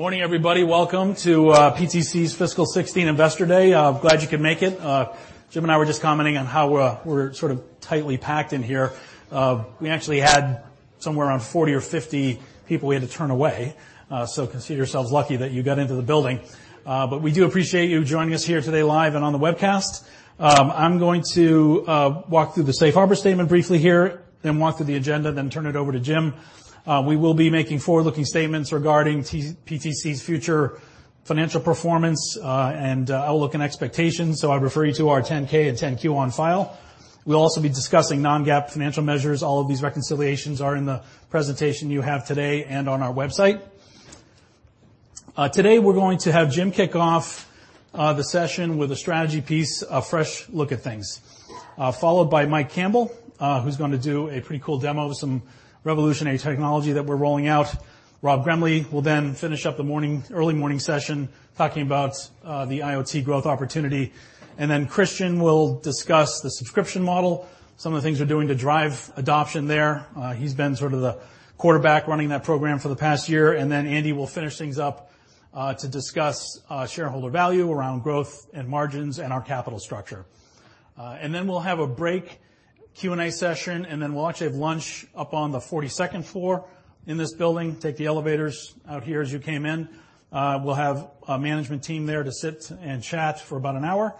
Morning, everybody. Welcome to PTC's Fiscal 2016 Investor Day. I'm glad you could make it. Jim and I were just commenting on how we're sort of tightly packed in here. We actually had somewhere around 40 or 50 people we had to turn away. Consider yourselves lucky that you got into the building. We do appreciate you joining us here today live and on the webcast. I'm going to walk through the safe harbor statement briefly here, then walk through the agenda, then turn it over to Jim. We will be making forward-looking statements regarding PTC's future financial performance, and outlook, and expectations. I refer you to our 10-K and 10-Q on file. We will also be discussing non-GAAP financial measures. All of these reconciliations are in the presentation you have today and on our website. Today, we're going to have Jim kick off the session with a strategy piece, A Fresh Look at Things, followed by Mike Campbell, who's going to do a pretty cool demo of some revolutionary technology that we're rolling out. Rob Gremley will finish up the early morning session, talking about the IoT growth opportunity. Kristian will discuss the subscription model, some of the things we're doing to drive adoption there. He's been sort of the quarterback running that program for the past year. Andy will finish things up to discuss shareholder value around growth and margins in our capital structure. We'll have a break, Q&A session, and we'll actually have lunch up on the 42nd floor in this building. Take the elevators out here as you came in. We'll have a management team there to sit and chat for about an hour.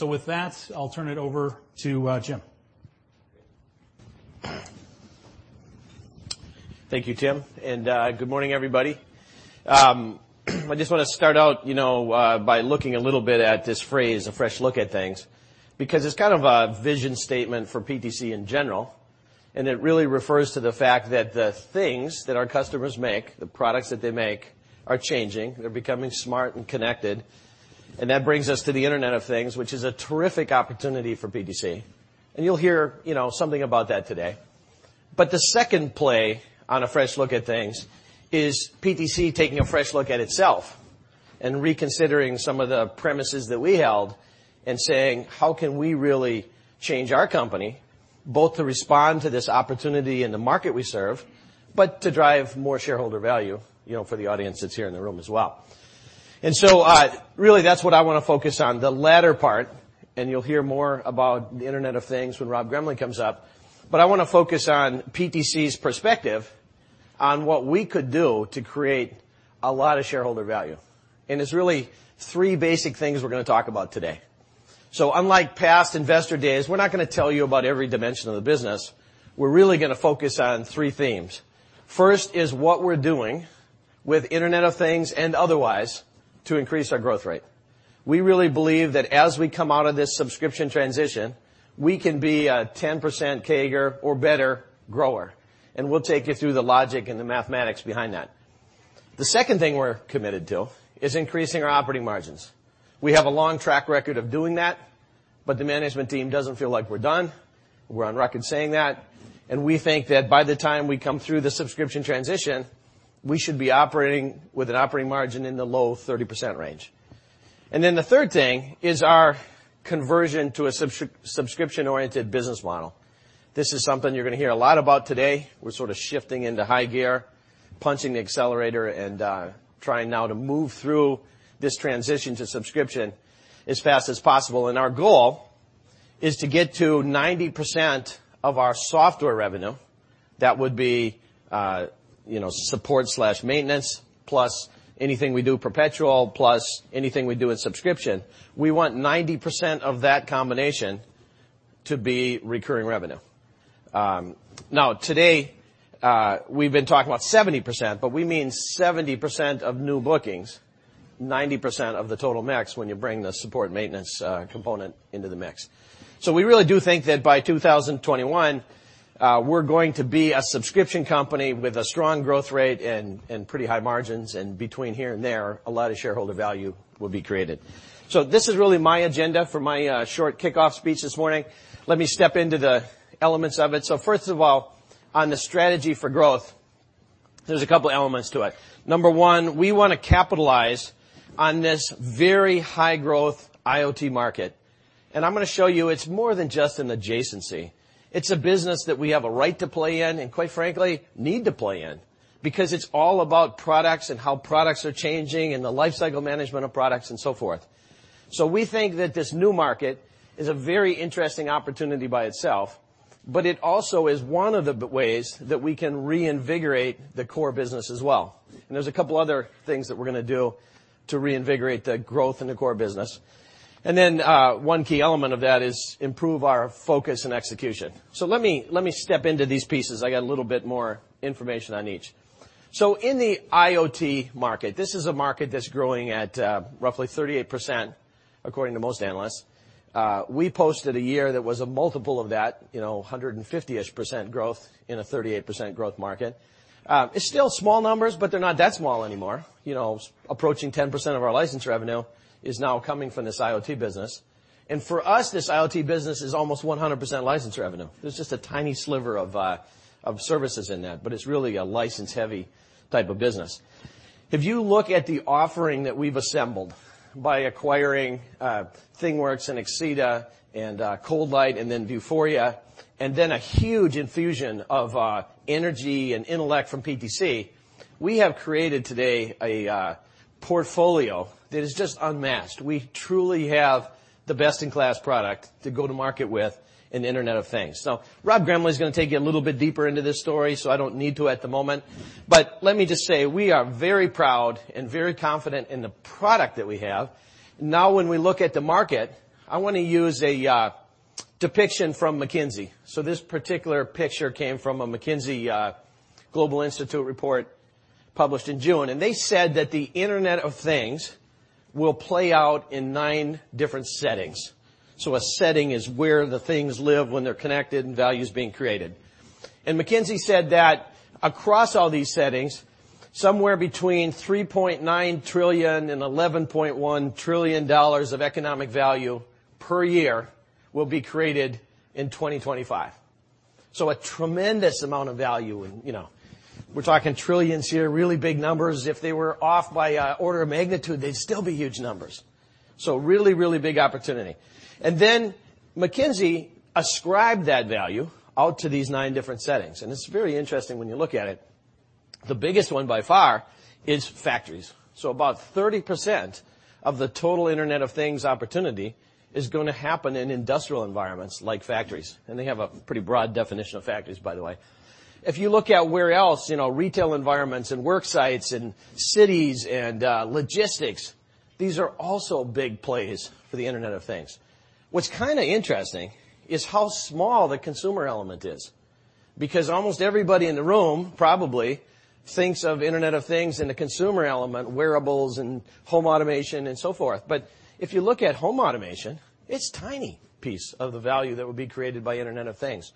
With that, I'll turn it over to Jim. Thank you, Tim, and good morning, everybody. I just want to start out by looking a little bit at this phrase, A Fresh Look at Things, because it's kind of a vision statement for PTC in general, and it really refers to the fact that the things that our customers make, the products that they make, are changing. They're becoming smart and connected. That brings us to the Internet of Things, which is a terrific opportunity for PTC, and you'll hear something about that today. The second play on A Fresh Look at Things is PTC taking a fresh look at itself and reconsidering some of the premises that we held and saying, how can we really change our company, both to respond to this opportunity in the market we serve, but to drive more shareholder value for the audience that's here in the room as well? Really, that's what I want to focus on, the latter part, and you'll hear more about the Internet of Things when Rob Gremley comes up. I want to focus on PTC's perspective on what we could do to create a lot of shareholder value. It's really three basic things we're going to talk about today. Unlike past investor days, we're not going to tell you about every dimension of the business. We're really going to focus on three themes. First is what we're doing with Internet of Things and otherwise to increase our growth rate. We really believe that as we come out of this subscription transition, we can be a 10% CAGR or better grower, and we'll take you through the logic and the mathematics behind that. The second thing we're committed to is increasing our operating margins. We have a long track record of doing that, the management team doesn't feel like we're done. We're on record saying that, we think that by the time we come through the subscription transition, we should be operating with an operating margin in the low 30% range. The third thing is our conversion to a subscription-oriented business model. This is something you're going to hear a lot about today. We're sort of shifting into high gear, punching the accelerator, and trying now to move through this transition to subscription as fast as possible. Our goal is to get to 90% of our software revenue. That would be support/maintenance plus anything we do perpetual, plus anything we do in subscription. We want 90% of that combination to be recurring revenue. Today, we've been talking about 70%, we mean 70% of new bookings, 90% of the total max when you bring the support maintenance component into the mix. We really do think that by 2021, we're going to be a subscription company with a strong growth rate and pretty high margins. Between here and there, a lot of shareholder value will be created. This is really my agenda for my short kickoff speech this morning. Let me step into the elements of it. First of all, on the strategy for growth, there's a couple elements to it. Number 1, we want to capitalize on this very high-growth IoT market, and I'm going to show you it's more than just an adjacency. It's a business that we have a right to play in, quite frankly, need to play in, because it's all about products and how products are changing and the lifecycle management of products and so forth. We think that this new market is a very interesting opportunity by itself, it also is one of the ways that we can reinvigorate the core business as well. There's a couple other things that we're going to do to reinvigorate the growth in the core business. One key element of that is improve our focus and execution. Let me step into these pieces. I got a little bit more information on each. In the IoT market, this is a market that's growing at roughly 38%, according to most analysts. We posted a year that was a multiple of that, 150% growth in a 38% growth market. They're still small numbers, but they're not that small anymore. Approaching 10% of our license revenue is now coming from this IoT business. For us, this IoT business is almost 100% license revenue. There's just a tiny sliver of services in that, but it's really a license-heavy type of business. If you look at the offering that we've assembled by acquiring ThingWorx, Axeda, ColdLight, Vuforia, and then a huge infusion of energy and intellect from PTC, we have created today a portfolio that is just unmatched. The best-in-class product to go to market with in the Internet of Things. Rob Gremley is going to take you a little bit deeper into this story, I don't need to at the moment. Let me just say, we are very proud and very confident in the product that we have. When we look at the market, I want to use a depiction from McKinsey. This particular picture came from a McKinsey Global Institute report published in June, and they said that the Internet of Things will play out in nine different settings. A setting is where the things live when they're connected, and value is being created. McKinsey said that across all these settings, somewhere between $3.9 trillion and $11.1 trillion of economic value per year will be created in 2025. A tremendous amount of value in, we're talking trillions here, really big numbers. If they were off by order of magnitude, they'd still be huge numbers. Really, really big opportunity. McKinsey ascribed that value out to these nine different settings, and it's very interesting when you look at it. The biggest one by far is factories. About 30% of the total Internet of Things opportunity is going to happen in industrial environments like factories, and they have a pretty broad definition of factories, by the way. If you look at where else, retail environments, work sites, cities, and logistics, these are also big plays for the Internet of Things. What's kind of interesting is how small the consumer element is, because almost everybody in the room probably thinks of Internet of Things in the consumer element, wearables and home automation and so forth. If you look at home automation, it's a tiny piece of the value that would be created by Internet of Things.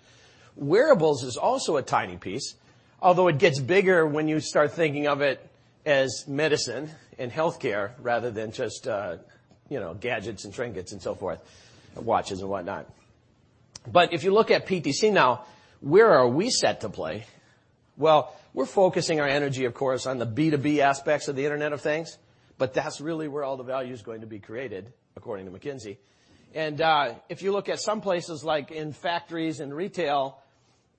Wearables is also a tiny piece, although it gets bigger when you start thinking of it as medicine and healthcare rather than just gadgets and trinkets and so forth, watches and whatnot. If you look at PTC now, where are we set to play? We're focusing our energy, of course, on the B2B aspects of the Internet of Things, but that's really where all the value is going to be created, according to McKinsey. If you look at some places like in factories and retail,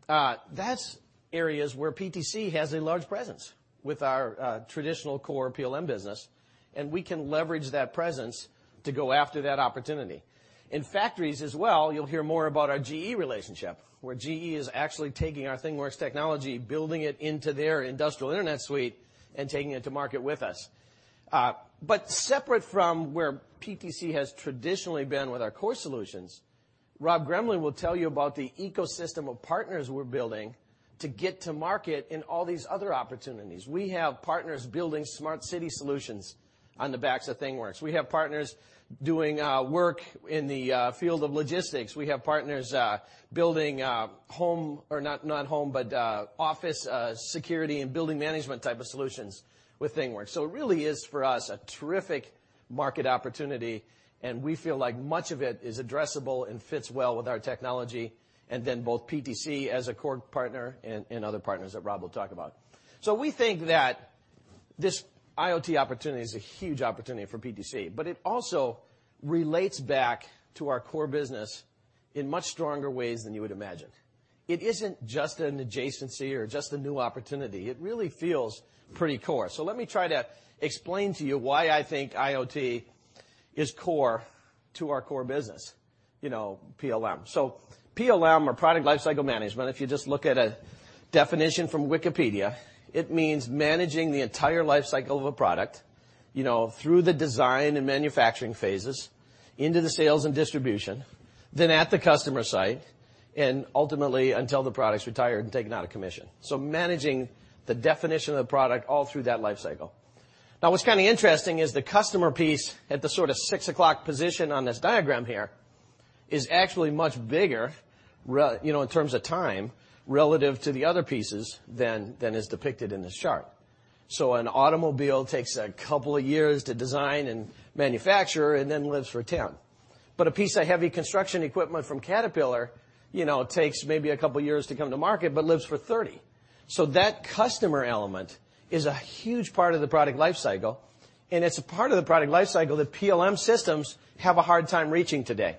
that's areas where PTC has a large presence with our traditional core PLM business, and we can leverage that presence to go after that opportunity. In factories as well, you'll hear more about our GE relationship, where GE is actually taking our ThingWorx technology, building it into their industrial internet suite, and taking it to market with us. Separate from where PTC has traditionally been with our core solutions, Rob Gremley will tell you about the ecosystem of partners we're building to get to market in all these other opportunities. We have partners building smart city solutions on the backs of ThingWorx. We have partners doing work in the field of logistics. We have partners building home, or not home, but office security and building management type of solutions with ThingWorx. It really is, for us, a terrific market opportunity, and we feel like much of it is addressable and fits well with our technology, and both PTC as a core partner and other partners that Rob will talk about. We think that this IoT opportunity is a huge opportunity for PTC, but it also relates back to our core business in much stronger ways than you would imagine. It isn't just an adjacency or just a new opportunity. It really feels pretty core. Let me try to explain to you why I think IoT is core to our core business, PLM. PLM, or Product Lifecycle Management, if you just look at a definition from Wikipedia, it means managing the entire lifecycle of a product through the design and manufacturing phases, into the sales and distribution, then at the customer site, and ultimately until the product's retired and taken out of commission. Managing the definition of the product all through that lifecycle. Now, what's kind of interesting is the customer piece at the sort of six o'clock position on this diagram here is actually much bigger in terms of time relative to the other pieces than is depicted in this chart. An automobile takes a couple of years to design and manufacture and then lives for 10. A piece of heavy construction equipment from Caterpillar takes maybe a couple of years to come to market but lives for 30. That customer element is a huge part of the product lifecycle, and it's a part of the product lifecycle that PLM systems have a hard time reaching today.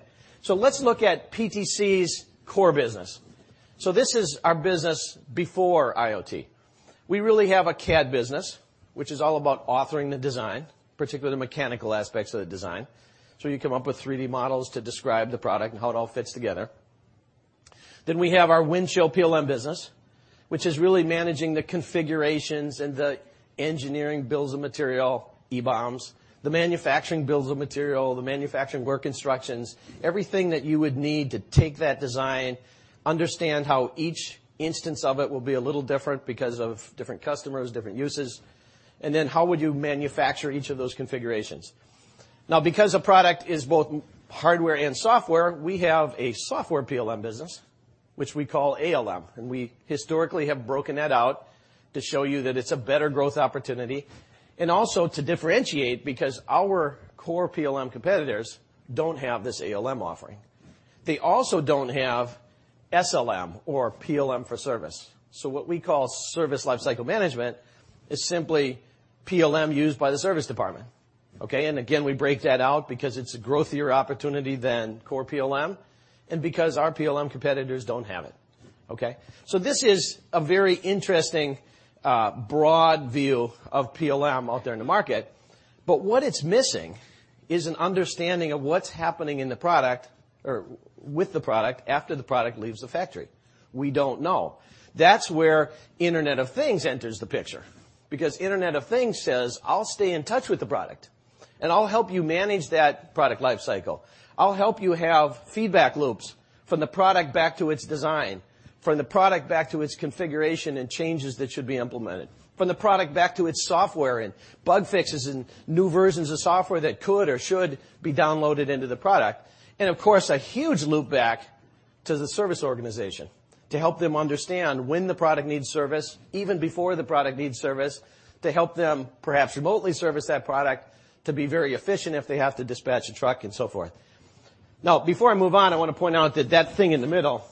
Let's look at PTC's core business. This is our business before IoT. We really have a CAD business, which is all about authoring the design, particularly the mechanical aspects of the design. You come up with 3D models to describe the product and how it all fits together. We have our Windchill PLM business, which is really managing the configurations and the engineering bills of material, EBOMs, the manufacturing bills of material, the manufacturing work instructions, everything that you would need to take that design, understand how each instance of it will be a little different because of different customers, different uses, and how would you manufacture each of those configurations. Now because a product is both hardware and software, we have a software PLM business, which we call ALM, and we historically have broken that out to show you that it's a better growth opportunity, and also to differentiate because our core PLM competitors don't have this ALM offering. They also don't have SLM or PLM for service. What we call service lifecycle management is simply PLM used by the service department, okay? Again, we break that out because it's a growthier opportunity than core PLM and because our PLM competitors don't have it. Okay, this is a very interesting broad view of PLM out there in the market. What it's missing is an understanding of what's happening with the product after the product leaves the factory. We don't know. That's where Internet of Things enters the picture, because Internet of Things says, "I'll stay in touch with the product, and I'll help you manage that product life cycle. I'll help you have feedback loops from the product back to its design, from the product back to its configuration and changes that should be implemented, from the product back to its software and bug fixes and new versions of software that could or should be downloaded into the product." Of course, a huge loop back to the service organization to help them understand when the product needs service, even before the product needs service, to help them perhaps remotely service that product to be very efficient if they have to dispatch a truck and so forth. Before I move on, I want to point out that thing in the middle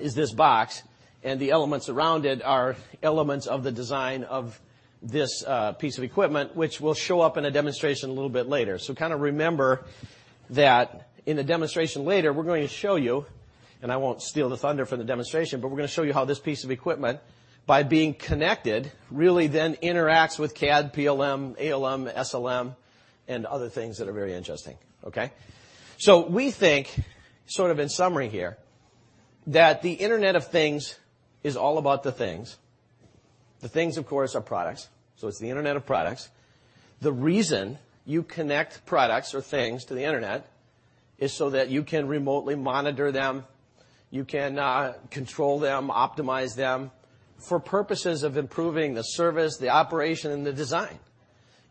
is this box, and the elements around it are elements of the design of this piece of equipment, which will show up in a demonstration a little bit later. Remember that in the demonstration later, we're going to show you, I won't steal the thunder from the demonstration, we're going to show you how this piece of equipment, by being connected, really then interacts with CAD, PLM, ALM, SLM, and other things that are very interesting. Okay? We think, sort of in summary here, that the Internet of Things is all about the things. The things, of course, are products, so it's the Internet of products. The reason you connect products or things to the internet is so that you can remotely monitor them, you can control them, optimize them for purposes of improving the service, the operation, and the design.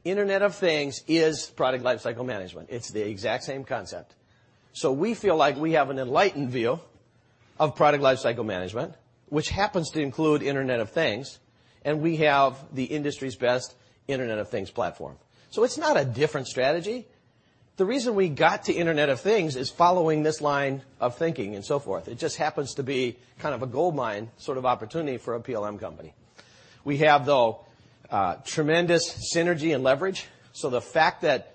Internet of Things is product lifecycle management. It's the exact same concept. We feel like we have an enlightened view of product lifecycle management, which happens to include Internet of Things, and we have the industry's best Internet of Things platform. It's not a different strategy. The reason we got to Internet of Things is following this line of thinking and so forth. It just happens to be a goldmine sort of opportunity for a PLM company. We have, though, tremendous synergy and leverage, so the fact that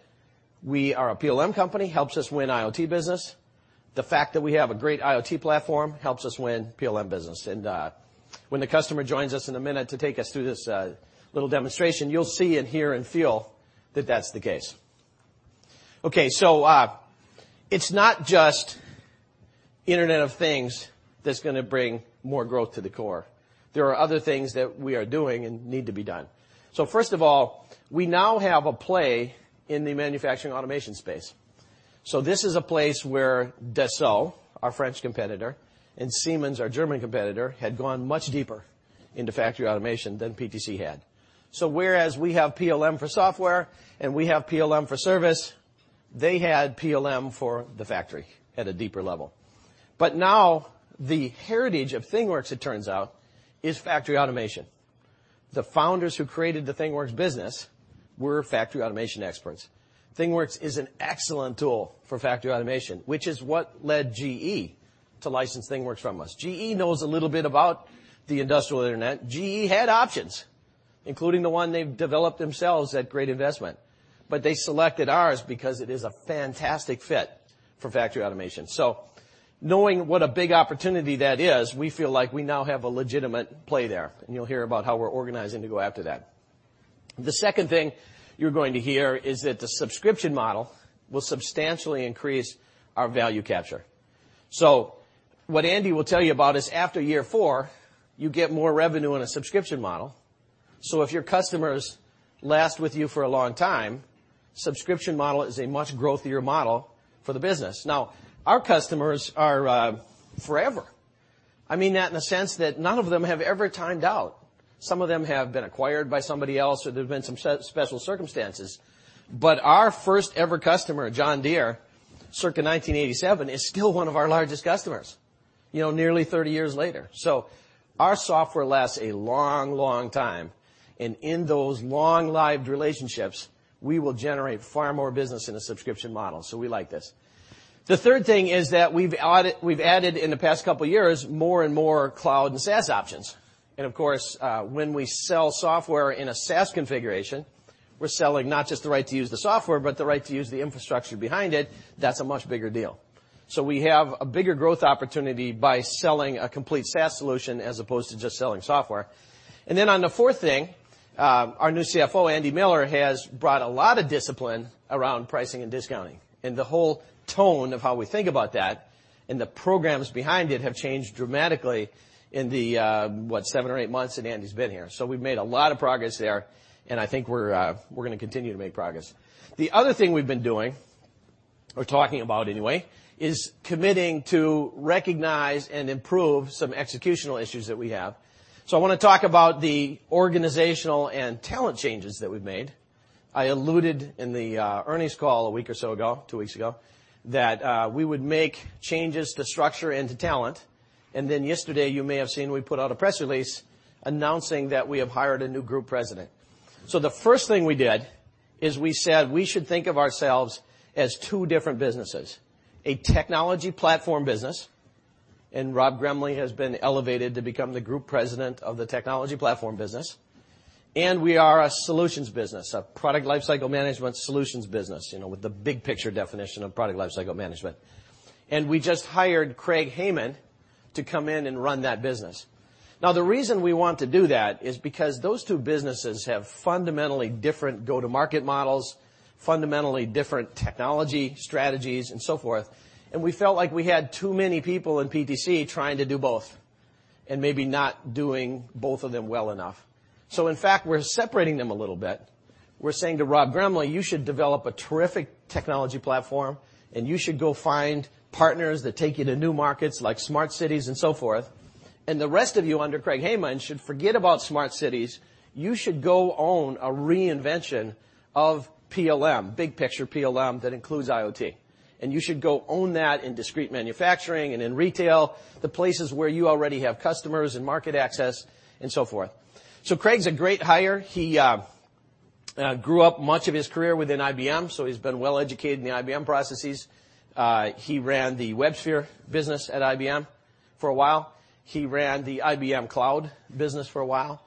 we are a PLM company helps us win IoT business. The fact that we have a great IoT platform helps us win PLM business. When the customer joins us in a minute to take us through this little demonstration, you'll see and hear and feel that that's the case. Okay, it's not just Internet of Things that's going to bring more growth to the core. There are other things that we are doing and need to be done. First of all, we now have a play in the manufacturing automation space. This is a place where Dassault, our French competitor, and Siemens, our German competitor, had gone much deeper into factory automation than PTC had. Whereas we have PLM for software and we have PLM for service, they had PLM for the factory at a deeper level. But now the heritage of ThingWorx, it turns out, is factory automation. The founders who created the ThingWorx business were factory automation experts. ThingWorx is an excellent tool for factory automation, which is what led GE to license ThingWorx from us. GE knows a little bit about the Industrial Internet. GE had options, including the one they've developed themselves at great investment. But they selected ours because it is a fantastic fit for factory automation. Knowing what a big opportunity that is, we feel like we now have a legitimate play there, and you'll hear about how we're organizing to go after that. The second thing you're going to hear is that the subscription model will substantially increase our value capture. What Andy will tell you about is after year 4, you get more revenue in a subscription model. If your customers last with you for a long time, subscription model is a much growthier model for the business. Our customers are forever. I mean that in the sense that none of them have ever timed out. Some of them have been acquired by somebody else, or there's been some special circumstances. But our first-ever customer, John Deere, circa 1987, is still one of our largest customers nearly 30 years later. Our software lasts a long time. In those long-lived relationships, we will generate far more business in a subscription model. We like this. The third thing is that we've added in the past couple of years more and more cloud and SaaS options. Of course, when we sell software in a SaaS configuration, we're selling not just the right to use the software but the right to use the infrastructure behind it. That's a much bigger deal. We have a bigger growth opportunity by selling a complete SaaS solution as opposed to just selling software. On the fourth thing, our new CFO, Andy Miller, has brought a lot of discipline around pricing and discounting, and the whole tone of how we think about that and the programs behind it have changed dramatically in the, what, 7 or 8 months that Andy's been here. We've made a lot of progress there, and I think we're going to continue to make progress. The other thing we've been doing, or talking about anyway, is committing to recognize and improve some executional issues that we have. I want to talk about the organizational and talent changes that we've made. I alluded in the earnings call a week or so ago, 2 weeks ago, that we would make changes to structure and to talent. Yesterday, you may have seen we put out a press release announcing that we have hired a new Group President. The first thing we did is we said we should think of ourselves as two different businesses, a Technology Platform Group, and Rob Gremley has been elevated to become the Group President of the Technology Platform Group. We are a solutions business, a Product Lifecycle Management solutions business, with the big picture definition of Product Lifecycle Management. We just hired Craig Hayman to come in and run that business. The reason we want to do that is because those two businesses have fundamentally different go-to-market models, fundamentally different technology strategies, and so forth, and we felt like we had too many people in PTC trying to do both and maybe not doing both of them well enough. In fact, we're separating them a little bit. We're saying to Rob Gremley, "You should develop a terrific technology platform, and you should go find partners that take you to new markets like smart cities and so forth. The rest of you under Craig Hayman should forget about smart cities. You should go own a reinvention of PLM, big picture PLM that includes IoT. You should go own that in discrete manufacturing and in retail, the places where you already have customers and market access, and so forth." Craig's a great hire. He grew up much of his career within IBM, so he's been well-educated in the IBM processes. He ran the WebSphere business at IBM for a while. He ran the IBM cloud business for a while,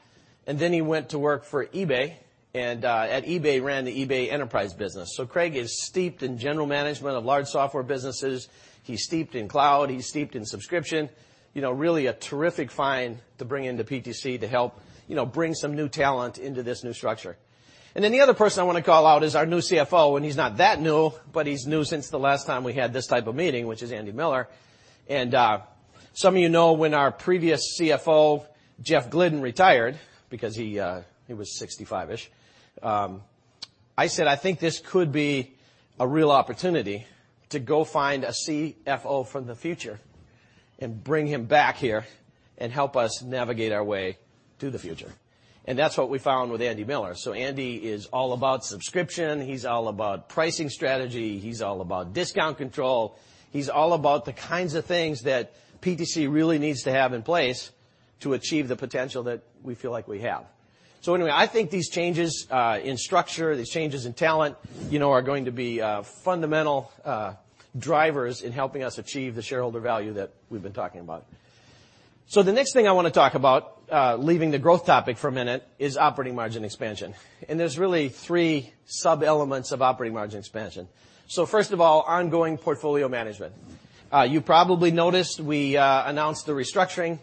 and then he went to work for eBay, and, at eBay, ran the eBay Enterprise business. Craig is steeped in general management of large software businesses. He's steeped in cloud. He's steeped in subscription. Really a terrific find to bring into PTC to help bring some new talent into this new structure. The other person I want to call out is our new CFO, and he's not that new, but he's new since the last time we had this type of meeting, which is Andy Miller. Some of you know, when our previous CFO, Jeff Glidden, retired because he was 65-ish, I said, "I think this could be a real opportunity to go find a CFO for the future and bring him back here and help us navigate our way to the future." That's what we found with Andy Miller. Andy is all about subscription. He's all about pricing strategy. He's all about discount control. He's all about the kinds of things that PTC really needs to have in place to achieve the potential that we feel like we have. I think these changes in structure, these changes in talent, are going to be fundamental drivers in helping us achieve the shareholder value that we've been talking about. The next thing I want to talk about, leaving the growth topic for a minute, is operating margin expansion. There's really three sub-elements of operating margin expansion. First of all, ongoing portfolio management. You probably noticed we announced the restructuring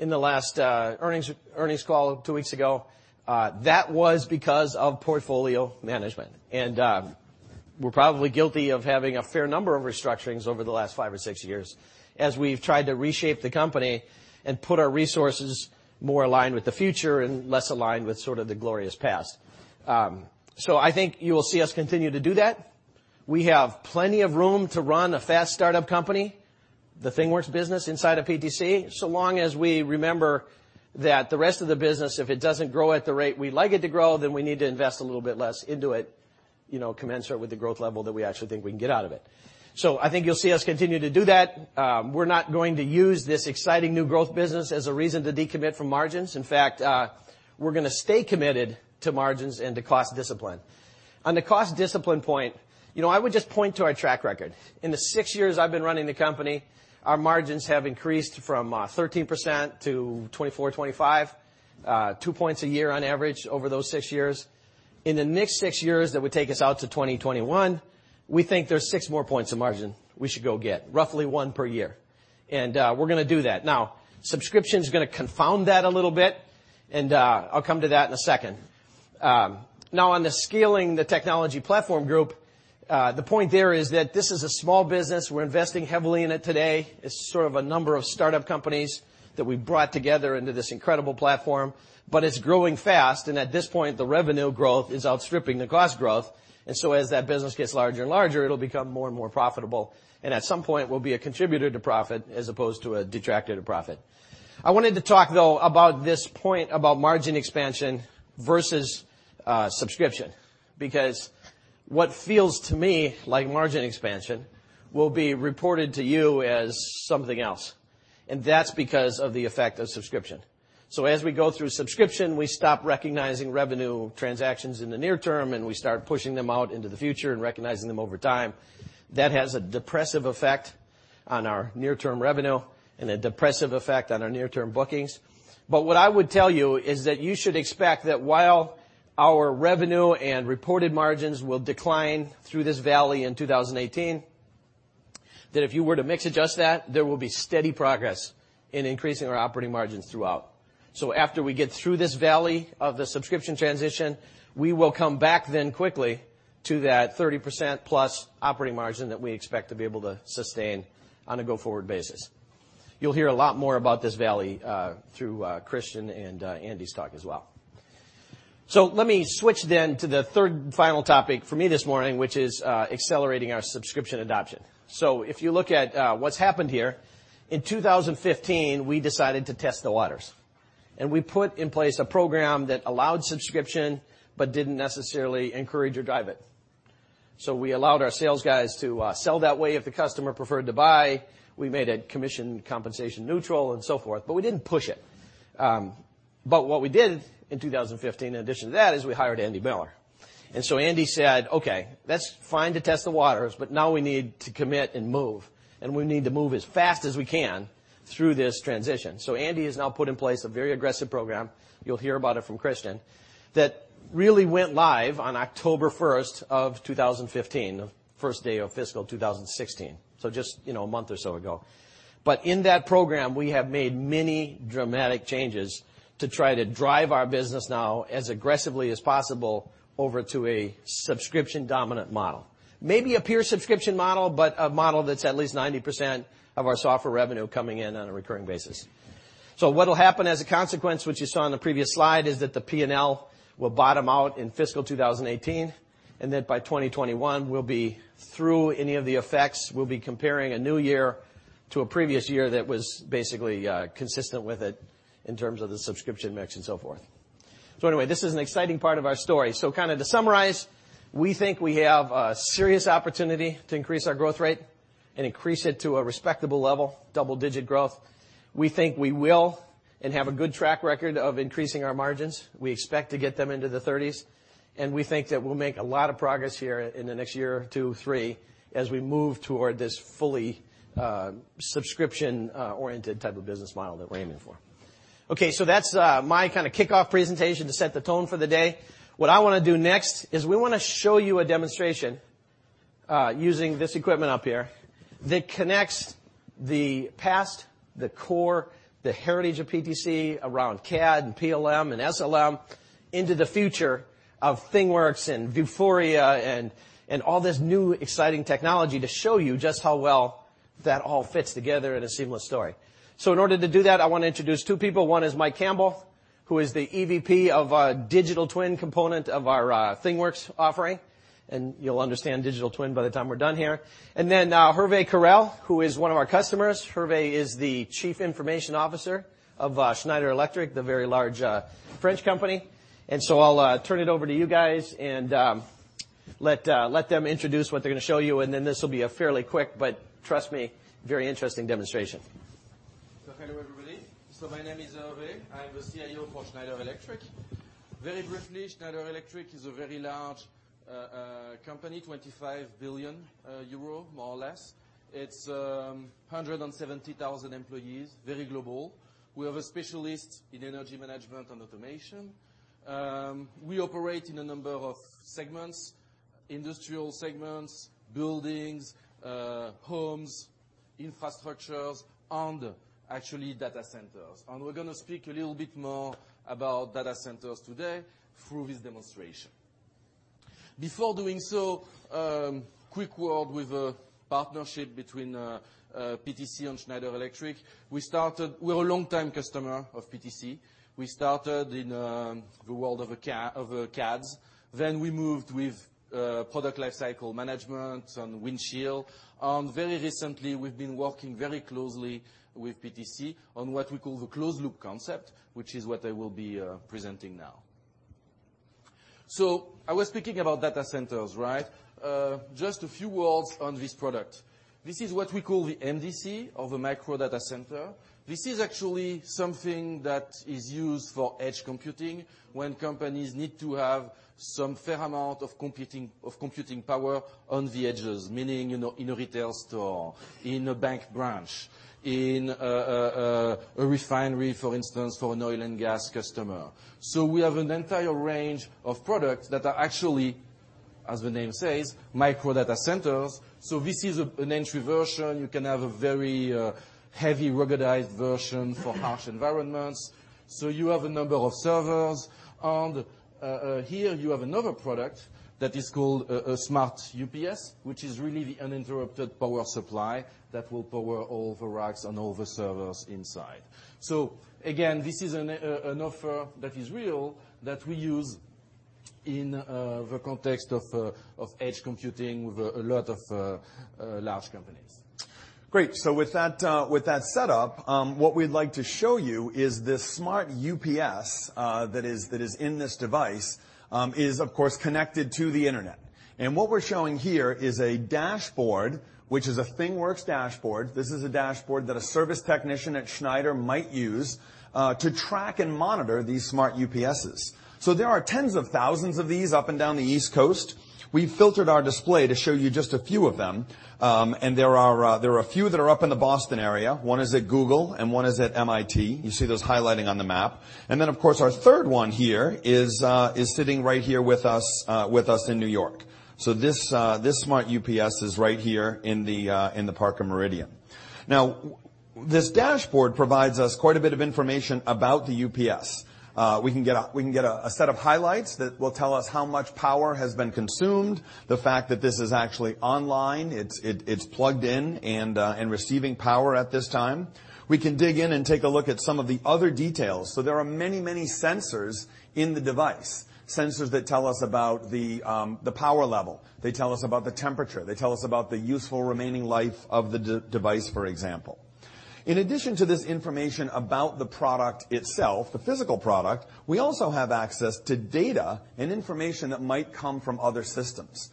in the last earnings call two weeks ago. That was because of portfolio management. We're probably guilty of having a fair number of restructurings over the last five or six years, as we've tried to reshape the company and put our resources more aligned with the future and less aligned with sort of the glorious past. I think you will see us continue to do that. We have plenty of room to run a fast startup company, the ThingWorx business inside of PTC, so long as we remember that the rest of the business, if it doesn't grow at the rate we'd like it to grow, then we need to invest a little bit less into it, commensurate with the growth level that we actually think we can get out of it. I think you'll see us continue to do that. We're not going to use this exciting new growth business as a reason to decommit from margins. In fact, we're going to stay committed to margins and to cost discipline. On the cost discipline point, I would just point to our track record. In the six years I've been running the company, our margins have increased from 13% to 24%-25%, two points a year on average over those six years. In the next six years, that would take us out to 2021, we think there's six more points of margin we should go get, roughly one per year. We're going to do that. Subscription's going to confound that a little bit, and I'll come to that in a second. On the scaling the technology platform group, the point there is that this is a small business. We're investing heavily in it today. It's sort of a number of startup companies that we've brought together into this incredible platform, but it's growing fast, and at this point, the revenue growth is outstripping the cost growth. As that business gets larger and larger, it'll become more and more profitable. At some point, will be a contributor to profit as opposed to a detractor to profit. I wanted to talk, though, about this point about margin expansion versus subscription, because what feels to me like margin expansion will be reported to you as something else, and that's because of the effect of subscription. As we go through subscription, we stop recognizing revenue transactions in the near term, and we start pushing them out into the future and recognizing them over time. That has a depressive effect on our near-term revenue and a depressive effect on our near-term bookings. What I would tell you is that you should expect that while our revenue and reported margins will decline through this valley in 2018, that if you were to mix adjust that, there will be steady progress in increasing our operating margins throughout. After we get through this valley of the subscription transition, we will come back then quickly to that 30%+ operating margin that we expect to be able to sustain on a go-forward basis. You'll hear a lot more about this valley, through Kristian and Andy's talk as well. Let me switch then to the third and final topic for me this morning, which is accelerating our subscription adoption. If you look at what's happened here, in 2015, we decided to test the waters, and we put in place a program that allowed subscription but didn't necessarily encourage or drive it. We allowed our sales guys to sell that way if the customer preferred to buy. We made it commission compensation neutral and so forth, but we didn't push it. What we did in 2015, in addition to that, is we hired Andy Miller. Andy said, "Okay, that's fine to test the waters, but now we need to commit and move, and we need to move as fast as we can through this transition." Andy has now put in place a very aggressive program, you will hear about it from Christian, that really went live on October 1st, 2015, the first day of fiscal 2016, just a month or so ago. In that program, we have made many dramatic changes to try to drive our business now as aggressively as possible over to a subscription dominant model. Maybe a pure subscription model, but a model that's at least 90% of our software revenue coming in on a recurring basis. What'll happen as a consequence, which you saw on the previous slide, is that the P&L will bottom out in fiscal 2018, then by 2021, we'll be through any of the effects. We'll be comparing a new year to a previous year that was basically consistent with it in terms of the subscription mix and so forth. Anyway, this is an exciting part of our story. To summarize, we think we have a serious opportunity to increase our growth rate and increase it to a respectable level, double-digit growth. We think we will, and have a good track record of increasing our margins. We expect to get them into the 30s, and we think that we'll make a lot of progress here in the next year or two, three, as we move toward this fully subscription-oriented type of business model that we're aiming for. That's my kickoff presentation to set the tone for the day. What I want to do next is we want to show you a demonstration using this equipment up here that connects the past, the core, the heritage of PTC around CAD and PLM and SLM into the future of ThingWorx and Vuforia and all this new exciting technology to show you just how well that all fits together in a seamless story. In order to do that, I want to introduce two people. One is Mike Campbell, who is the EVP of our digital twin component of our ThingWorx offering, and you'll understand digital twin by the time we're done here. Then, Hervé Coureil, who is one of our customers. Hervé is the Chief Information Officer of Schneider Electric, the very large French company. I'll turn it over to you guys and let them introduce what they're going to show you, then this will be a fairly quick, but trust me, very interesting demonstration. Hello, everybody. My name is Hervé. I'm the CIO for Schneider Electric. Very briefly, Schneider Electric is a very large company, 25 billion euro, more or less. It's 170,000 employees, very global. We have a specialist in energy management and automation. We operate in a number of segments, industrial segments, buildings, homes, infrastructures, and actually data centers. We're going to speak a little bit more about data centers today through this demonstration. Before doing so, quick word with a partnership between PTC and Schneider Electric. We're a longtime customer of PTC. We started in the world of CADs, then we moved with Product Lifecycle Management and Windchill, and very recently, we've been working very closely with PTC on what we call the closed loop concept, which is what I will be presenting now. I was speaking about data centers, right? Just a few words on this product. This is what we call the MDC of a micro data center. This is actually something that is used for edge computing when companies need to have some fair amount of computing power on the edges, meaning, in a retail store, in a bank branch, in a refinery, for instance, for an oil and gas customer. We have an entire range of products that are actually, as the name says, micro data centers. This is an entry version. You can have a very heavy, ruggedized version for harsh environments. You have a number of servers, and here you have another product that is called a Smart-UPS, which is really the uninterrupted power supply that will power all the racks and all the servers inside. Again, this is an offer that is real, that we use in the context of edge computing with a lot of large companies. Great. With that set up, what we'd like to show you is this Smart-UPS, that is in this device, is of course connected to the internet. What we're showing here is a dashboard, which is a ThingWorx dashboard. This is a dashboard that a service technician at Schneider might use to track and monitor these Smart-UPSs. There are tens of thousands of these up and down the East Coast. We've filtered our display to show you just a few of them, and there are a few that are up in the Boston area. One is at Google and one is at MIT. You see those highlighting on the map. Then, of course, our third one here is sitting right here with us in New York. This Smart-UPS is right here in the Parker Meridien. This dashboard provides us quite a bit of information about the UPS. We can get a set of highlights that will tell us how much power has been consumed, the fact that this is actually online, it's plugged in and receiving power at this time. We can dig in and take a look at some of the other details. There are many, many sensors in the device, sensors that tell us about the power level. They tell us about the temperature. They tell us about the useful remaining life of the device, for example. In addition to this information about the product itself, the physical product, we also have access to data and information that might come from other systems.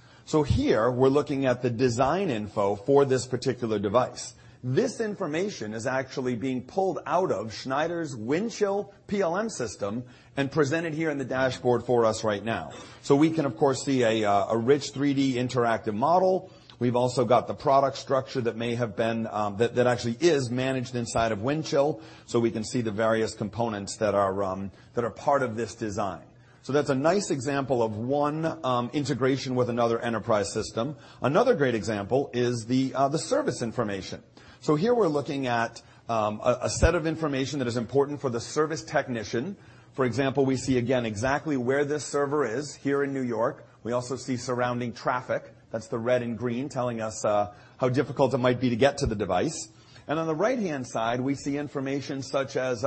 Here, we're looking at the design info for this particular device. This information is actually being pulled out of Schneider's Windchill PLM system and presented here in the dashboard for us right now. We can, of course, see a rich 3D interactive model. We've also got the product structure that actually is managed inside of Windchill, so we can see the various components that are part of this design. That's a nice example of one integration with another enterprise system. Another great example is the service information. Here we're looking at a set of information that is important for the service technician. For example, we see again exactly where this server is, here in New York. We also see surrounding traffic. That's the red and green telling us how difficult it might be to get to the device. On the right-hand side, we see information such as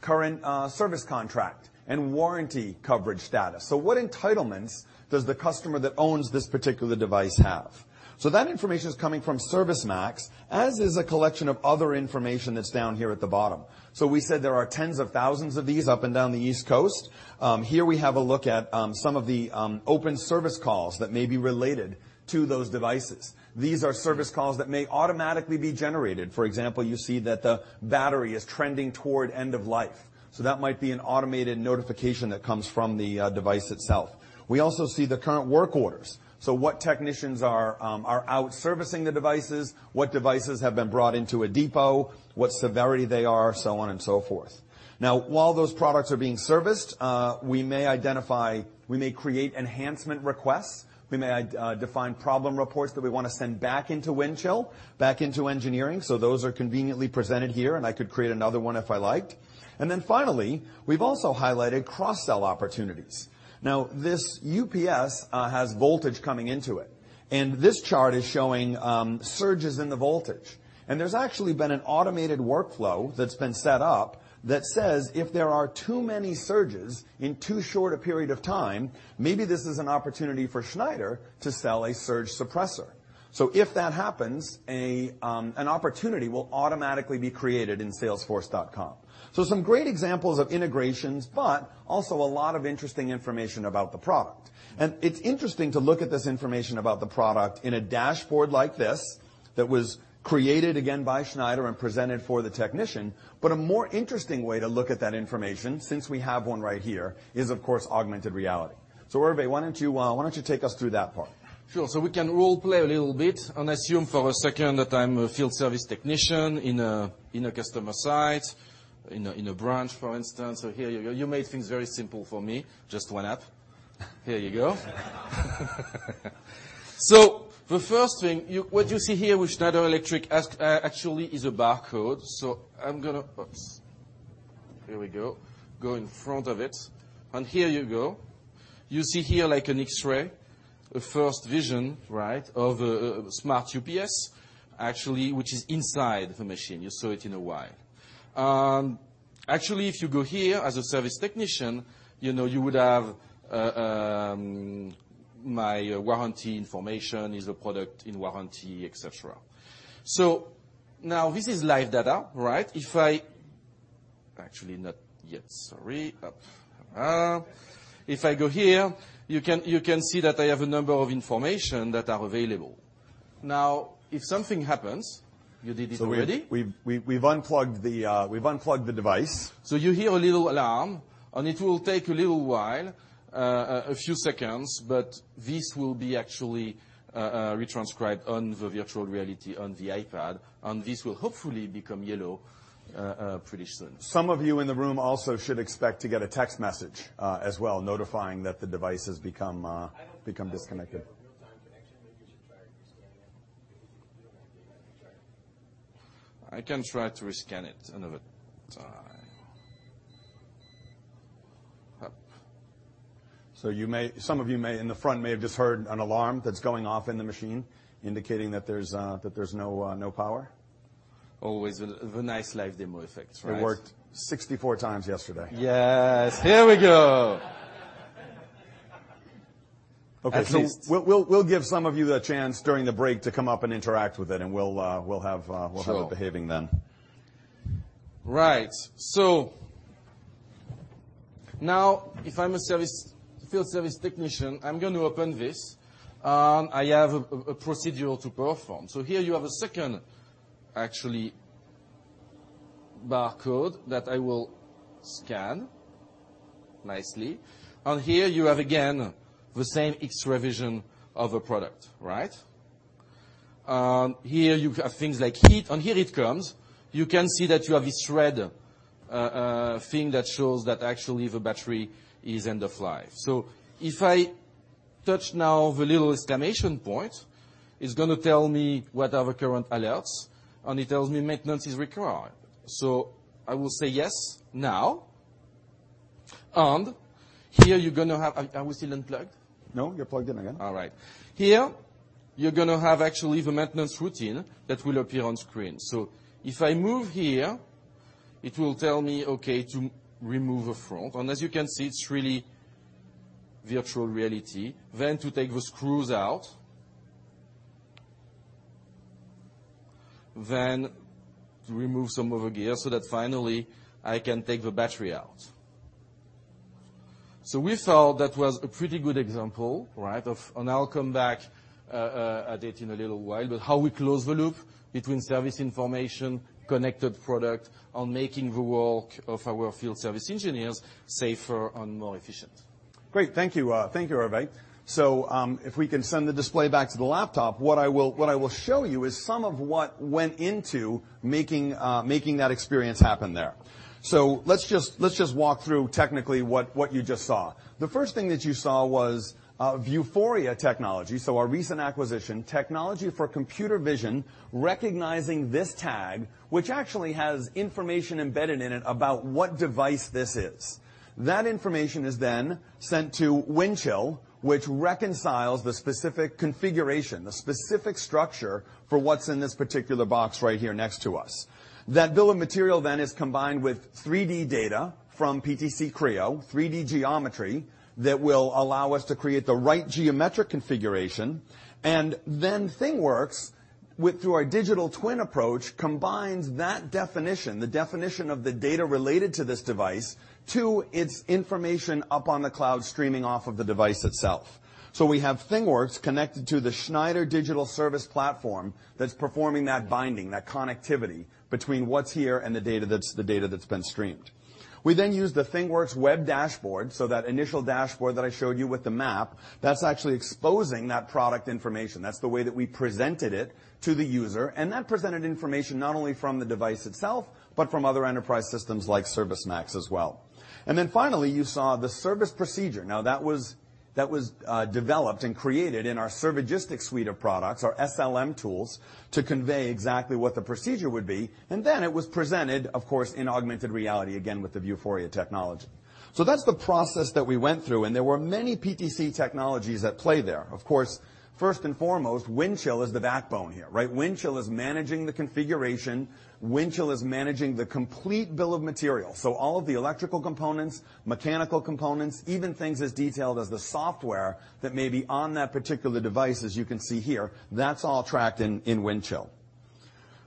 current service contract and warranty coverage status. What entitlements does the customer that owns this particular device have? That information is coming from ServiceMax, as is a collection of other information that's down here at the bottom. We said there are tens of thousands of these up and down the East Coast. Here we have a look at some of the open service calls that may be related to those devices. These are service calls that may automatically be generated. For example, you see that the battery is trending toward end of life. That might be an automated notification that comes from the device itself. We also see the current work orders. What technicians are out servicing the devices, what devices have been brought into a depot, what severity they are, so on and so forth. While those products are being serviced, we may create enhancement requests. We may define problem reports that we want to send back into Windchill, back into engineering. Those are conveniently presented here, and I could create another one if I liked. Finally, we've also highlighted cross-sell opportunities. This UPS has voltage coming into it, and this chart is showing surges in the voltage. There's actually been an automated workflow that's been set up that says if there are too many surges in too short a period of time, maybe this is an opportunity for Schneider to sell a surge suppressor. If that happens, an opportunity will automatically be created in Salesforce. Some great examples of integrations, but also a lot of interesting information about the product. It's interesting to look at this information about the product in a dashboard like this that was created, again, by Schneider and presented for the technician, a more interesting way to look at that information, since we have one right here, is, of course, augmented reality. Hervé, why don't you take us through that part? Sure. We can role-play a little bit and assume for a second that I'm a field service technician in a customer site, in a branch, for instance. Here you go. You made things very simple for me. Just one app. Here you go. The first thing, what you see here with Schneider Electric actually is a barcode. I'm going to Oops. Here we go. Go in front of it. Here you go. You see here like an X-ray, a first vision, right, of a Smart-UPS actually, which is inside the machine. You saw it in a while. Actually, if you go here, as a service technician, you would have my warranty information. Is the product in warranty, et cetera. Now this is live data, right? Actually, not yet. Sorry. If I go here, you can see that I have a number of information that are available. If something happens, you did it already. We've unplugged the device. You hear a little alarm, and it will take a little while, a few seconds, but this will be actually re-transcribed on the virtual reality on the iPad, and this will hopefully become yellow pretty soon. Some of you in the room also should expect to get a text message, as well, notifying that the device has become disconnected. I don't think you have a real-time connection. Maybe you should try and rescan it. I can try to rescan it another time. Some of you in the front may have just heard an alarm that's going off in the machine, indicating that there's no power. Always the nice live demo effects, right? It worked 64 times yesterday. Yes. Here we go. Okay. We'll give some of you the chance during the break to come up and interact with it, and we'll have it behaving then. Right. Now, if I'm a field service technician, I'm going to open this. I have a procedure to perform. Here you have a second, actually, barcode that I will scan nicely. Here you have, again, the same X-ray vision of a product, right? Here you have things like heat. Here it comes. You can see that you have this red thing that shows that actually the battery is end of life. If I touch now the little exclamation point, it's going to tell me what are the current alerts, and it tells me maintenance is required. I will say yes now. Here you're going to have Are we still unplugged? No, you're plugged in again. All right. Here, you're going to have actually the maintenance routine that will appear on screen. If I move here, it will tell me, okay, to remove the front. As you can see, it's virtual reality, then to take the screws out, then remove some of the gear so that finally I can take the battery out. We thought that was a pretty good example, right, of, and I'll come back at it in a little while, how we close the loop between service information, connected product on making the work of our field service engineers safer and more efficient. Great. Thank you. Thank you, Hervé. If we can send the display back to the laptop, what I will show you is some of what went into making that experience happen there. Let's just walk through technically what you just saw. The first thing that you saw was Vuforia technology, our recent acquisition, technology for computer vision, recognizing this tag, which actually has information embedded in it about what device this is. That information is sent to Windchill, which reconciles the specific configuration, the specific structure for what's in this particular box right here next to us. That bill of material is combined with 3D data from PTC Creo, 3D geometry that will allow us to create the right geometric configuration, ThingWorx, through our digital twin approach, combines that definition, the definition of the data related to this device, to its information up on the cloud, streaming off of the device itself. We have ThingWorx connected to the Schneider Digital Service Platform that's performing that binding, that connectivity between what's here and the data that's been streamed. We use the ThingWorx web dashboard, that initial dashboard that I showed you with the map, that's actually exposing that product information. That's the way that we presented it to the user, that presented information not only from the device itself, but from other enterprise systems like ServiceMax as well. Finally, you saw the service procedure. That was developed and created in our Servigistics suite of products, our SLM tools, to convey exactly what the procedure would be, it was presented, of course, in augmented reality, again, with the Vuforia technology. That's the process that we went through, there were many PTC technologies at play there. Of course, first and foremost, Windchill is the backbone here, right? Windchill is managing the configuration. Windchill is managing the complete bill of material, all of the electrical components, mechanical components, even things as detailed as the software that may be on that particular device, as you can see here, that's all tracked in Windchill.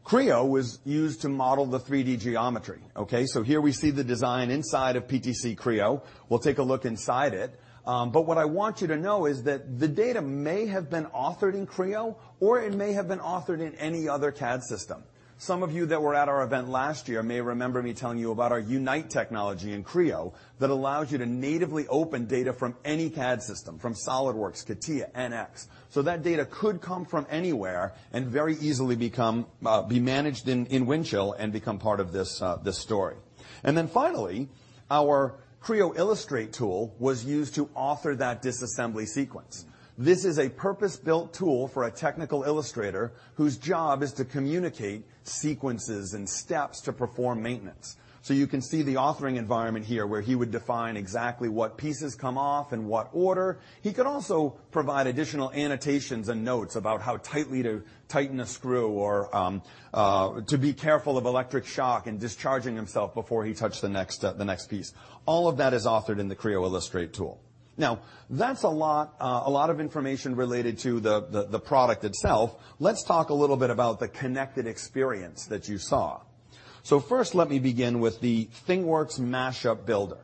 Creo was used to model the 3D geometry, okay? Here we see the design inside of PTC Creo. We'll take a look inside it. What I want you to know is that the data may have been authored in Creo, or it may have been authored in any other CAD system. Some of you that were at our event last year may remember me telling you about our Unite technology in Creo that allows you to natively open data from any CAD system, from SOLIDWORKS, CATIA, NX. That data could come from anywhere very easily be managed in Windchill and become part of this story. Finally, our Creo Illustrate tool was used to author that disassembly sequence. This is a purpose-built tool for a technical illustrator whose job is to communicate sequences and steps to perform maintenance. You can see the authoring environment here, where he would define exactly what pieces come off, in what order. He could also provide additional annotations and notes about how tightly to tighten a screw or to be careful of electric shock and discharging himself before he touched the next piece. All of that is authored in the Creo Illustrate tool. That's a lot of information related to the product itself. Let's talk a little bit about the connected experience that you saw. First, let me begin with the ThingWorx Mashup Builder.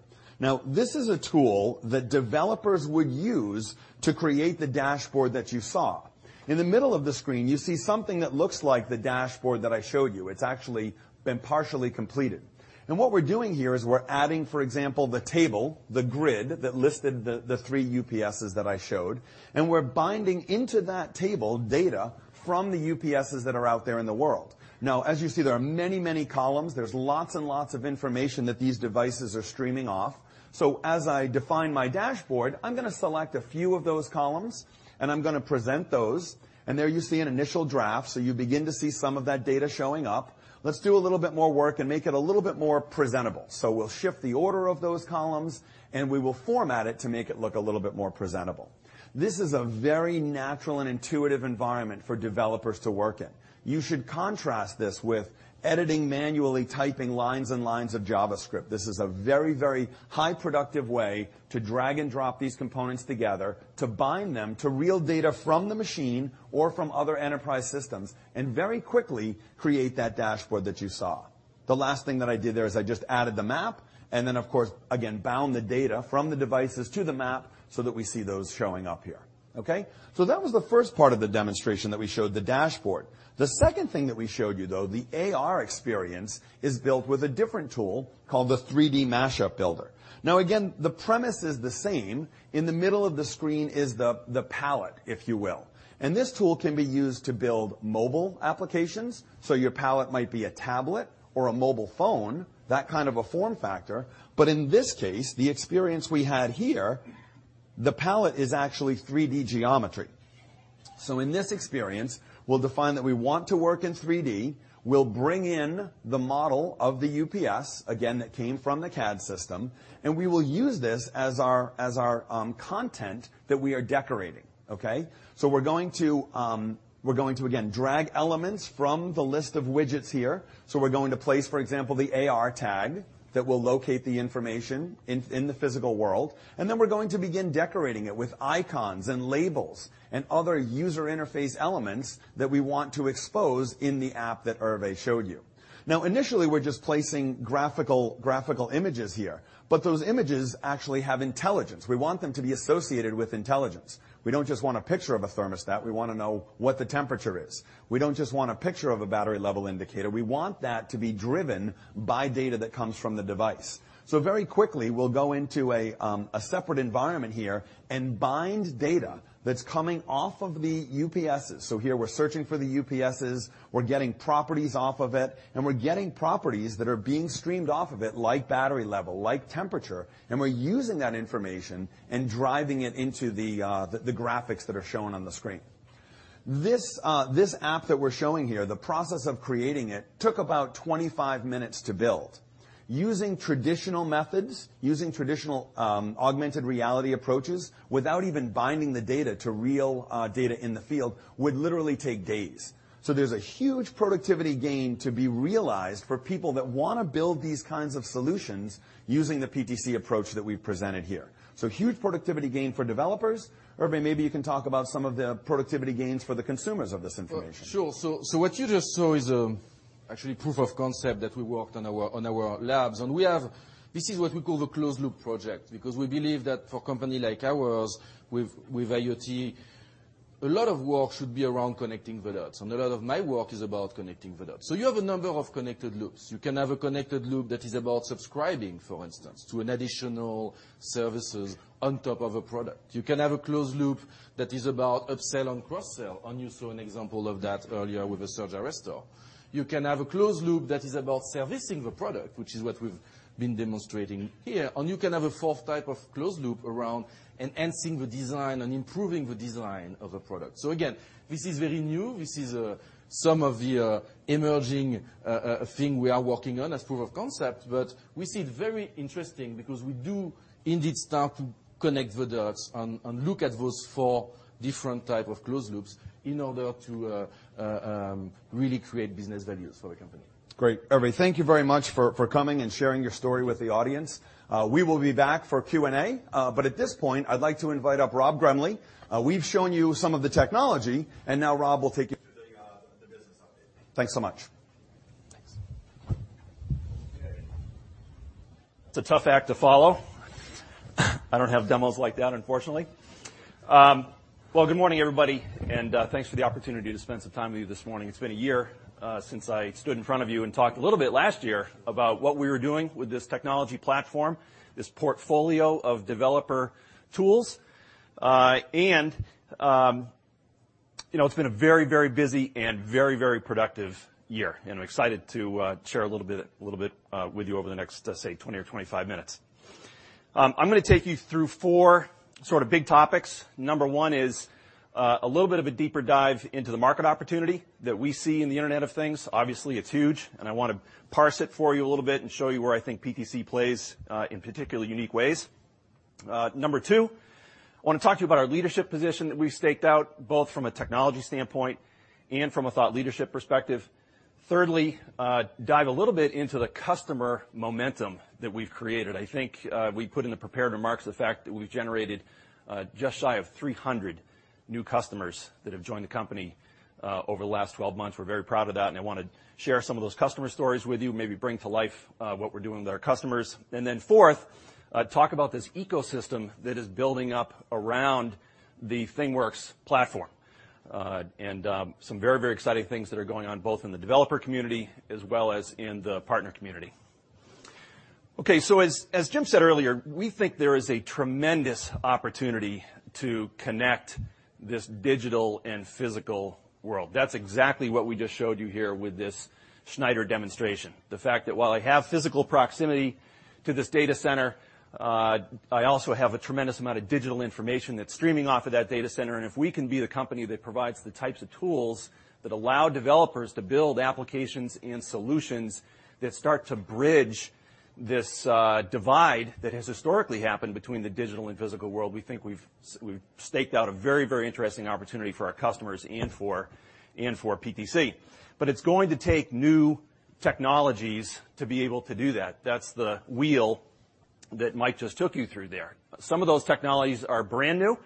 This is a tool that developers would use to create the dashboard that you saw. In the middle of the screen, you see something that looks like the dashboard that I showed you. It's actually been partially completed. What we're doing here is we're adding, for example, the table, the grid that listed the three UPSs that I showed, and we're binding into that table data from the UPSs that are out there in the world. As you see, there are many, many columns. There's lots and lots of information that these devices are streaming off. As I define my dashboard, I'm going to select a few of those columns, and I'm going to present those, and there you see an initial draft. You begin to see some of that data showing up. Let's do a little bit more work and make it a little bit more presentable. We'll shift the order of those columns, and we will format it to make it look a little bit more presentable. This is a very natural and intuitive environment for developers to work in. You should contrast this with editing manually, typing lines and lines of JavaScript. This is a very, very high productive way to drag and drop these components together, to bind them to real data from the machine or from other enterprise systems, and very quickly create that dashboard that you saw. The last thing that I did there is I just added the map, and then, of course, again, bound the data from the devices to the map so that we see those showing up here. Okay? That was the first part of the demonstration that we showed the dashboard. The second thing that we showed you, though, the AR experience, is built with a different tool called the 3D Mashup Builder. Again, the premise is the same. In the middle of the screen is the palette, if you will, this tool can be used to build mobile applications. Your palette might be a tablet or a mobile phone, that kind of a form factor. In this case, the experience we had here, the palette is actually 3D geometry. In this experience, we'll define that we want to work in 3D. We'll bring in the model of the UPS, again, that came from the CAD system, and we will use this as our content that we are decorating. Okay? We're going to, again, drag elements from the list of widgets here. We're going to place, for example, the AR tag that will locate the information in the physical world. we're going to begin decorating it with icons and labels and other user interface elements that we want to expose in the app that Hervé showed you. Initially, we're just placing graphical images here, but those images actually have intelligence. We want them to be associated with intelligence. We don't just want a picture of a thermostat, we want to know what the temperature is. We don't just want a picture of a battery level indicator, we want that to be driven by data that comes from the device. Very quickly, we'll go into a separate environment here and bind data that's coming off of the UPSs. here, we're searching for the UPSs, we're getting properties off of it, and we're getting properties that are being streamed off of it, like battery level, like temperature, and we're using that information and driving it into the graphics that are shown on the screen. This app that we're showing here, the process of creating it took about 25 minutes to build. Using traditional methods, using traditional augmented reality approaches, without even binding the data to real data in the field, would literally take days. There's a huge productivity gain to be realized for people that want to build these kinds of solutions using the PTC approach that we've presented here. Huge productivity gain for developers. Hervé, maybe you can talk about some of the productivity gains for the consumers of this information. Sure. What you just saw is actually proof of concept that we worked on our labs. We have, this is what we call the closed loop project, because we believe that for company like ours, with IoT, a lot of work should be around connecting the dots. A lot of my work is about connecting the dots. You have a number of connected loops. You can have a connected loop that is about subscribing, for instance, to an additional services on top of a product. You can have a closed loop that is about upsell and cross-sell, and you saw an example of that earlier with the surge arrester. You can have a closed loop that is about servicing the product, which is what we've been demonstrating here, and you can have a fourth type of closed loop around enhancing the design and improving the design of a product. Again, this is very new. This is some of the emerging thing we are working on as proof of concept. We see it very interesting because we do indeed start to connect the dots and look at those 4 different type of closed loops in order to really create business values for the company. Great. Hervé, thank you very much for coming and sharing your story with the audience. We will be back for Q&A. At this point, I'd like to invite up Rob Gremley. We've shown you some of the technology. Now Rob will take you through the business update. Thanks so much. Thanks. Okay. It's a tough act to follow. I don't have demos like that, unfortunately. Good morning, everybody, and thanks for the opportunity to spend some time with you this morning. It's been a year since I stood in front of you and talked a little bit last year about what we were doing with this technology platform, this portfolio of developer tools. It's been a very busy and very productive year, and I'm excited to share a little bit with you over the next, say, 20 or 25 minutes. I'm going to take you through four sort of big topics. Number one is a little bit of a deeper dive into the market opportunity that we see in the Internet of Things. Obviously, it's huge. I want to parse it for you a little bit and show you where I think PTC plays in particularly unique ways. Number two, I want to talk to you about our leadership position that we've staked out, both from a technology standpoint and from a thought leadership perspective. Thirdly, dive a little bit into the customer momentum that we've created. I think we put in the prepared remarks the fact that we've generated just shy of 300 new customers that have joined the company over the last 12 months. We're very proud of that. I want to share some of those customer stories with you, maybe bring to life what we're doing with our customers. Then fourth, talk about this ecosystem that is building up around the ThingWorx platform, and some very exciting things that are going on both in the developer community as well as in the partner community. As Jim said earlier, we think there is a tremendous opportunity to connect this digital and physical world. That's exactly what we just showed you here with this Schneider demonstration. The fact that while I have physical proximity to this data center, I also have a tremendous amount of digital information that's streaming off of that data center. If we can be the company that provides the types of tools that allow developers to build applications and solutions that start to bridge this divide that has historically happened between the digital and physical world, we think we've staked out a very interesting opportunity for our customers and for PTC. It is going to take new technologies to be able to do that. That's the wheel that Mike just took you through there. Some of those technologies are brand new,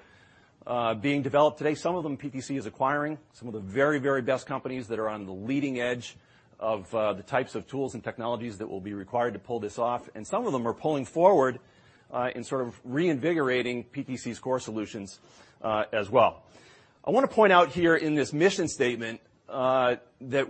being developed today. Some of them PTC is acquiring, some of the very best companies that are on the leading edge of the types of tools and technologies that will be required to pull this off. Some of them are pulling forward in sort of reinvigorating PTC's core solutions as well. I want to point out here in this mission statement that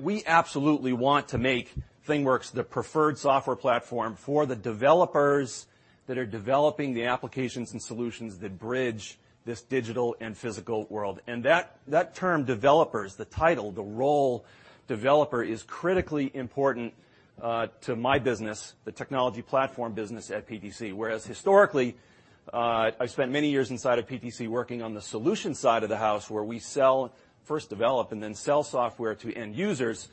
we absolutely want to make ThingWorx the preferred software platform for the developers that are developing the applications and solutions that bridge this digital and physical world. That term developers, the title, the role developer, is critically important to my business, the Technology Platform business at PTC. Whereas historically I've spent many years inside of PTC working on the solutions side of the house, where we first develop and then sell software to end users.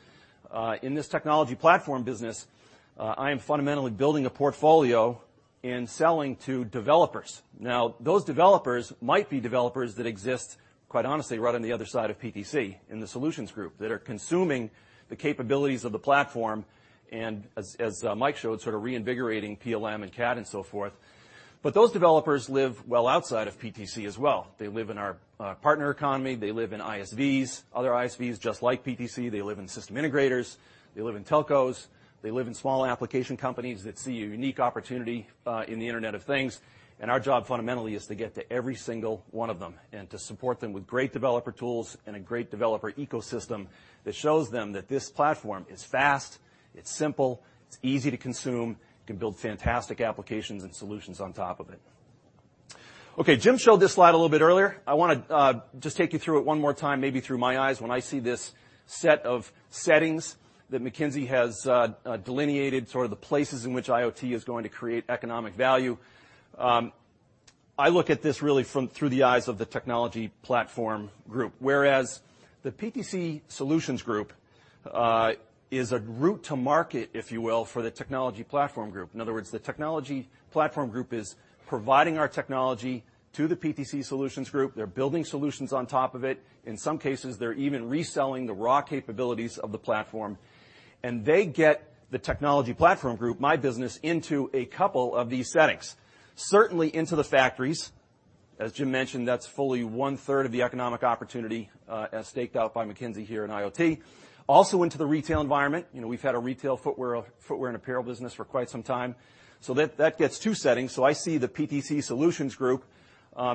In this Technology Platform business, I am fundamentally building a portfolio and selling to developers. Those developers might be developers that exist, quite honestly, right on the other side of PTC, in the Solutions Group, that are consuming the capabilities of the platform and, as Mike showed, sort of reinvigorating PLM and CAD and so forth. Those developers live well outside of PTC as well. They live in our partner economy. They live in ISVs, other ISVs just like PTC. They live in system integrators. They live in telcos. They live in small application companies that see a unique opportunity in the Internet of Things, our job, fundamentally, is to get to every single one of them and to support them with great developer tools and a great developer ecosystem that shows them that this platform is fast, it's simple, it's easy to consume. You can build fantastic applications and solutions on top of it. Jim showed this slide a little bit earlier. I want to just take you through it one more time, maybe through my eyes, when I see this set of settings that McKinsey has delineated, sort of the places in which IoT is going to create economic value. I look at this really through the eyes of the Technology Platform Group, whereas the PTC Solutions Group is a route to market, if you will, for the Technology Platform Group. In other words, the Technology Platform Group is providing our technology to the PTC Solutions Group. They're building solutions on top of it. In some cases, they're even reselling the raw capabilities of the platform, they get the Technology Platform Group, my business, into a couple of these settings. Certainly into the factories. As Jim mentioned, that's fully one-third of the economic opportunity as staked out by McKinsey here in IoT. Also into the retail environment. We've had a retail footwear and apparel business for quite some time. That gets two settings. I see the PTC Solutions Group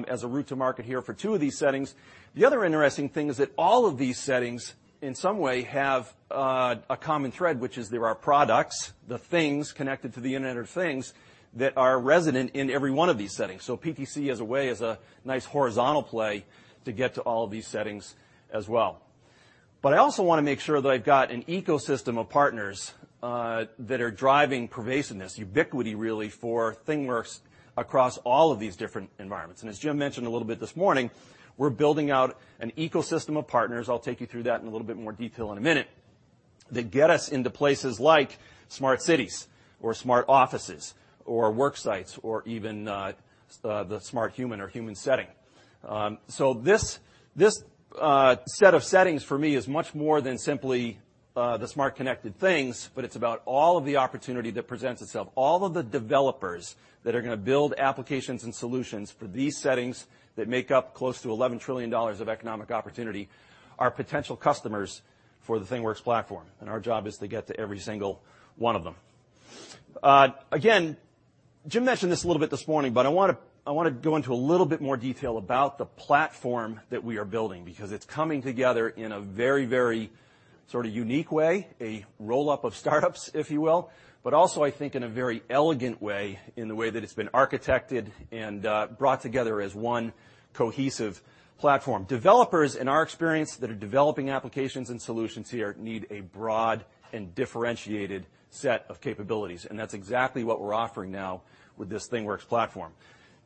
as a route to market here for two of these settings. The other interesting thing is that all of these settings, in some way, have a common thread, which is there are products, the things connected to the Internet of Things, that are resident in every one of these settings. PTC, as a way, is a nice horizontal play to get to all of these settings as well. I also want to make sure that I've got an ecosystem of partners that are driving pervasiveness, ubiquity, really, for ThingWorx across all of these different environments. As Jim mentioned a little bit this morning, we're building out an ecosystem of partners, I'll take you through that in a little bit more detail in a minute, that get us into places like smart cities or smart offices or work sites or even the smart human or human setting. This set of settings, for me, is much more than simply the smart connected things, but it's about all of the opportunity that presents itself. All of the developers that are going to build applications and solutions for these settings that make up close to $11 trillion of economic opportunity are potential customers for the ThingWorx platform, and our job is to get to every single one of them. Jim mentioned this a little bit this morning, I want to go into a little bit more detail about the platform that we are building, because it's coming together in a very sort of unique way, a roll-up of startups if you will, also, I think, in a very elegant way, in the way that it's been architected and brought together as one cohesive platform. Developers, in our experience, that are developing applications and solutions here need a broad and differentiated set of capabilities, That's exactly what we're offering now with this ThingWorx platform.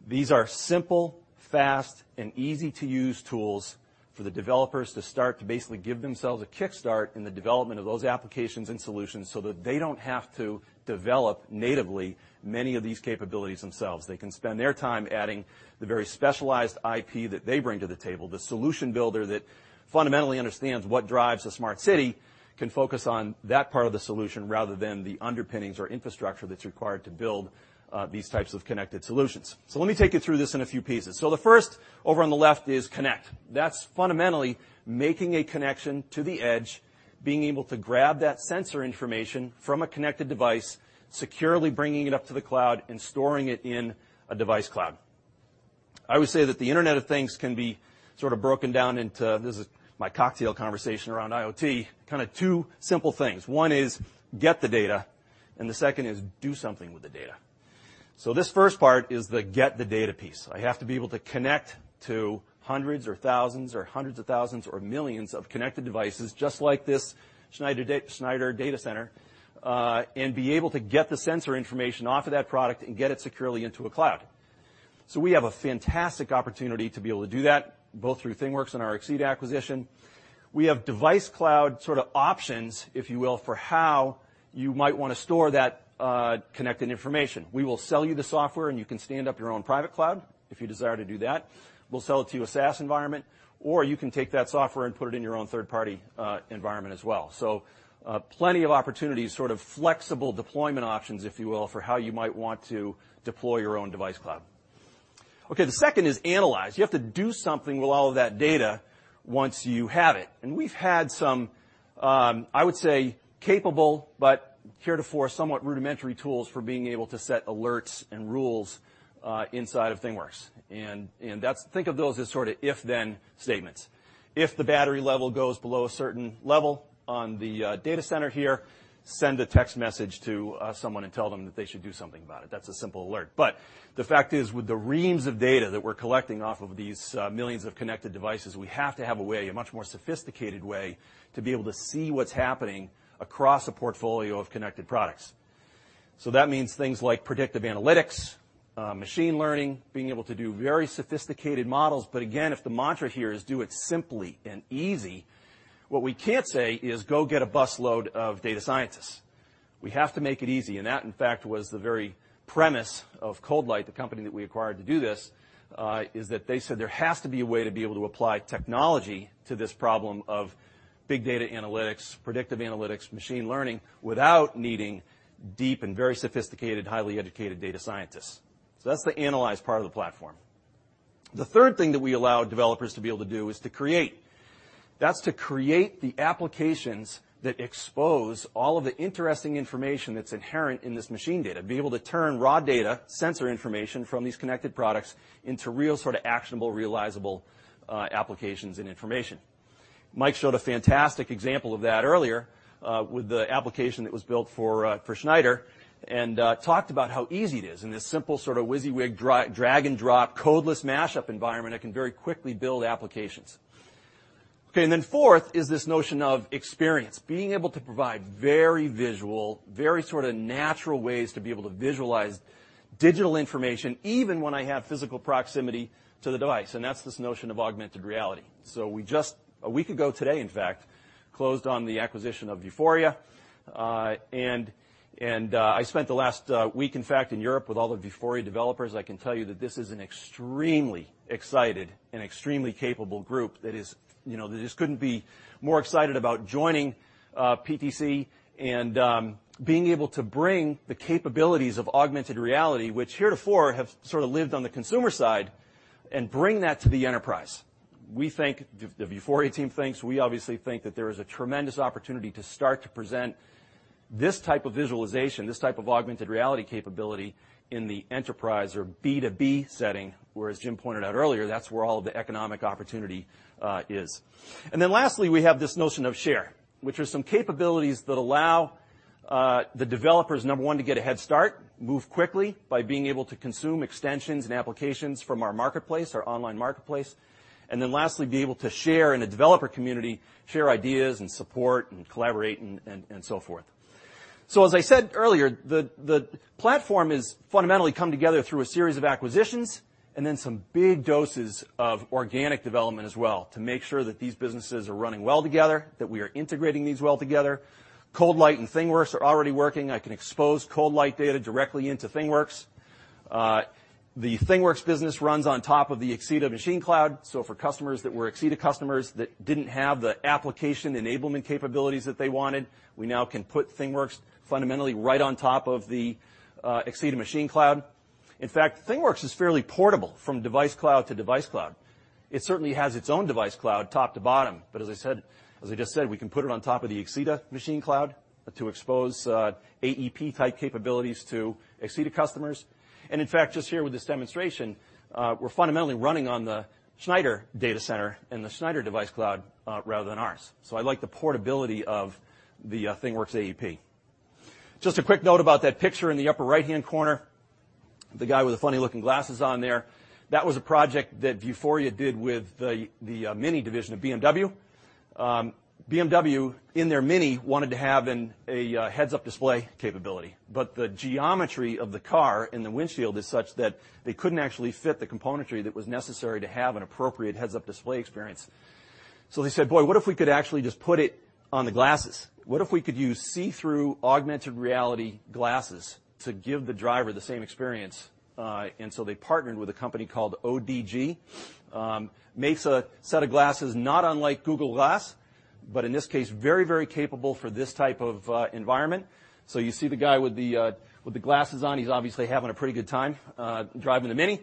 These are simple, fast, and easy-to-use tools for the developers to start to basically give themselves a kickstart in the development of those applications and solutions so that they don't have to develop natively many of these capabilities themselves. They can spend their time adding the very specialized IP that they bring to the table. The solution builder that fundamentally understands what drives a smart city can focus on that part of the solution rather than the underpinnings or infrastructure that's required to build these types of connected solutions. Let me take you through this in a few pieces. The first, over on the left, is connect. That's fundamentally making a connection to the edge, being able to grab that sensor information from a connected device, securely bringing it up to the cloud, storing it in a device cloud. I would say that the Internet of Things can be sort of broken down into, this is my cocktail conversation around IoT, kind of two simple things. One is get the data, and the second is do something with the data. This first part is the get the data piece. I have to be able to connect to hundreds or thousands or hundreds of thousands or millions of connected devices just like this Schneider data center, and be able to get the sensor information off of that product and get it securely into a cloud. We have a fantastic opportunity to be able to do that, both through ThingWorx and our Axeda acquisition. We have device cloud sort of options, if you will, for how you might want to store that connected information. We will sell you the software, and you can stand up your own private cloud if you desire to do that. We'll sell it to you as SaaS environment, or you can take that software and put it in your own third-party environment as well. Plenty of opportunities, sort of flexible deployment options, if you will, for how you might want to deploy your own device cloud. The second is analyze. You have to do something with all of that data once you have it, and we've had some, I would say, capable, but heretofore somewhat rudimentary tools for being able to set alerts and rules inside of ThingWorx, and think of those as sort of if/then statements. If the battery level goes below a certain level on the data center here, send a text message to someone and tell them that they should do something about it. That's a simple alert. The fact is, with the reams of data that we're collecting off of these millions of connected devices, we have to have a way, a much more sophisticated way, to be able to see what's happening across a portfolio of connected products. That means things like predictive analytics, machine learning, being able to do very sophisticated models. Again, if the mantra here is do it simply and easy, what we can't say is go get a bus load of data scientists. We have to make it easy, and that in fact, was the very premise of ColdLight, the company that we acquired to do this, is that they said there has to be a way to be able to apply technology to this problem of big data analytics, predictive analytics, machine learning without needing deep and very sophisticated, highly educated data scientists. That's the analyze part of the platform. The third thing that we allow developers to be able to do is to create. That's to create the applications that expose all of the interesting information that's inherent in this machine data. Be able to turn raw data, sensor information from these connected products into real sort of actionable, realizable, applications and information. Mike showed a fantastic example of that earlier, with the application that was built for Schneider and talked about how easy it is in this simple sort of WYSIWYG drag-and-drop codeless mashup environment that can very quickly build applications. Fourth is this notion of experience. Being able to provide very visual, very sort of natural ways to be able to visualize digital information, even when I have physical proximity to the device, and that's this notion of augmented reality. We just, a week ago today, in fact, closed on the acquisition of Vuforia. I spent the last week, in fact, in Europe with all the Vuforia developers. I can tell you that this is an extremely excited and extremely capable group that is. They just couldn't be more excited about joining PTC and being able to bring the capabilities of augmented reality, which heretofore have sort of lived on the consumer side and bring that to the enterprise. We think, the Vuforia team thinks, we obviously think that there is a tremendous opportunity to start to present this type of visualization, this type of augmented reality capability in the enterprise or B2B setting, where, as Jim pointed out earlier, that's where all the economic opportunity is. Lastly, we have this notion of share, which are some capabilities that allow, the developers, number one, to get a head start, move quickly by being able to consume extensions and applications from our marketplace, our online marketplace. Lastly, be able to share in a developer community, share ideas and support and collaborate and so forth. As I said earlier, the platform is fundamentally come together through a series of acquisitions and then some big doses of organic development as well to make sure that these businesses are running well together, that we are integrating these well together. ColdLight and ThingWorx are already working. I can expose ColdLight data directly into ThingWorx. The ThingWorx business runs on top of the Axeda Machine Cloud. For customers that were Axeda customers that didn't have the application enablement capabilities that they wanted, we now can put ThingWorx fundamentally right on top of the Axeda Machine Cloud. In fact, ThingWorx is fairly portable from device cloud to device cloud. It certainly has its own device cloud top to bottom. As I just said, we can put it on top of the Axeda Machine Cloud to expose AEP-type capabilities to Axeda customers. In fact, just here with this demonstration, we're fundamentally running on the Schneider data center and the Schneider device cloud, rather than ours. I like the portability of the ThingWorx AEP. Just a quick note about that picture in the upper right-hand corner, the guy with the funny-looking glasses on there. That was a project that Vuforia did with the Mini division of BMW. BMW, in their Mini, wanted to have a heads-up display capability, but the geometry of the car and the windshield is such that they couldn't actually fit the componentry that was necessary to have an appropriate heads-up display experience. So they said, "Boy, what if we could actually just put it on the glasses? What if we could use see-through augmented reality glasses to give the driver the same experience?" They partnered with a company called ODG. Makes a set of glasses, not unlike Google Glass, but in this case, very capable for this type of environment. You see the guy with the glasses on. He's obviously having a pretty good time, driving the Mini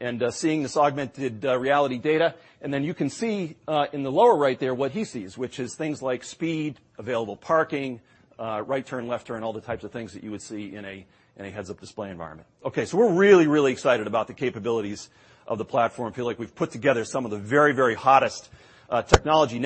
and seeing this augmented reality data. You can see, in the lower right there, what he sees, which is things like speed, available parking, right turn, left turn, all the types of things that you would see in a heads-up display environment. We're really excited about the capabilities of the platform. Feel like we've put together some of the very hottest technology.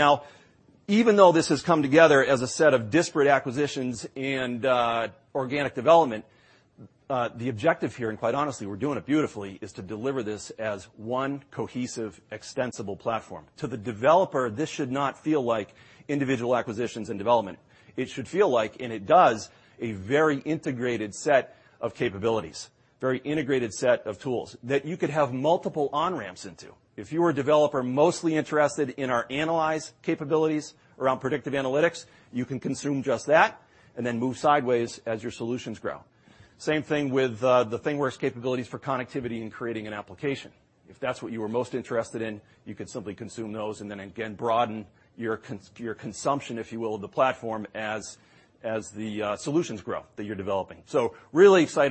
Really excited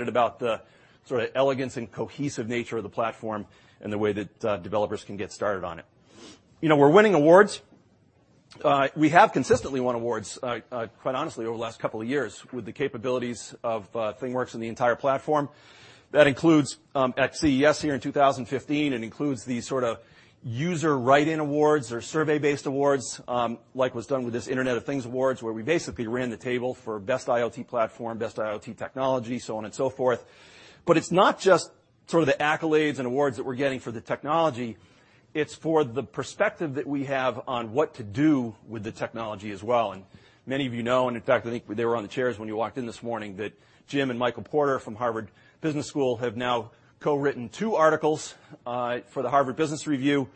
about the sort of elegance and cohesive nature of the platform and the way that developers can get started on it. We're winning awards. We have consistently won awards, quite honestly, over the last 2 years with the capabilities of ThingWorx and the entire platform. That includes at CES here in 2015. It includes the sort of user write-in awards or survey-based awards, like was done with this Internet of Things Awards, where we basically ran the table for best IoT platform, best IoT technology, so on and so forth. It's not sort of the accolades and awards that we're getting for the technology, it's for the perspective that we have on what to do with the technology as well. Many of you know, and in fact, I think they were on the chairs when you walked in this morning, that Jim and Michael Porter from Harvard Business School have now co-written two articles for the "Harvard Business Review."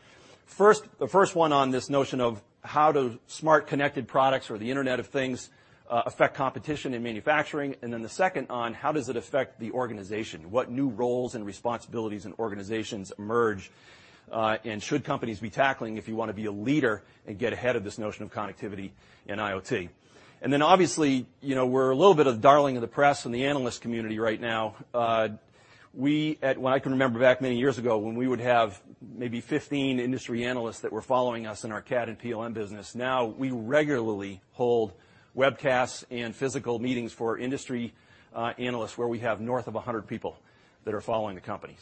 The first one on this notion of how do smart connected products or the Internet of Things affect competition in manufacturing, the second on how does it affect the organization, what new roles and responsibilities and organizations emerge, and should companies be tackling if you want to be a leader and get ahead of this notion of connectivity and IoT. Obviously, we're a little bit of darling of the press and the analyst community right now. I can remember back many years ago, when we would have maybe 15 industry analysts that were following us in our CAD and PLM business. We regularly hold webcasts and physical meetings for industry analysts where we have north of 100 people that are following the company.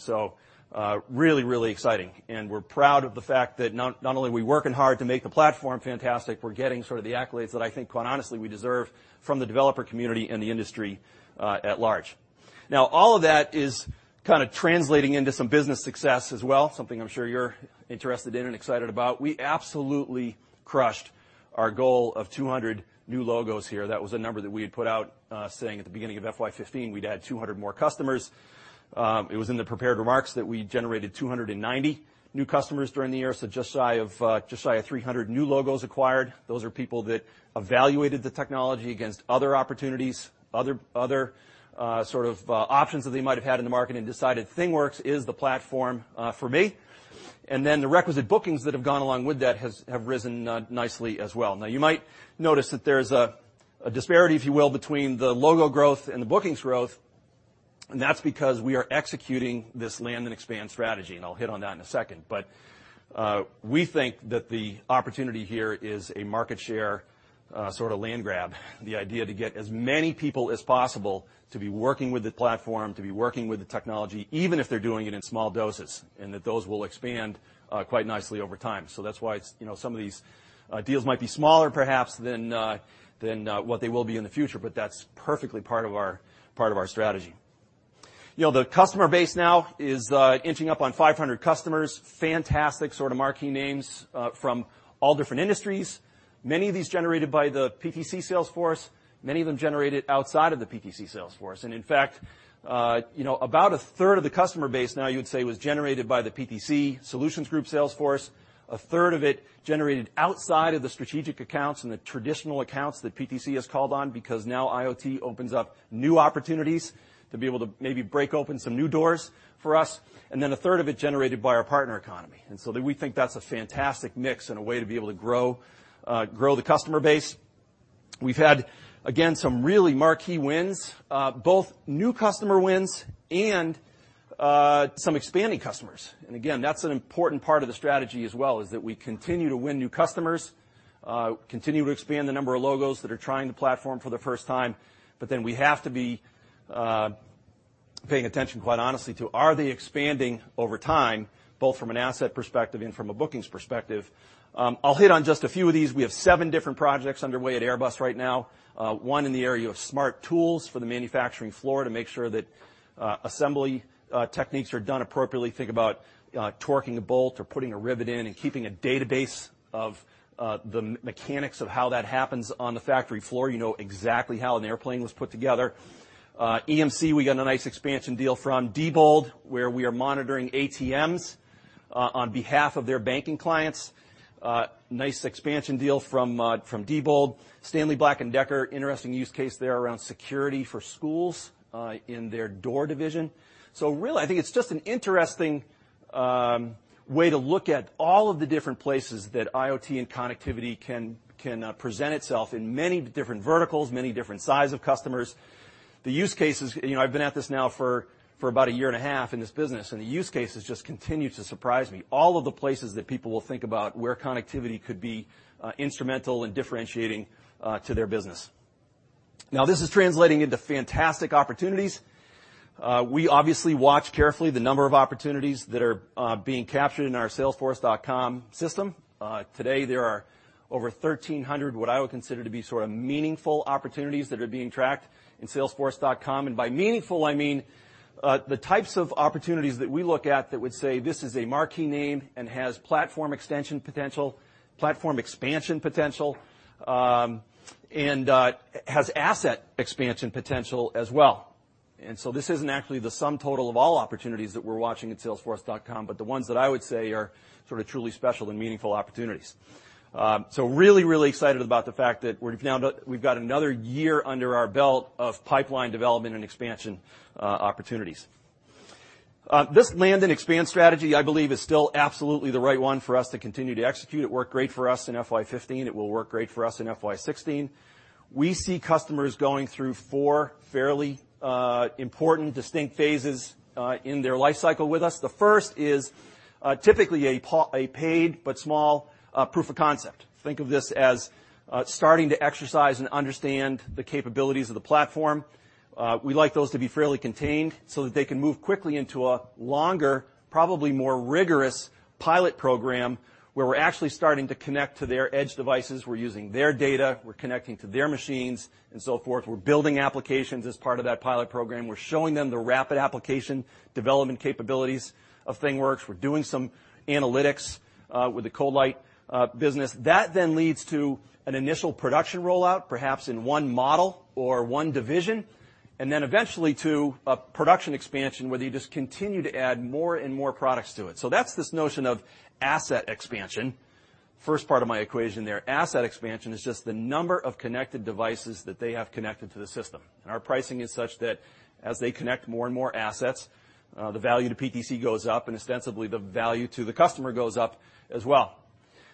we had put out, saying at the beginning of FY 2015 we'd add 200 more customers. It was in the prepared remarks that we generated 290 new customers during the year, so just shy of 300 new logos acquired. Those are people that evaluated the technology against other opportunities, other sort of options that they might have had in the market and decided ThingWorx is the platform for me. Then the requisite bookings that have gone along with that have risen nicely as well. You might notice that there's a disparity, if you will, between the logo growth and the bookings growth, and that's because we are executing this land and expand strategy. I'll hit on that in a second. We think that the opportunity here is a market share sort of land grab, the idea to get as many people as possible to be working with the platform, to be working with the technology, even if they're doing it in small doses, and that those will expand quite nicely over time. That's why some of these deals might be smaller, perhaps, than what they will be in the future, but that's perfectly part of our strategy. The customer base now is inching up on 500 customers, fantastic sort of marquee names from all different industries. Many of these generated by the PTC sales force, many of them generated outside of the PTC sales force. In fact about a third of the customer base now you would say was generated by the PTC Solutions Group sales force, a third of it generated outside of the strategic accounts and the traditional accounts that PTC has called on because now IoT opens up new opportunities to be able to maybe break open some new doors for us, then a third of it generated by our partner economy. We think that's a fantastic mix and a way to be able to grow the customer base. We've had, again, some really marquee wins, both new customer wins and some expanding customers. Again, that's an important part of the strategy as well, is that we continue to win new customers, continue to expand the number of logos that are trying the platform for the first time, then we have to be paying attention, quite honestly, to are they expanding over time, both from an asset perspective and from a bookings perspective? I'll hit on just a few of these. We have seven different projects underway at Airbus right now, one in the area of smart tools for the manufacturing floor to make sure that assembly techniques are done appropriately. Think about torquing a bolt or putting a rivet in and keeping a database of the mechanics of how that happens on the factory floor, you know exactly how an airplane was put together. EMC, we got a nice expansion deal from Diebold, where we are monitoring ATMs on behalf of their banking clients. Nice expansion deal from Diebold. Stanley Black & Decker, interesting use case there around security for schools in their door division. Really, I think it's just an interesting way to look at all of the different places that IoT and connectivity can present itself in many different verticals, many different size of customers. The use cases, I've been at this now for about a year and a half in this business, the use cases just continue to surprise me. All of the places that people will think about where connectivity could be instrumental in differentiating to their business. This is translating into fantastic opportunities. We obviously watch carefully the number of opportunities that are being captured in our Salesforce.com system. Today, there are over 1,300, what I would consider to be sort of meaningful opportunities that are being tracked in Salesforce.com. By meaningful, I mean the types of opportunities that we look at that would say this is a marquee name and has platform extension potential, platform expansion potential, and has asset expansion potential as well. This isn't actually the sum total of all opportunities that we're watching at Salesforce.com, but the ones that I would say are sort of truly special and meaningful opportunities. Really, really excited about the fact that we've got another year under our belt of pipeline development and expansion opportunities. This land and expand strategy, I believe, is still absolutely the right one for us to continue to execute. It worked great for us in FY 2015. It will work great for us in FY 2016. We see customers going through four fairly important distinct phases in their life cycle with us. The first is typically a paid but small proof of concept. Think of this as starting to exercise and understand the capabilities of the platform. We like those to be fairly contained so that they can move quickly into a longer, probably more rigorous pilot program where we're actually starting to connect to their edge devices. We're using their data, we're connecting to their machines, and so forth. We're building applications as part of that pilot program. We're showing them the rapid application development capabilities of ThingWorx. We're doing some analytics with the ColdLight business. This leads to an initial production rollout, perhaps in one model or one division, and then eventually to a production expansion where you just continue to add more and more products to it. That's this notion of asset expansion. First part of my equation there, asset expansion, is just the number of connected devices that they have connected to the system. Our pricing is such that as they connect more and more assets, the value to PTC goes up, and ostensibly, the value to the customer goes up as well.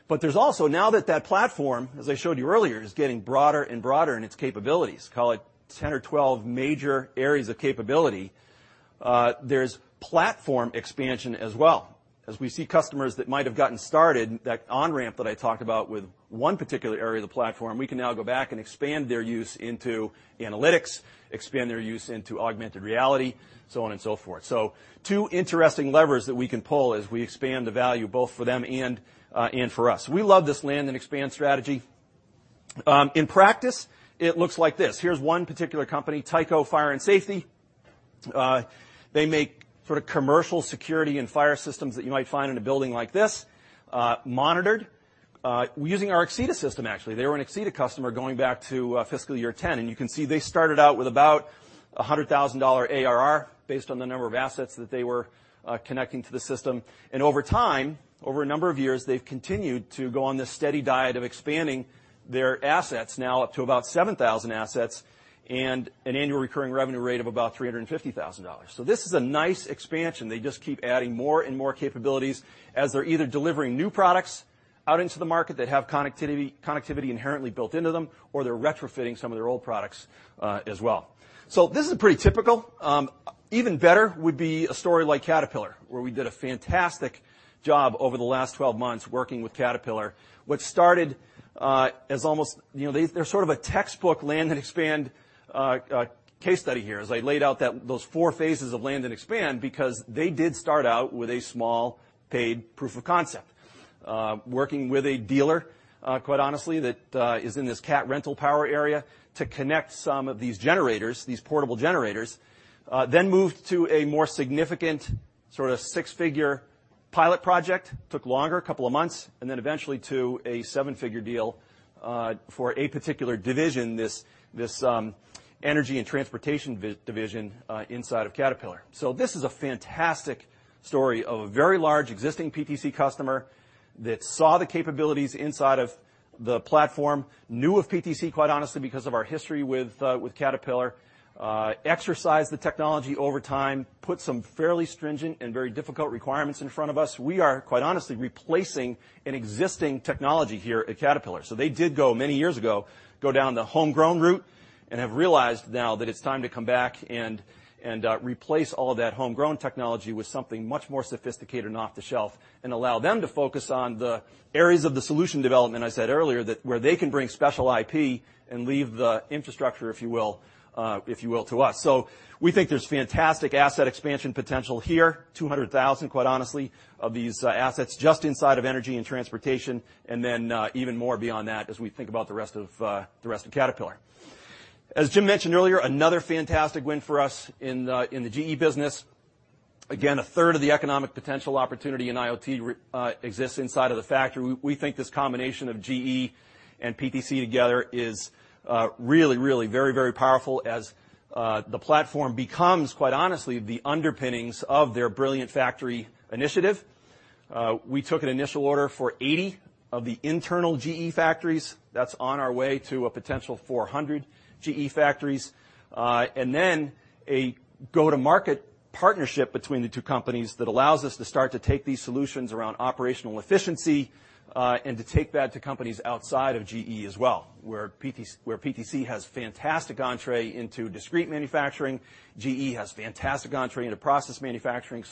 There's also, now that that platform, as I showed you earlier, is getting broader and broader in its capabilities, call it 10 or 12 major areas of capability, there's platform expansion as well. As we see customers that might have gotten started, that on-ramp that I talked about with one particular area of the platform, we can now go back and expand their use into analytics, expand their use into augmented reality, so on and so forth. Two interesting levers that we can pull as we expand the value, both for them and for us. We love this land and expand strategy. In practice, it looks like this. Here's one particular company, Tyco Fire and Safety. They make commercial security and fire systems that you might find in a building like this, monitored using our Axeda system, actually. They were an Axeda customer going back to fiscal year 2010, and you can see they started out with about $100,000 ARR based on the number of assets that they were connecting to the system. Over time, over a number of years, they've continued to go on this steady diet of expanding their assets now up to about 7,000 assets and an annual recurring revenue rate of about $350,000. This is a nice expansion. They just keep adding more and more capabilities as they're either delivering new products out into the market that have connectivity inherently built into them, or they're retrofitting some of their old products as well. This is pretty typical. Even better would be a story like Caterpillar, where we did a fantastic job over the last 12 months working with Caterpillar. What started as almost a textbook land and expand case study here, as I laid out those four phases of land and expand, because they did start out with a small paid proof of concept. Working with a dealer, quite honestly, that is in this Cat Rental Power area to connect some of these generators, these portable generators, then moved to a more significant six-figure pilot project, took longer, a couple of months, and then eventually to a seven-figure deal for a particular division, this energy and transportation division inside of Caterpillar. This is a fantastic story of a very large existing PTC customer that saw the capabilities inside of the platform, knew of PTC, quite honestly, because of our history with Caterpillar, exercised the technology over time, put some fairly stringent and very difficult requirements in front of us. We are, quite honestly, replacing an existing technology here at Caterpillar. They did go, many years ago, go down the homegrown route and have realized now that it's time to come back and replace all of that homegrown technology with something much more sophisticated and off the shelf and allow them to focus on the areas of the solution development I said earlier, where they can bring special IP and leave the infrastructure, if you will, to us. We think there's fantastic asset expansion potential here, 200,000, quite honestly, of these assets just inside of energy and transportation, and then even more beyond that as we think about the rest of Caterpillar. As Jim mentioned earlier, another fantastic win for us in the GE business. Again, a third of the economic potential opportunity in IoT exists inside of the factory. We think this combination of GE and PTC together is really, really very powerful as the platform becomes, quite honestly, the underpinnings of their Brilliant Factory initiative. We took an initial order for 80 of the internal GE factories. That's on our way to a potential 400 GE factories. A go-to-market partnership between the two companies that allows us to start to take these solutions around operational efficiency, and to take that to companies outside of GE as well, where PTC has fantastic entrée into discrete manufacturing. GE has fantastic entrée into process manufacturing.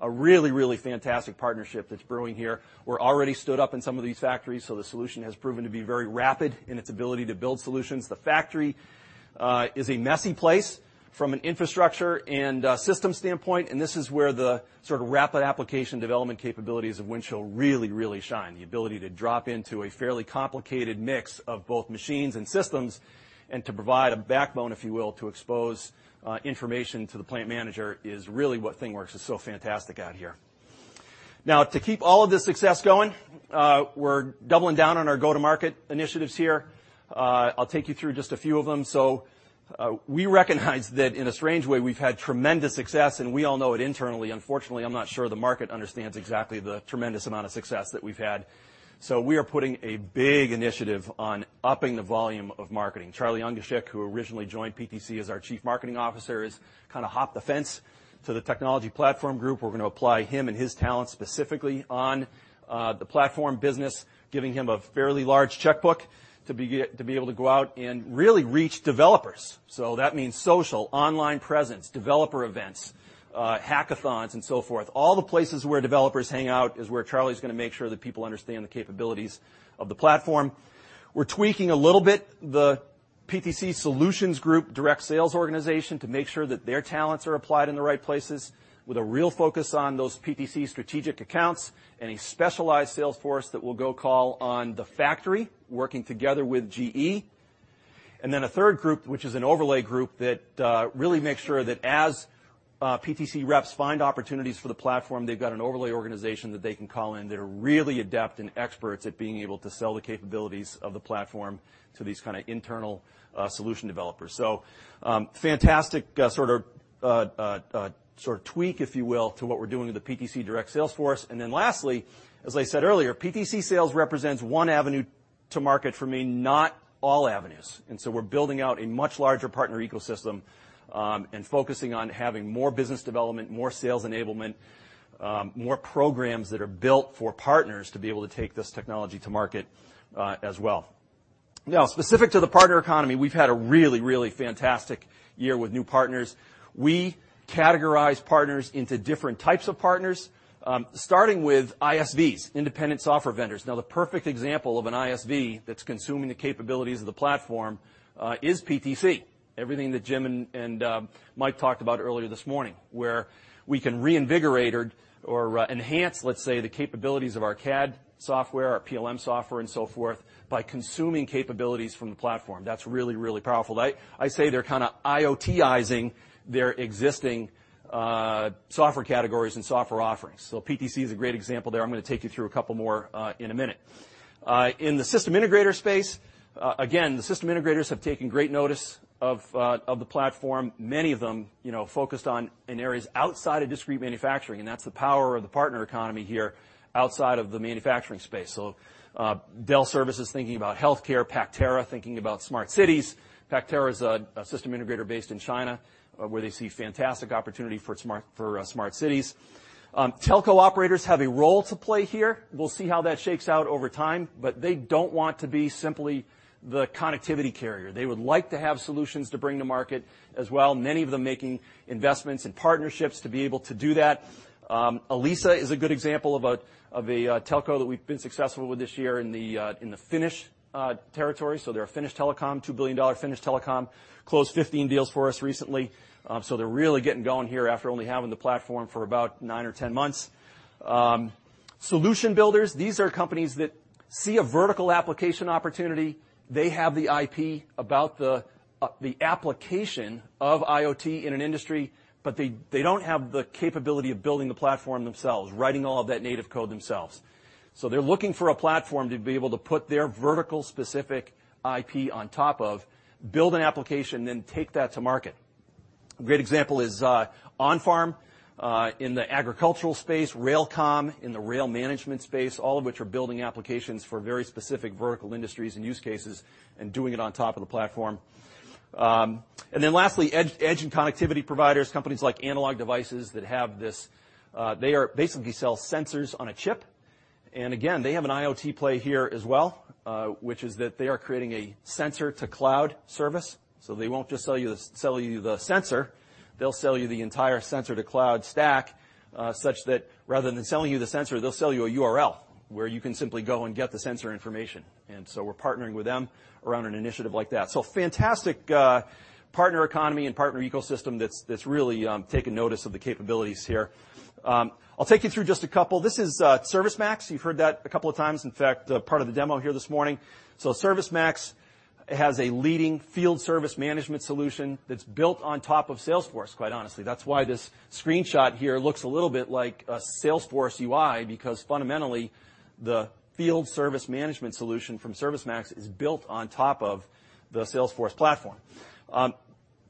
A really, really fantastic partnership that's brewing here. We're already stood up in some of these factories, so the solution has proven to be very rapid in its ability to build solutions. The factory is a messy place from an infrastructure and systems standpoint, this is where the rapid application development capabilities of Windchill really shine. The ability to drop into a fairly complicated mix of both machines and systems and to provide a backbone, if you will, to expose information to the plant manager is really what ThingWorx is so fantastic at here. To keep all of this success going, we're doubling down on our go-to-market initiatives here. I'll take you through just a few of them. We recognize that in a strange way, we've had tremendous success, and we all know it internally. Unfortunately, I'm not sure the market understands exactly the tremendous amount of success that we've had. We are putting a big initiative on upping the volume of marketing. Charlie Ungashick, who originally joined PTC as our Chief Marketing Officer, has kind of hopped the fence to the technology platform group. We're going to apply him and his talent specifically on the platform business, giving him a fairly large checkbook to be able to go out and really reach developers. That means social, online presence, developer events, hackathons, and so forth. All the places where developers hang out is where Charlie's going to make sure that people understand the capabilities of the platform. We're tweaking a little bit the PTC Solutions Group direct sales organization to make sure that their talents are applied in the right places with a real focus on those PTC strategic accounts and a specialized sales force that will go call on the factory, working together with GE. A third group, which is an overlay group that really makes sure that as PTC reps find opportunities for the platform, they've got an overlay organization that they can call in that are really adept and experts at being able to sell the capabilities of the platform to these kind of internal solution developers. Fantastic sort of tweak, if you will, to what we're doing with the PTC direct sales force. Lastly, as I said earlier, PTC sales represents one avenue to market for me, not all avenues. We're building out a much larger partner ecosystem, and focusing on having more business development, more sales enablement, more programs that are built for partners to be able to take this technology to market as well. Specific to the partner economy, we've had a really fantastic year with new partners. We categorize partners into different types of partners, starting with ISVs, independent software vendors. The perfect example of an ISV that's consuming the capabilities of the platform is PTC, everything that Jim and Mike talked about earlier this morning, where we can reinvigorate or enhance, let's say, the capabilities of our CAD software, our PLM software, and so forth by consuming capabilities from the platform. That's really powerful. I say they're kind of IoT-izing their existing software categories and software offerings. PTC is a great example there. I'm going to take you through a couple more in a minute. In the system integrator space, again, the system integrators have taken great notice of the platform, many of them focused on in areas outside of discrete manufacturing, that's the power of the partner economy here outside of the manufacturing space. Dell Services thinking about healthcare, Pactera thinking about smart cities. Pactera is a system integrator based in China, where they see fantastic opportunity for smart cities. Telco operators have a role to play here. We'll see how that shakes out over time, but they don't want to be simply the connectivity carrier. They would like to have solutions to bring to market as well, many of them making investments in partnerships to be able to do that. Elisa is a good example of a telco that we've been successful with this year in the Finnish territory. They're a Finnish telecom, $2 billion Finnish telecom, closed 15 deals for us recently. They're really getting going here after only having the platform for about 9 or 10 months. Solution builders, these are companies that see a vertical application opportunity. They have the IP about the application of IoT in an industry, but they don't have the capability of building the platform themselves, writing all of that native code themselves. They're looking for a platform to be able to put their vertical specific IP on top of, build an application, then take that to market. A great example is OnFarm, in the agricultural space, RailComm in the rail management space, all of which are building applications for very specific vertical industries and use cases and doing it on top of the platform. Lastly, edge and connectivity providers, companies like Analog Devices that basically sell sensors on a chip. Again, they have an IoT play here as well, which is that they are creating a sensor-to-cloud service. They won't just sell you the sensor, they'll sell you the entire sensor-to-cloud stack such that rather than selling you the sensor, they'll sell you a URL where you can simply go and get the sensor information. We're partnering with them around an initiative like that. Fantastic partner economy and partner ecosystem that's really taken notice of the capabilities here. I'll take you through just a couple. This is ServiceMax. You've heard that a couple of times, in fact, part of the demo here this morning. ServiceMax has a leading field service management solution that's built on top of Salesforce, quite honestly. That's why this screenshot here looks a little bit like a Salesforce UI, because fundamentally, the field service management solution from ServiceMax is built on top of the Salesforce platform.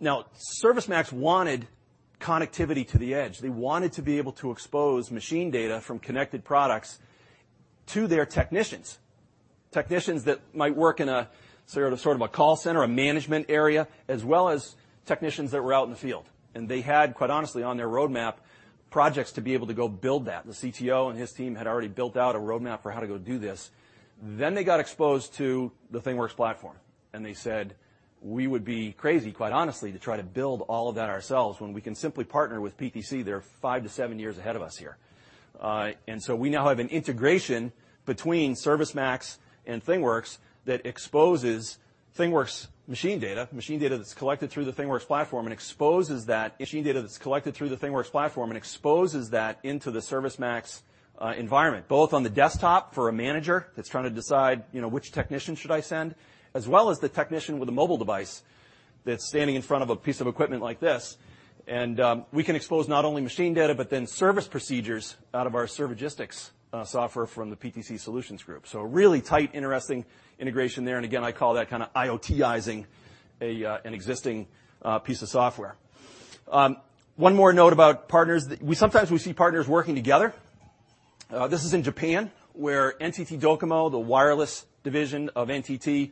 ServiceMax wanted connectivity to the edge. They wanted to be able to expose machine data from connected products to their technicians. Technicians that might work in a sort of a call center, a management area, as well as technicians that were out in the field. They had, quite honestly, on their roadmap projects to be able to go build that. The CTO and his team had already built out a roadmap for how to go do this. They got exposed to the ThingWorx platform, and they said, "We would be crazy, quite honestly, to try to build all of that ourselves when we can simply partner with PTC. They're five to seven years ahead of us here." We now have an integration between ServiceMax and ThingWorx that exposes ThingWorx machine data, machine data that's collected through the ThingWorx platform, and exposes that into the ServiceMax environment, both on the desktop for a manager that's trying to decide which technician should I send, as well as the technician with a mobile device that's standing in front of a piece of equipment like this. We can expose not only machine data, but then service procedures out of our Servigistics software from the PTC Solutions Group. A really tight, interesting integration there. Again, I call that kind of IoT-izing an existing piece of software. One more note about partners, sometimes we see partners working together. This is in Japan, where NTT Docomo, the wireless division of NTT,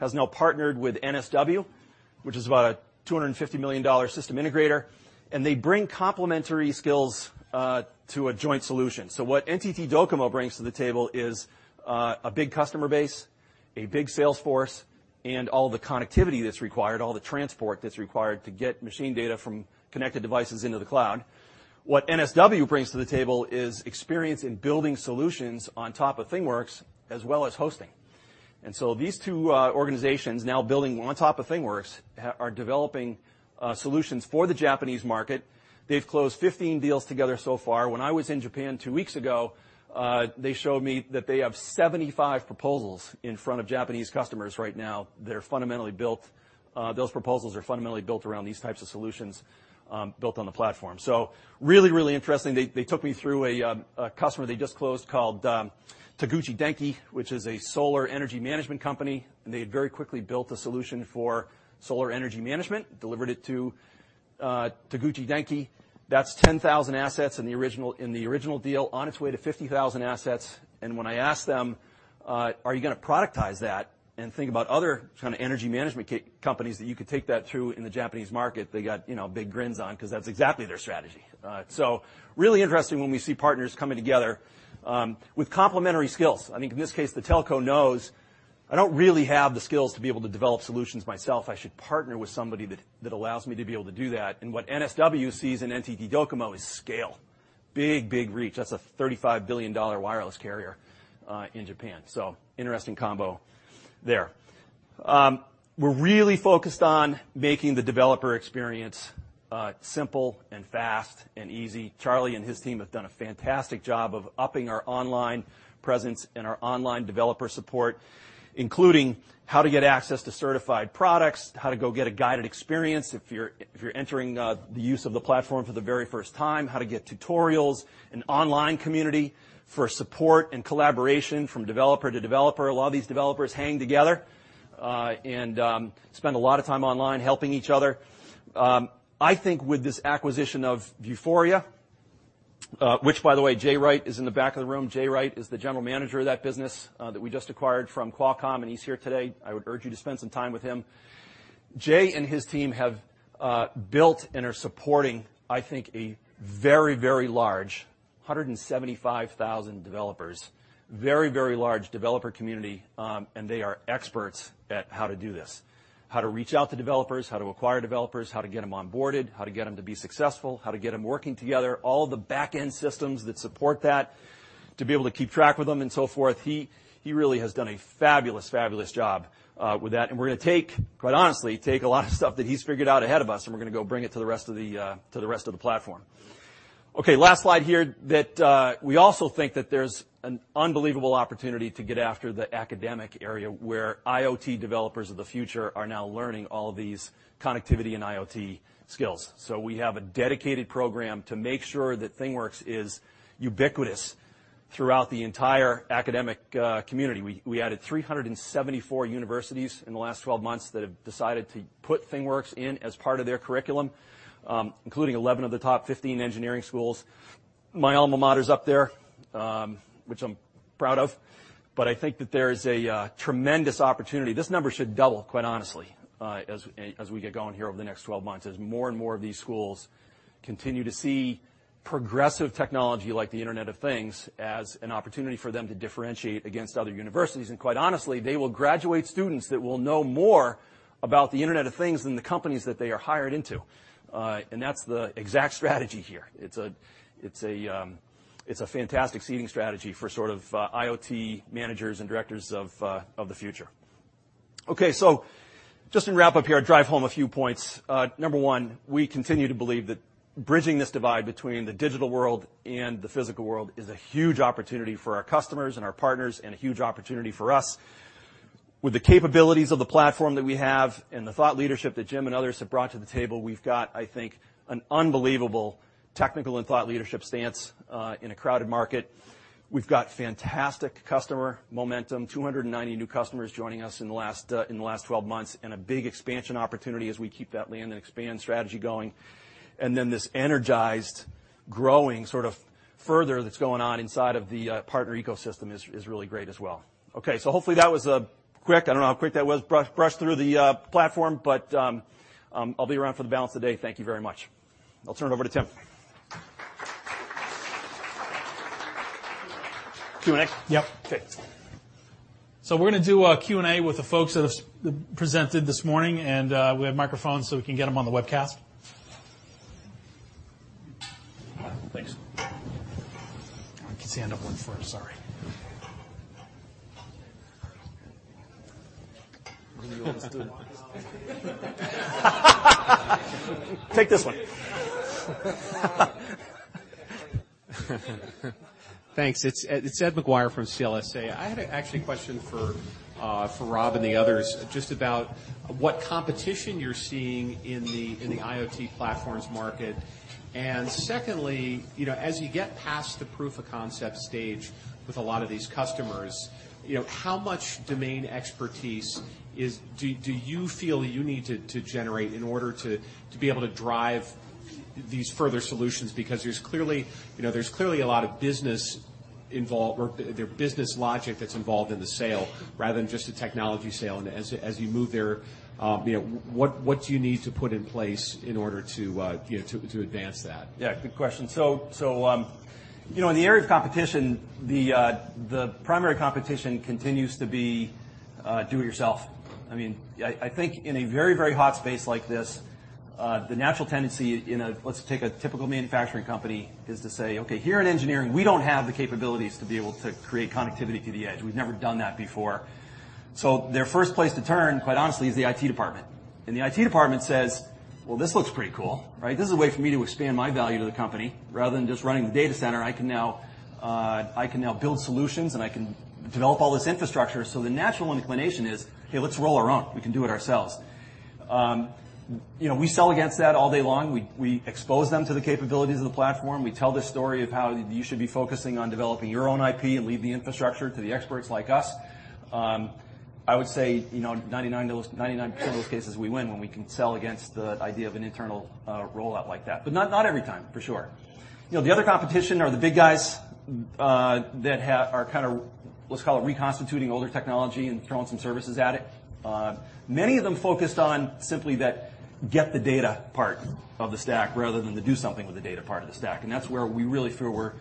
has now partnered with NSW, which is about a $250 million system integrator. They bring complementary skills to a joint solution. What NTT Docomo brings to the table is a big customer base, a big sales force, all the connectivity that's required, all the transport that's required to get machine data from connected devices into the cloud. What NSW brings to the table is experience in building solutions on top of ThingWorx, as well as hosting. These two organizations now building on top of ThingWorx are developing solutions for the Japanese market. They've closed 15 deals together so far. When I was in Japan two weeks ago, they showed me that they have 75 proposals in front of Japanese customers right now. Those proposals are fundamentally built around these types of solutions, built on the platform. Really, really interesting. They took me through a customer they just closed called Taguchi Denki, which is a solar energy management company. They had very quickly built a solution for solar energy management, delivered it to Taguchi Denki. That's 10,000 assets in the original deal on its way to 50,000 assets. When I asked them, "Are you going to productize that and think about other kind of energy management companies that you could take that to in the Japanese market?" They got big grins on because that's exactly their strategy. Really interesting when we see partners coming together with complementary skills. I think in this case, the telco knows I don't really have the skills to be able to develop solutions myself. I should partner with somebody that allows me to be able to do that. What NSW sees in NTT Docomo is scale, big, big reach. That's a $35 billion wireless carrier in Japan. Interesting combo there. We're really focused on making the developer experience simple and fast and easy. Charlie and his team have done a fantastic job of upping our online presence and our online developer support, including how to get access to certified products, how to go get a guided experience if you're entering the use of the platform for the very first time, how to get tutorials, an online community for support and collaboration from developer to developer. A lot of these developers hang together, and spend a lot of time online helping each other. I think with this acquisition of Vuforia, which by the way, Jay Wright is in the back of the room. Jay Wright is the general manager of that business that we just acquired from Qualcomm, and he's here today. I would urge you to spend some time with him. Jay and his team have built and are supporting, I think a very, very large, 175,000 developers, very, very large developer community, and they are experts at how to do this, how to reach out to developers, how to acquire developers, how to get them onboarded, how to get them to be successful, how to get them working together, all the back-end systems that support that to be able to keep track with them and so forth. He really has done a fabulous job with that. We're going to take, quite honestly, take a lot of stuff that he's figured out ahead of us, and we're going to go bring it to the rest of the platform. Last slide here, that we also think that there's an unbelievable opportunity to get after the academic area where IoT developers of the future are now learning all these connectivity and IoT skills. We have a dedicated program to make sure that ThingWorx is ubiquitous throughout the entire academic community. We added 374 universities in the last 12 months that have decided to put ThingWorx in as part of their curriculum, including 11 of the top 15 engineering schools. My alma mater's up there, which I'm proud of. I think that there is a tremendous opportunity. This number should double, quite honestly, as we get going here over the next 12 months, as more and more of these schools continue to see progressive technology like the Internet of Things as an opportunity for them to differentiate against other universities. Quite honestly, they will graduate students that will know more about the Internet of Things than the companies that they are hired into. That's the exact strategy here. It's a fantastic seeding strategy for sort of IoT managers and directors of the future. Just to wrap up here, drive home a few points. Number one, we continue to believe that bridging this divide between the digital world and the physical world is a huge opportunity for our customers and our partners, and a huge opportunity for us. With the capabilities of the platform that we have and the thought leadership that Jim and others have brought to the table, we've got, I think, an unbelievable technical and thought leadership stance, in a crowded market. We've got fantastic customer momentum, 290 new customers joining us in the last 12 months, a big expansion opportunity as we keep that land and expand strategy going. This energized, growing sort of further that's going on inside of the partner ecosystem is really great as well. Hopefully that was a quick, I don't know how quick that was, brush through the platform. I'll be around for the balance of the day. Thank you very much. I'll turn it over to Tim. Q&A? Yep. Okay. We're going to do a Q&A with the folks that have presented this morning, and we have microphones so we can get them on the webcast. Thanks. I can see another one first, sorry. Take this one. Thanks. It's Edward Maguire from CLSA. I had actually a question for Rob and the others just about what competition you're seeing in the IoT platforms market. Secondly, as you get past the proof of concept stage with a lot of these customers, how much domain expertise do you feel you need to generate in order to be able to drive these further solutions? There's clearly a lot of business involved, or their business logic that's involved in the sale rather than just a technology sale. As you move there, what do you need to put in place in order to advance that? Yeah, good question. In the area of competition, the primary competition continues to be do it yourself. I think in a very, very hot space like this, the natural tendency in a, let's take a typical manufacturing company, is to say, "Okay, here in engineering, we don't have the capabilities to be able to create connectivity to the edge. We've never done that before." Their first place to turn, quite honestly, is the IT department. The IT department says, "Well, this looks pretty cool. This is a way for me to expand my value to the company. Rather than just running the data center, I can now build solutions, and I can develop all this infrastructure." The natural inclination is, "Hey, let's roll our own. We can do it ourselves." We sell against that all day long. We expose them to the capabilities of the platform. We tell the story of how you should be focusing on developing your own IP and leave the infrastructure to the experts like us. I would say 99% of those cases we win when we can sell against the idea of an internal rollout like that, but not every time, for sure. The other competition are the big guys that are kind of, let's call it reconstituting older technology and throwing some services at it. Many of them focused on simply that get the data part of the stack rather than the do something with the data part of the stack. That's where we really feel we're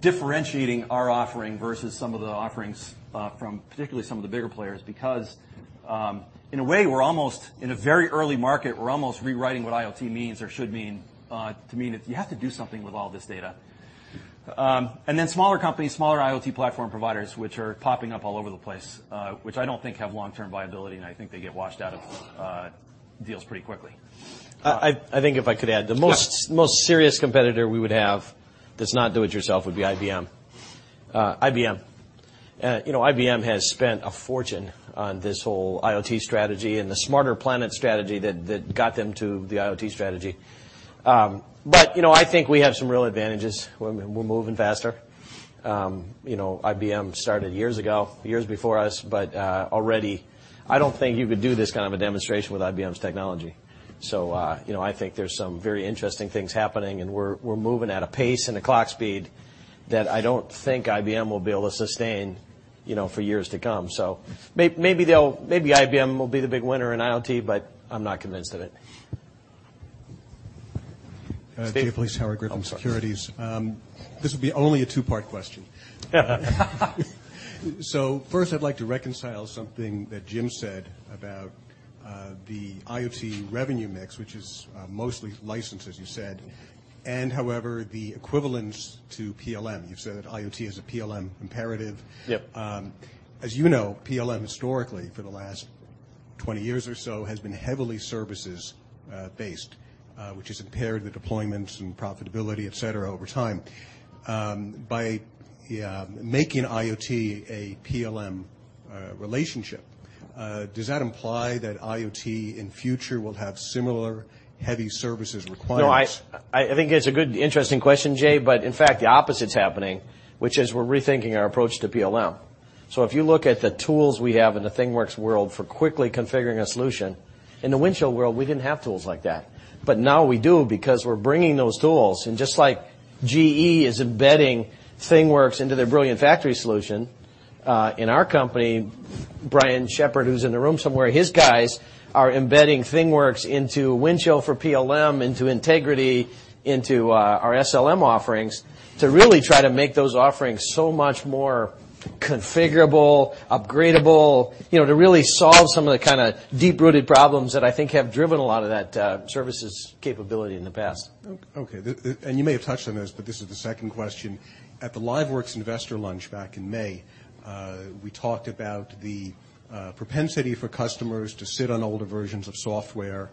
differentiating our offering versus some of the offerings from particularly some of the bigger players, because in a way, we're almost in a very early market. We're almost rewriting what IoT means or should mean to mean if you have to do something with all this data. Then smaller companies, smaller IoT platform providers, which are popping up all over the place, which I don't think have long-term viability, and I think they get washed out of deals pretty quickly. I think if I could add. Yeah. The most serious competitor we would have that's not do-it-yourself would be IBM. IBM has spent a fortune on this whole IoT strategy and the Smarter Planet strategy that got them to the IoT strategy. I think we have some real advantages. We're moving faster. IBM started years ago, years before us, but already, I don't think you could do this kind of a demonstration with IBM's technology. I think there's some very interesting things happening, and we're moving at a pace and a clock speed that I don't think IBM will be able to sustain for years to come. Maybe IBM will be the big winner in IoT, but I'm not convinced of it. Steve? Jay Vleeschhouwer, Griffin Securities. This will be only a two-part question. First, I'd like to reconcile something that Jim said about the IoT revenue mix, which is mostly licensed, as you said, and however, the equivalence to PLM. You've said that IoT is a PLM imperative. Yep. As you know, PLM historically, for the last 20 years or so, has been heavily services based, which has impaired the deployment and profitability, et cetera, over time. By making IoT a PLM relationship, does that imply that IoT in future will have similar heavy services requirements? No, I think it's a good, interesting question, Jay, in fact the opposite's happening, which is we're rethinking our approach to PLM. If you look at the tools we have in the ThingWorx world for quickly configuring a solution, in the Windchill world, we didn't have tools like that. Now we do because we're bringing those tools, and just like GE is embedding ThingWorx into their Brilliant Factory solution, in our company, Brian Shepherd, who's in the room somewhere, his guys are embedding ThingWorx into Windchill for PLM, into Integrity, into our SLM offerings to really try to make those offerings so much more configurable, upgradable, to really solve some of the kind of deep-rooted problems that I think have driven a lot of that services capability in the past. Okay. You may have touched on this, but this is the second question. At the LiveWorx investor lunch back in May, we talked about the propensity for customers to sit on older versions of software,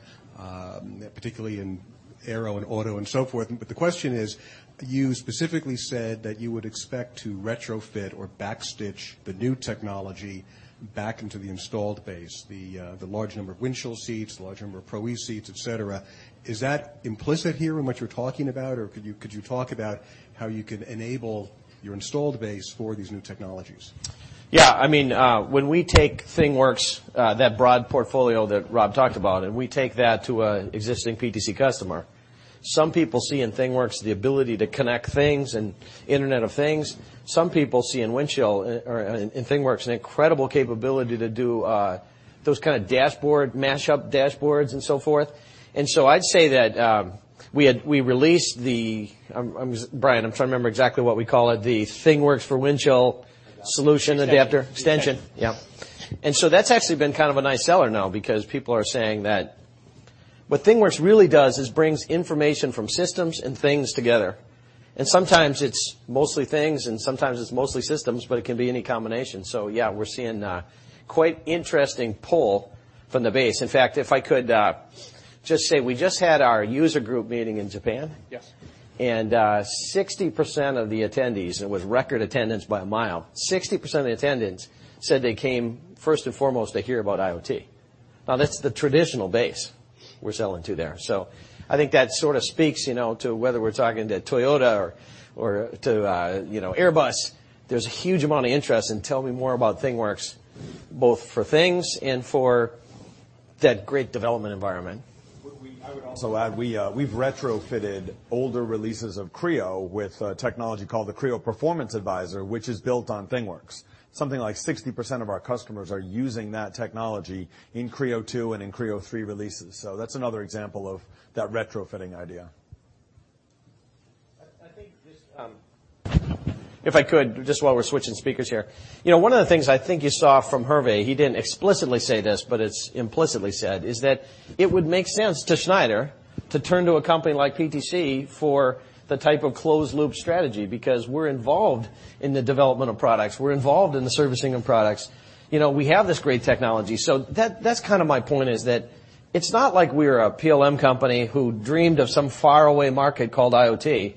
particularly in aero and auto and so forth. The question is, you specifically said that you would expect to retrofit or backstitch the new technology back into the installed base, the large number of Windchill seats, the large number of Pro-E seats, et cetera. Is that implicit here in what you're talking about, or could you talk about how you could enable your installed base for these new technologies? Yeah. When we take ThingWorx, that broad portfolio that Rob talked about, we take that to an existing PTC customer, some people see in ThingWorx the ability to connect things and Internet of Things. Some people see in ThingWorx an incredible capability to do those kind of mashup dashboards and so forth. So I'd say that we released the Brian, I'm trying to remember exactly what we call it, the ThingWorx for Windchill solution adapter. Extension. Extension. Yep. That's actually been kind of a nice seller now because people are saying that what ThingWorx really does is brings information from systems and things together. Sometimes it's mostly things, and sometimes it's mostly systems, but it can be any combination. Yeah, we're seeing a quite interesting pull from the base. In fact, if I could just say, we just had our user group meeting in Japan. Yes. 60% of the attendees, it was record attendance by a mile, 60% of the attendants said they came first and foremost to hear about IoT. Now, that's the traditional base we're selling to there. I think that sort of speaks to whether we're talking to Toyota or to Airbus, there's a huge amount of interest in tell me more about ThingWorx, both for things and for that great development environment. I would also add, we've retrofitted older releases of Creo with a technology called the Creo Performance Advisor, which is built on ThingWorx. Something like 60% of our customers are using that technology in Creo 2 and in Creo 3 releases. That's another example of that retrofitting idea. If I could, just while we're switching speakers here. One of the things I think you saw from Hervé, he didn't explicitly say this, but it's implicitly said, is that it would make sense to Schneider to turn to a company like PTC for the type of closed-loop strategy because we're involved in the development of products. We're involved in the servicing of products. We have this great technology. That's kind of my point is that it's not like we're a PLM company who dreamed of some faraway market called IoT.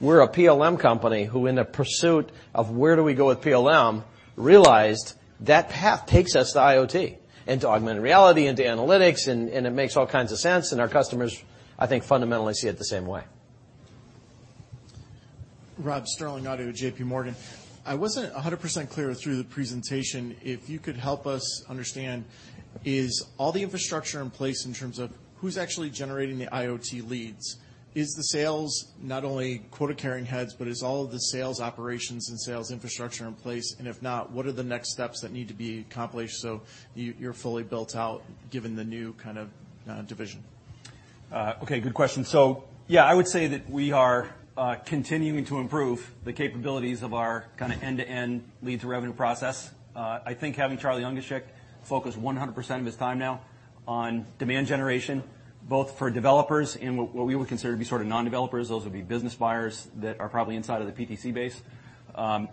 We're a PLM company who, in the pursuit of where do we go with PLM, realized that path takes us to IoT and to augmented reality, into analytics, and it makes all kinds of sense, and our customers, I think, fundamentally see it the same way. Sterling Auty, JP Morgan. I wasn't 100% clear through the presentation. If you could help us understand, is all the infrastructure in place in terms of who's actually generating the IoT leads? Is the sales not only quota-carrying heads, but is all of the sales operations and sales infrastructure in place? If not, what are the next steps that need to be accomplished so you're fully built out given the new kind of division? Okay, good question. Yeah, I would say that we are continuing to improve the capabilities of our kind of end-to-end lead to revenue process. I think having Charlie Ungashick focus 100% of his time now on demand generation, both for developers and what we would consider to be sort of non-developers, those would be business buyers that are probably inside of the PTC base.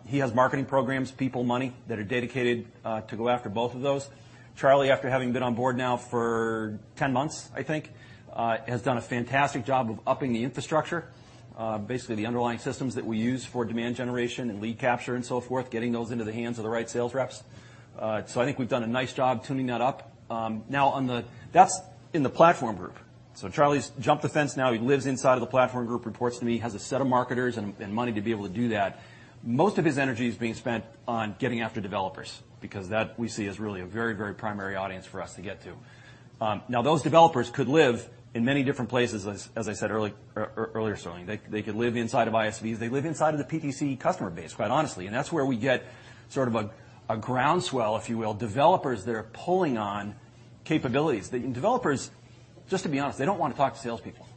He has marketing programs, people, money that are dedicated to go after both of those. Charlie, after having been on board now for 10 months, I think, has done a fantastic job of upping the infrastructure. Basically, the underlying systems that we use for demand generation and lead capture and so forth, getting those into the hands of the right sales reps. I think we've done a nice job tuning that up. Now, that's in the platform group. Charlie's jumped the fence now. He lives inside of the platform group, reports to me, has a set of marketers and money to be able to do that. Most of his energy is being spent on getting after developers, because that, we see, is really a very primary audience for us to get to. Those developers could live in many different places, as I said earlier, Sterling. They could live inside of ISVs. They live inside of the PTC customer base, quite honestly, and that's where we get sort of a ground swell, if you will. Developers that are pulling on capabilities. Developers, just to be honest, they don't want to talk to salespeople.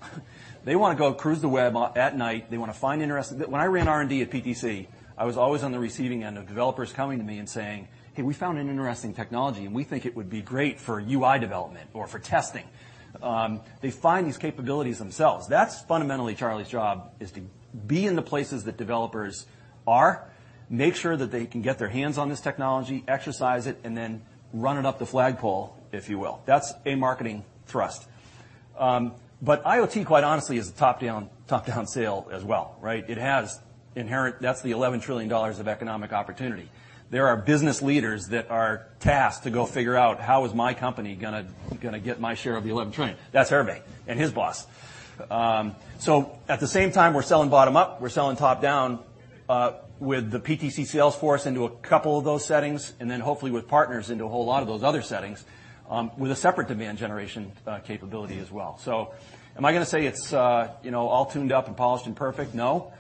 They want to go cruise the web at night. They want to find interesting. When I ran R&D at PTC, I was always on the receiving end of developers coming to me and saying, "Hey, we found an interesting technology, and we think it would be great for UI development or for testing." They find these capabilities themselves. That's fundamentally Charlie's job, is to be in the places that developers are, make sure that they can get their hands on this technology, exercise it, run it up the flagpole, if you will. That's a marketing thrust. IoT, quite honestly, is a top-down sale as well, right? That's the $11 trillion of economic opportunity. There are business leaders that are tasked to go figure out, how is my company going to get my share of the $11 trillion? That's Hervé and his boss. At the same time, we're selling bottom up, we're selling top down with the PTC sales force into a couple of those settings, hopefully with partners into a whole lot of those other settings, with a separate demand generation capability as well. Am I going to say it's all tuned up and polished and perfect? No.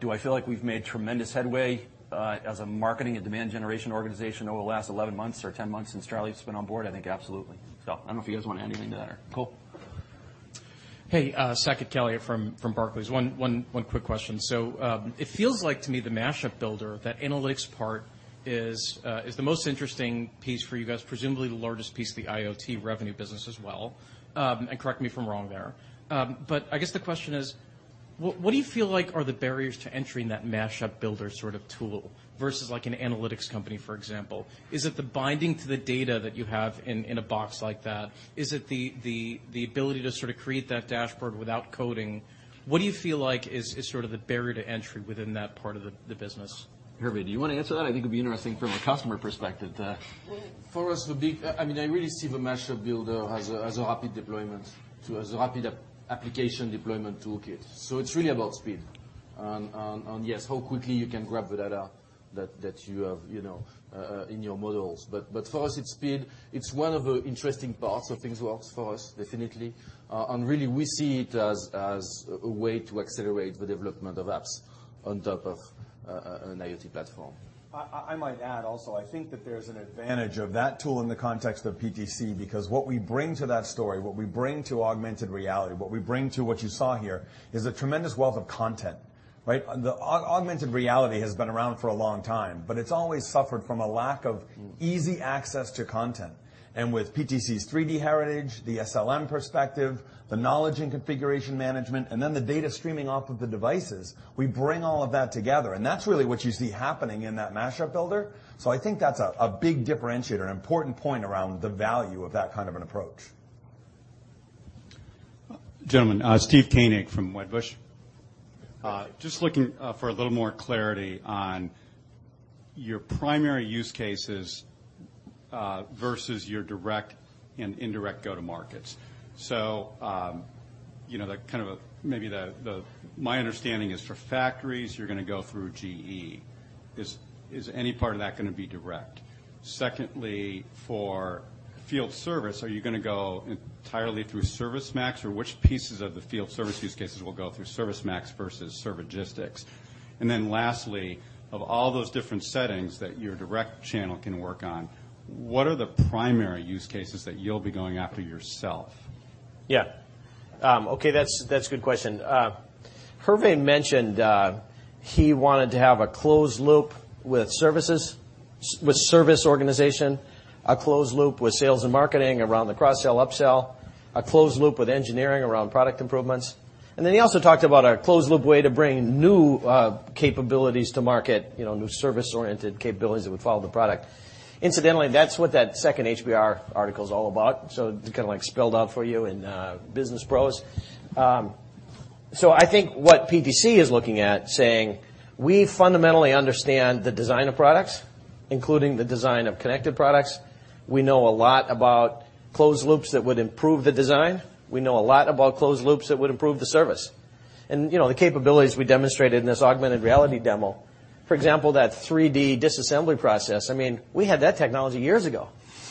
Do I feel like we've made tremendous headway as a marketing and demand generation organization over the last 11 months or 10 months since Charlie's been on board? I think absolutely. I don't know if you guys want to add anything to that or Cool. Hey, Saket Kalia from Barclays. One quick question. It feels like to me the Mashup Builder, that analytics part, is the most interesting piece for you guys, presumably the largest piece of the IoT revenue business as well, and correct me if I'm wrong there. I guess the question is, what do you feel like are the barriers to entry in that Mashup Builder sort of tool versus like an analytics company, for example? Is it the binding to the data that you have in a box like that? Is it the ability to sort of create that dashboard without coding? What do you feel like is sort of the barrier to entry within that part of the business? Hervé, do you want to answer that? I think it'd be interesting from a customer perspective to- For us, I really see the Mashup Builder as a rapid deployment, as a rapid application deployment toolkit. It's really about speed, and yes, how quickly you can grab the data that you have in your models. For us, it's speed. It's one of the interesting parts of ThingWorx for us, definitely. Really, we see it as a way to accelerate the development of apps on top of an IoT platform. I might add also, I think that there's an advantage of that tool in the context of PTC, because what we bring to that story, what we bring to augmented reality, what we bring to what you saw here, is a tremendous wealth of content, right? The augmented reality has been around for a long time, but it's always suffered from a lack of easy access to content. With PTC's 3D heritage, the SLM perspective, the knowledge and configuration management, and then the data streaming off of the devices, we bring all of that together, and that's really what you see happening in that Mashup Builder. I think that's a big differentiator, an important point around the value of that kind of an approach. Gentlemen, Steve Koenig from Wedbush. Hi, Steve. Just looking for a little more clarity on your primary use cases versus your direct and indirect go-to markets. Maybe my understanding is for factories, you're going to go through GE. Is any part of that going to be direct? For field service, are you going to go entirely through ServiceMax, or which pieces of the field service use cases will go through ServiceMax versus Servigistics? Lastly, of all those different settings that your direct channel can work on, what are the primary use cases that you'll be going after yourself? Yeah. Okay, that's a good question. Hervé mentioned he wanted to have a closed loop with service organization, a closed loop with sales and marketing around the cross-sell, up-sell, a closed loop with engineering around product improvements. He also talked about a closed loop way to bring new capabilities to market, new service-oriented capabilities that would follow the product. Incidentally, that's what that second HBR article's all about, kind of like spelled out for you in business prose. I think what PTC is looking at saying, we fundamentally understand the design of products, including the design of connected products. We know a lot about closed loops that would improve the design. We know a lot about closed loops that would improve the service. The capabilities we demonstrated in this augmented reality demo, for example, that 3D disassembly process, I mean, we had that technology years ago.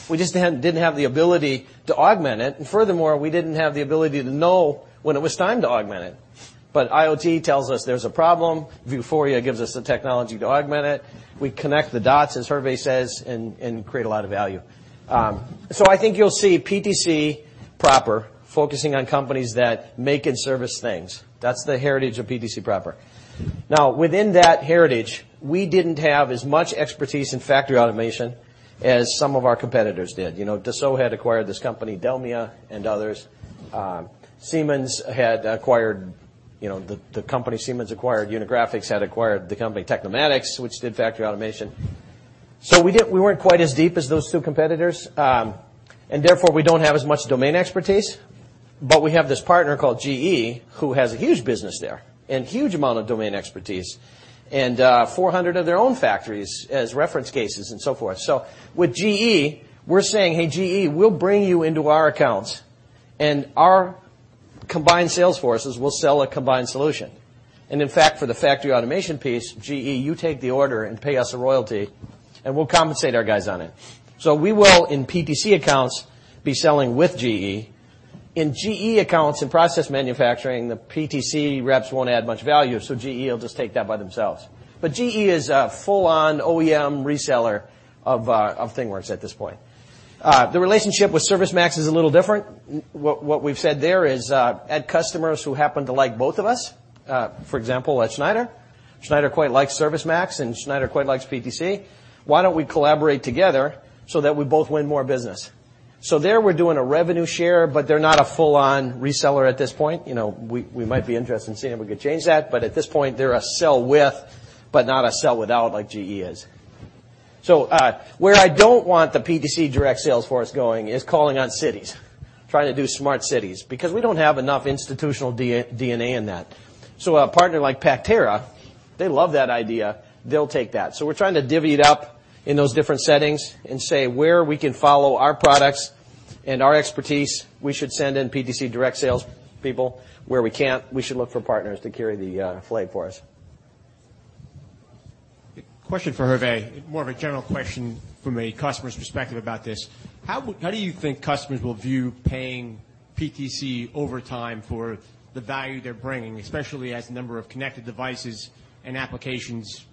We just didn't have the ability to augment it, and furthermore, we didn't have the ability to know when it was time to augment it. IoT tells us there's a problem. Vuforia gives us the technology to augment it. We connect the dots, as Hervé says, and create a lot of value. I think you'll see PTC proper focusing on companies that make and service things. That's the heritage of PTC proper. Now, within that heritage, we didn't have as much expertise in factory automation as some of our competitors did. Dassault had acquired this company, DELMIA, and others. Siemens had acquired Unigraphics, had acquired the company Tecnomatix, which did factory automation. We weren't quite as deep as those two competitors, and therefore, we don't have as much domain expertise, but we have this partner called GE, who has a huge business there and huge amount of domain expertise and 400 of their own factories as reference cases and so forth. With GE, we're saying, "Hey, GE, we'll bring you into our accounts, and our combined sales forces will sell a combined solution. In fact, for the factory automation piece, GE, you take the order and pay us a royalty, and we'll compensate our guys on it." We will, in PTC accounts, be selling with GE. In GE accounts, in process manufacturing, the PTC reps won't add much value, GE will just take that by themselves. GE is a full-on OEM reseller of ThingWorx at this point. The relationship with ServiceMax is a little different. What we've said there is add customers who happen to like both of us, for example, at Schneider. Schneider quite likes ServiceMax, and Schneider quite likes PTC. Why don't we collaborate together so that we both win more business? There we're doing a revenue share, but they're not a full-on reseller at this point. We might be interested in seeing if we could change that, but at this point, they're a sell with, but not a sell without like GE is. Where I don't want the PTC direct sales force going is calling on cities, trying to do smart cities, because we don't have enough institutional DNA in that. A partner like Pactera, they love that idea. They'll take that. We're trying to divvy it up in those different settings and say where we can follow our products and our expertise, we should send in PTC direct sales people. Where we can't, we should look for partners to carry the flag for us. Question for Hervé, more of a general question from a customer's perspective about this. How do you think customers will view paying PTC over time for the value they're bringing, especially as the number of connected devices and applications,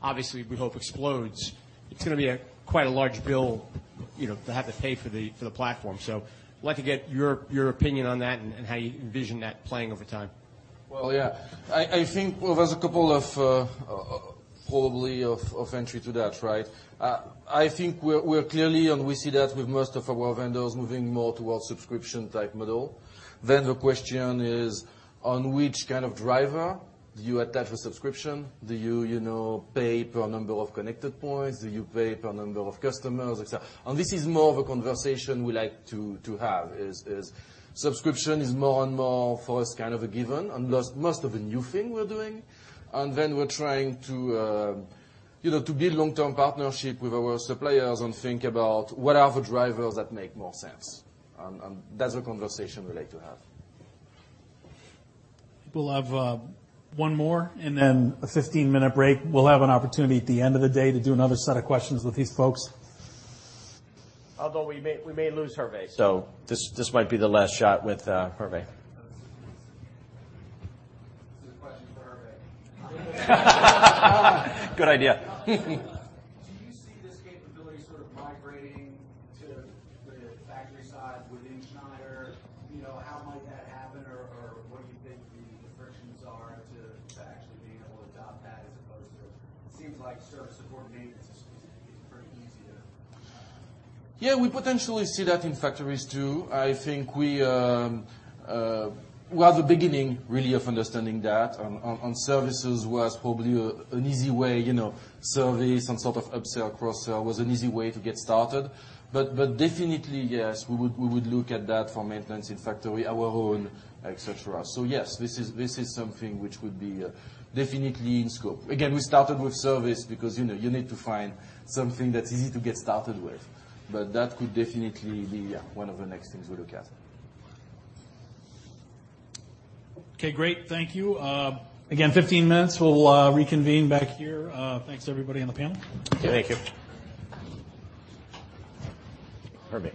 obviously, we hope explodes? It's going to be quite a large bill to have to pay for the platform. I'd like to get your opinion on that and how you envision that playing over time. Well, yeah. I think, well, there's a couple of probably of entry to that, right? I think we're clearly, and we see that with most of our vendors moving more towards subscription type model. The question is on which kind of driver do you attach a subscription? Do you pay per number of connected points? Do you pay per number of customers, et cetera? This is more of a conversation we like to have is subscription is more and more for us kind of a given and most of the new thing we're doing, we're trying to build long-term partnership with our suppliers and think about what are the drivers that make more sense, and that's a conversation we like to have. We'll have one more, and then a 15-minute break. We'll have an opportunity at the end of the day to do another set of questions with these folks. We may lose Hervé, so this might be the last shot with Hervé. This is a question for Hervé. Good idea. Do you see this capability sort of migrating to the factory side within Schneider Electric? How might that happen, or what do you think the frictions are to actually being able to adopt that as opposed to it seems like service and board maintenance is pretty easy. Yeah, we potentially see that in factories, too. I think we are the beginning, really, of understanding that on services was probably an easy way, service and sort of upsell, cross-sell was an easy way to get started. Definitely, yes, we would look at that for maintenance in factory, our own, et cetera. Yes, this is something which would be definitely in scope. Again, we started with service because you need to find something that's easy to get started with, but that could definitely be one of the next things we look at. Okay, great. Thank you. Again, 15 minutes. We'll reconvene back here. Thanks, everybody on the panel. Thank you. Hervé. Thank you.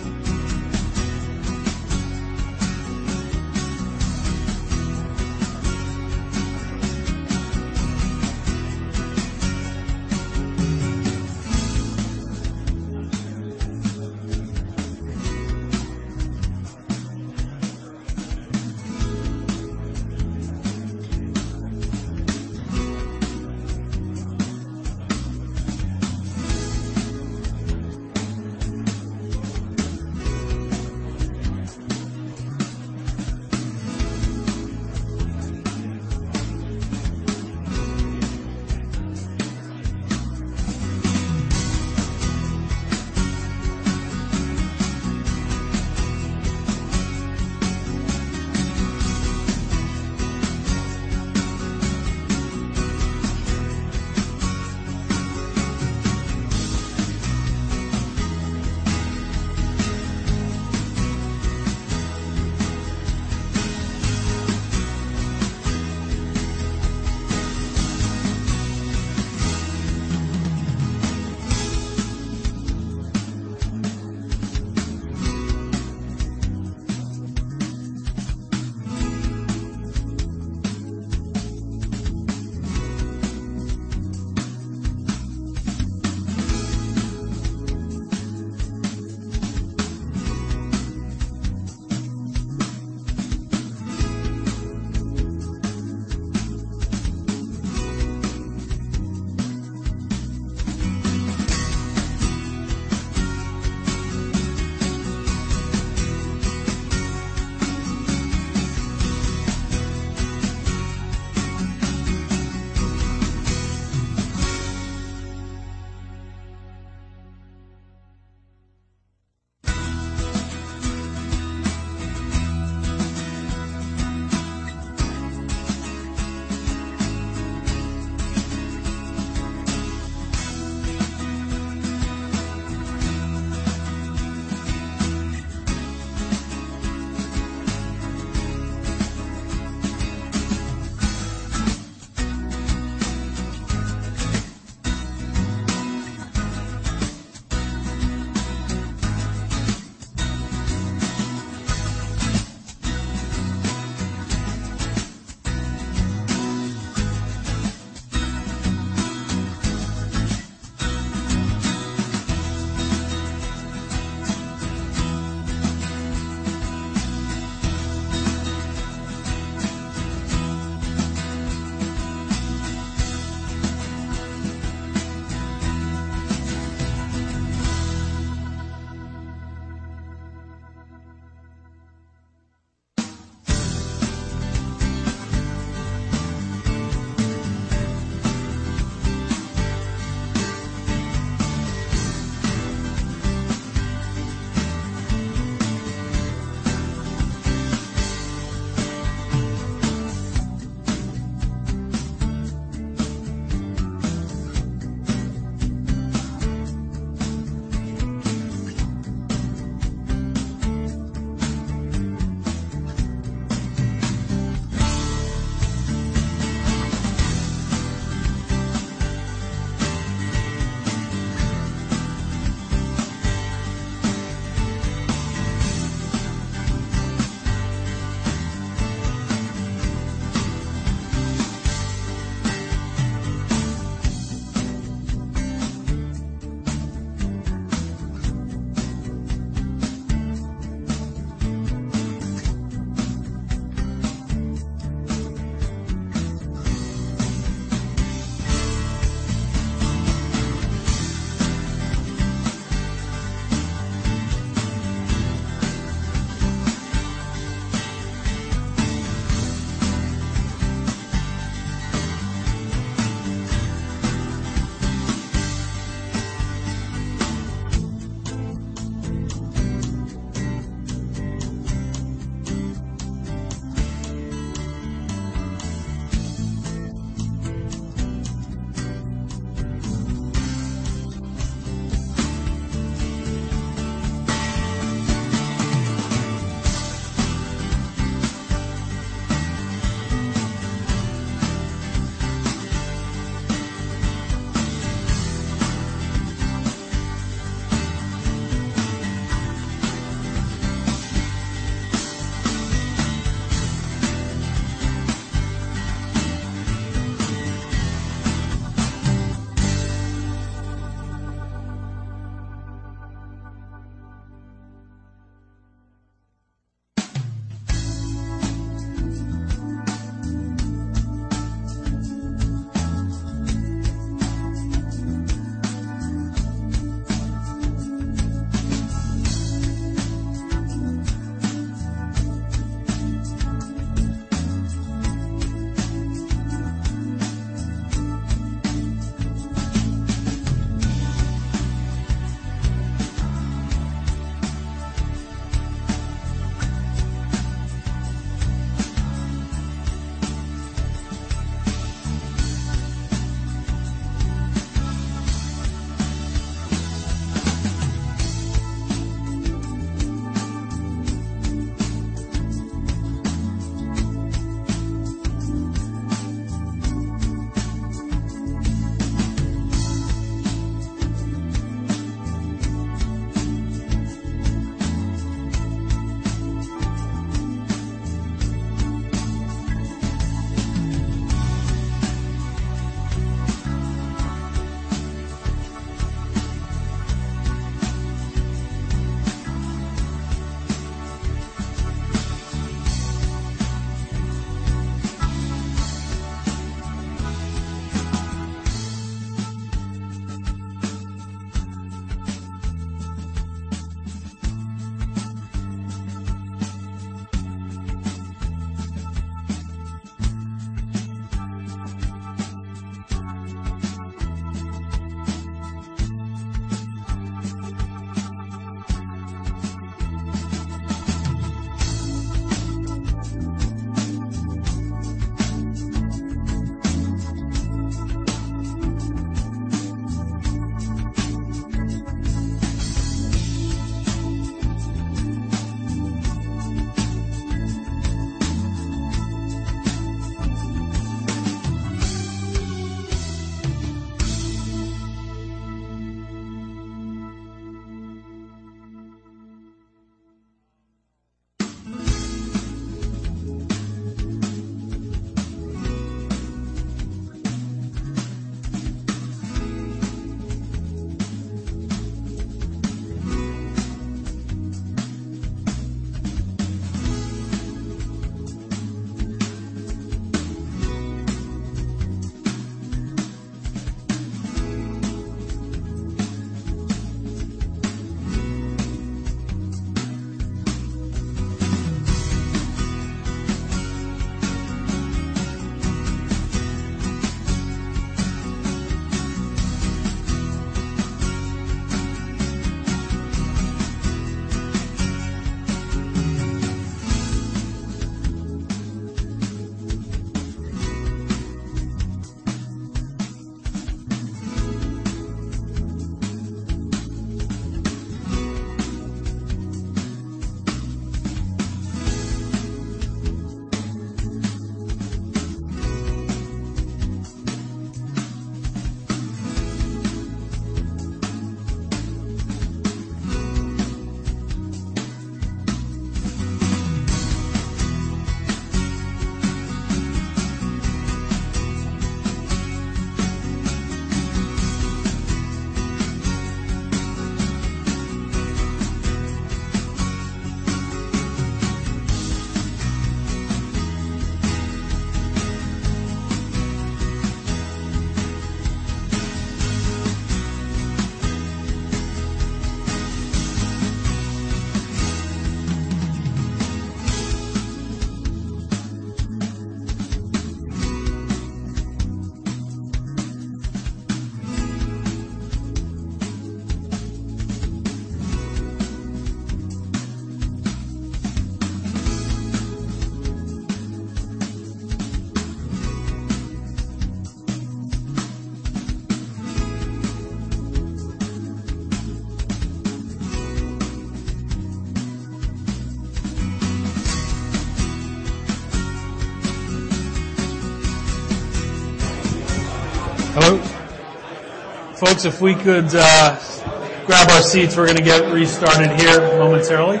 Thank you very much. Thank you. Thank you. Hello. Folks, if we could grab our seats, we're going to get restarted here momentarily.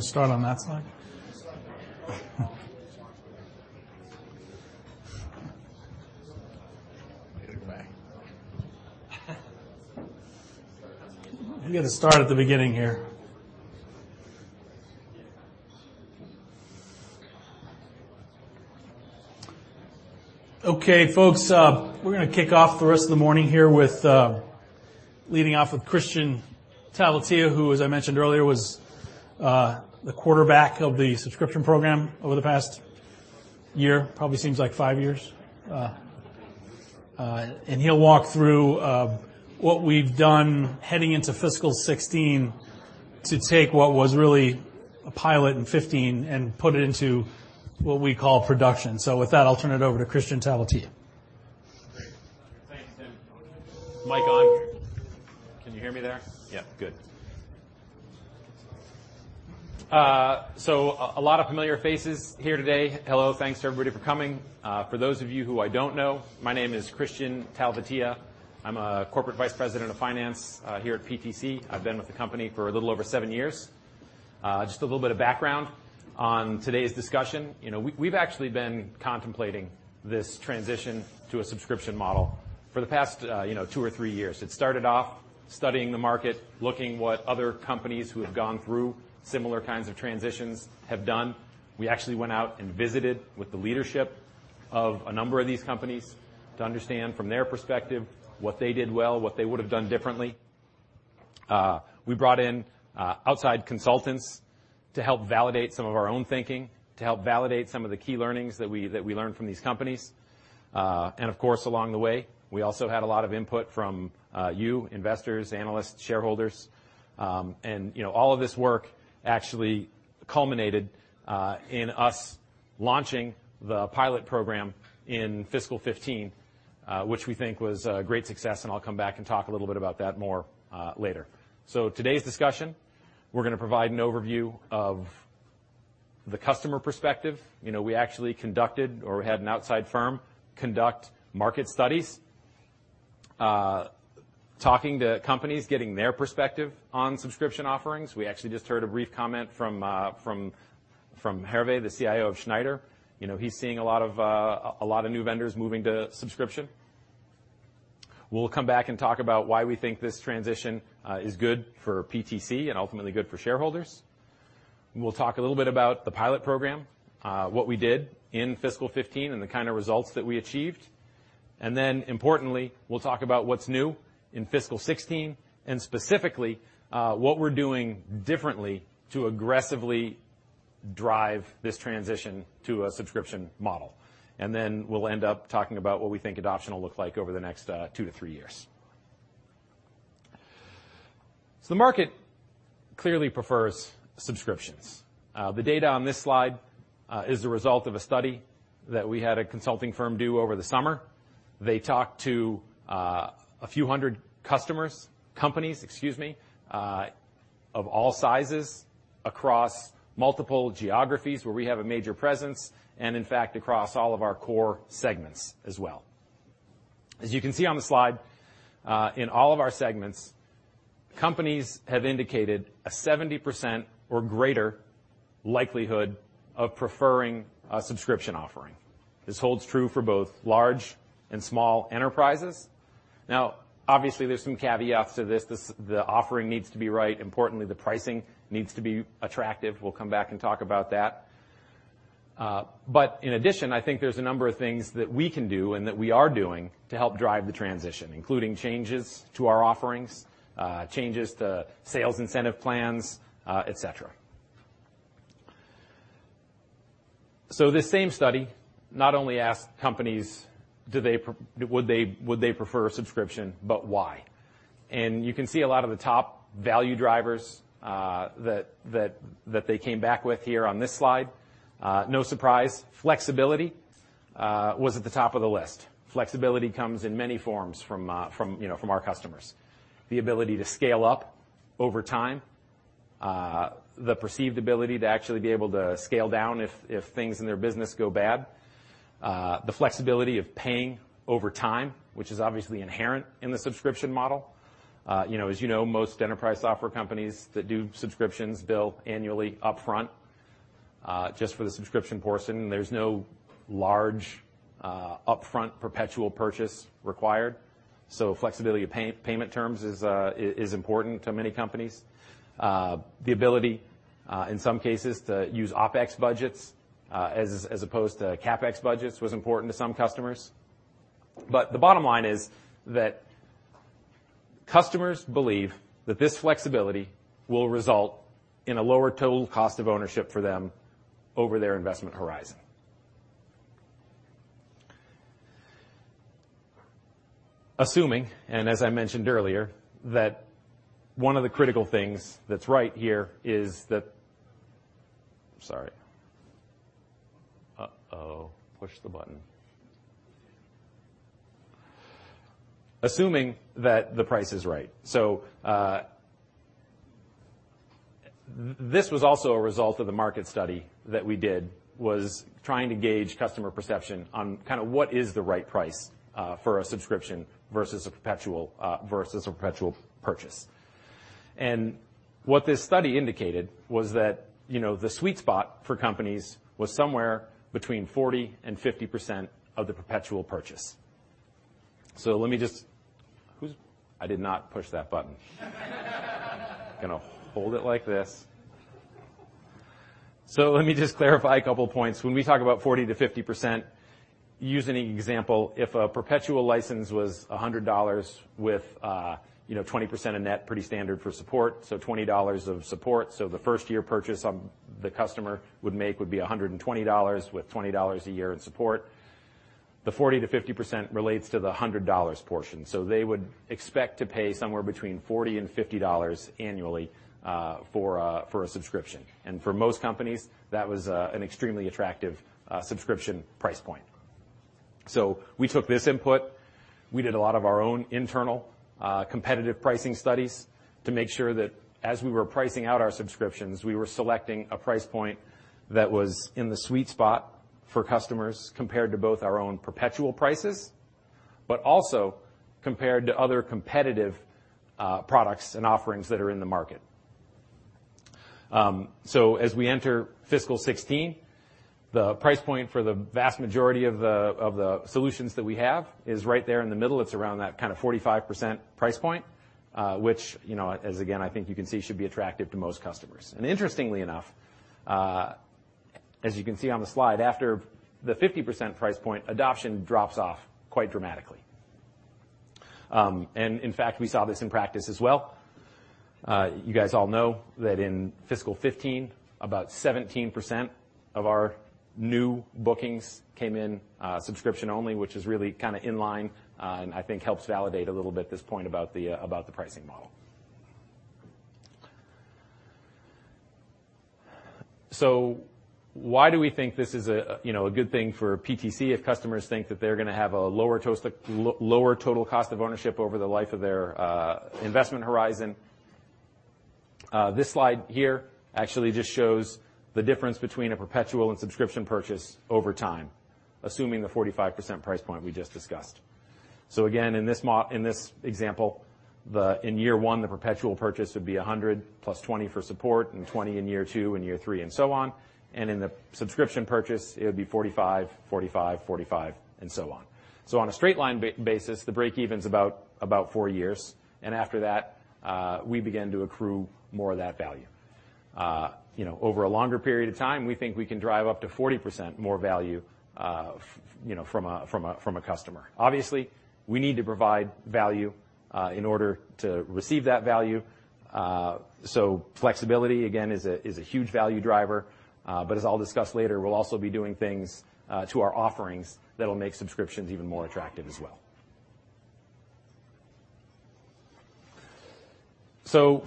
You want to start on that slide? We got to start at the beginning here. Okay, folks, we're going to kick off the rest of the morning here with leading off with Kristian Talvitie, who as I mentioned earlier, was the quarterback of the subscription program over the past year, probably seems like five years. He'll walk through what we've done heading into fiscal 2016 to take what was really a pilot in 2015 and put it into what we call production. With that, I'll turn it over to Kristian Talvitie. Thanks, Tim. Mic on? Can you hear me there? Yeah, good. A lot of familiar faces here today. Hello, thanks everybody for coming. For those of you who I don't know, my name is Christian. I'm a Corporate Vice President of Finance here at PTC. I've been with the company for a little over seven years. Just a little bit of background on today's discussion. We've actually been contemplating this transition to a subscription model for the past 2 or 3 years. It started off studying the market, looking what other companies who have gone through similar kinds of transitions have done. We actually went out and visited with the leadership of a number of these companies to understand from their perspective what they did well, what they would've done differently. We brought in outside consultants to help validate some of our own thinking, to help validate some of the key learnings that we learned from these companies. Of course, along the way, we also had a lot of input from you, investors, analysts, shareholders. All of this work actually culminated in us launching the pilot program in fiscal 2015, which we think was a great success, and I'll come back and talk a little bit about that more later. Today's discussion, we're going to provide an overview of the customer perspective. We actually conducted, or had an outside firm conduct market studies. Talking to companies, getting their perspective on subscription offerings. We actually just heard a brief comment from Hervé, the CIO of Schneider. He's seeing a lot of new vendors moving to subscription. We'll come back and talk about why we think this transition is good for PTC and ultimately good for shareholders. We'll talk a little bit about the pilot program, what we did in fiscal 2015, and the kind of results that we achieved. Importantly, we'll talk about what's new in fiscal 2016 and specifically, what we're doing differently to aggressively drive this transition to a subscription model. We'll end up talking about what we think adoption will look like over the next 2-3 years. The market clearly prefers subscriptions. The data on this slide is the result of a study that we had a consulting firm do over the summer. They talked to a few hundred customers, companies, excuse me, of all sizes across multiple geographies where we have a major presence, and in fact, across all of our core segments as well. As you can see on the slide, in all of our segments, companies have indicated a 70% or greater likelihood of preferring a subscription offering. This holds true for both large and small enterprises. Obviously, there's some caveats to this. The offering needs to be right. Importantly, the pricing needs to be attractive. We'll come back and talk about that. In addition, I think there's a number of things that we can do and that we are doing to help drive the transition, including changes to our offerings, changes to sales incentive plans, et cetera. This same study not only asked companies would they prefer a subscription, but why. You can see a lot of the top value drivers that they came back with here on this slide. No surprise, flexibility was at the top of the list. Flexibility comes in many forms from our customers. The ability to scale up over time. The perceived ability to actually be able to scale down if things in their business go bad. The flexibility of paying over time, which is obviously inherent in the subscription model. As you know, most enterprise software companies that do subscriptions bill annually upfront, just for the subscription portion. There's no large, upfront perpetual purchase required. Flexibility of payment terms is important to many companies. The ability, in some cases, to use OpEx budgets, as opposed to CapEx budgets, was important to some customers. The bottom line is that customers believe that this flexibility will result in a lower total cost of ownership for them over their investment horizon. Assuming, and as I mentioned earlier, that one of the critical things that's right here is that assuming that the price is right. This was also a result of the market study that we did, was trying to gauge customer perception on what is the right price for a subscription versus a perpetual purchase. What this study indicated was that the sweet spot for companies was somewhere between 40%-50% of the perpetual purchase. Let me just clarify a couple of points. When we talk about 40%-50%, using the example, if a perpetual license was $100 with 20% of net, pretty standard for support, $20 of support. The first-year purchase the customer would make would be $120 with $20 a year in support. The 40%-50% relates to the $100 portion. They would expect to pay somewhere between $40 and $50 annually, for a subscription. For most companies, that was an extremely attractive subscription price point. We took this input. We did a lot of our own internal competitive pricing studies to make sure that as we were pricing out our subscriptions, we were selecting a price point that was in the sweet spot for customers, compared to both our own perpetual prices, but also compared to other competitive products and offerings that are in the market. As we enter fiscal 2016, the price point for the vast majority of the solutions that we have is right there in the middle. It's around that kind of 45% price point, which as again, I think you can see, should be attractive to most customers. Interestingly enough, as you can see on the slide, after the 50% price point, adoption drops off quite dramatically. In fact, we saw this in practice as well. You guys all know that in fiscal 2015, about 17% of our new bookings came in subscription only, which is really kind of in line, and I think helps validate a little bit this point about the pricing model. Why do we think this is a good thing for PTC if customers think that they're going to have a lower total cost of ownership over the life of their investment horizon? This slide here actually just shows the difference between a perpetual and subscription purchase over time, assuming the 45% price point we just discussed. Again, in this example, in year one, the perpetual purchase would be $100 plus $20 for support, and $20 in year two and year three and so on. In the subscription purchase, it would be $45, $45, $45, and so on. On a straight line basis, the breakeven's about four years, and after that, we begin to accrue more of that value. Over a longer period of time, we think we can drive up to 40% more value from a customer. Obviously, we need to provide value in order to receive that value. Flexibility, again, is a huge value driver. As I'll discuss later, we'll also be doing things to our offerings that'll make subscriptions even more attractive as well.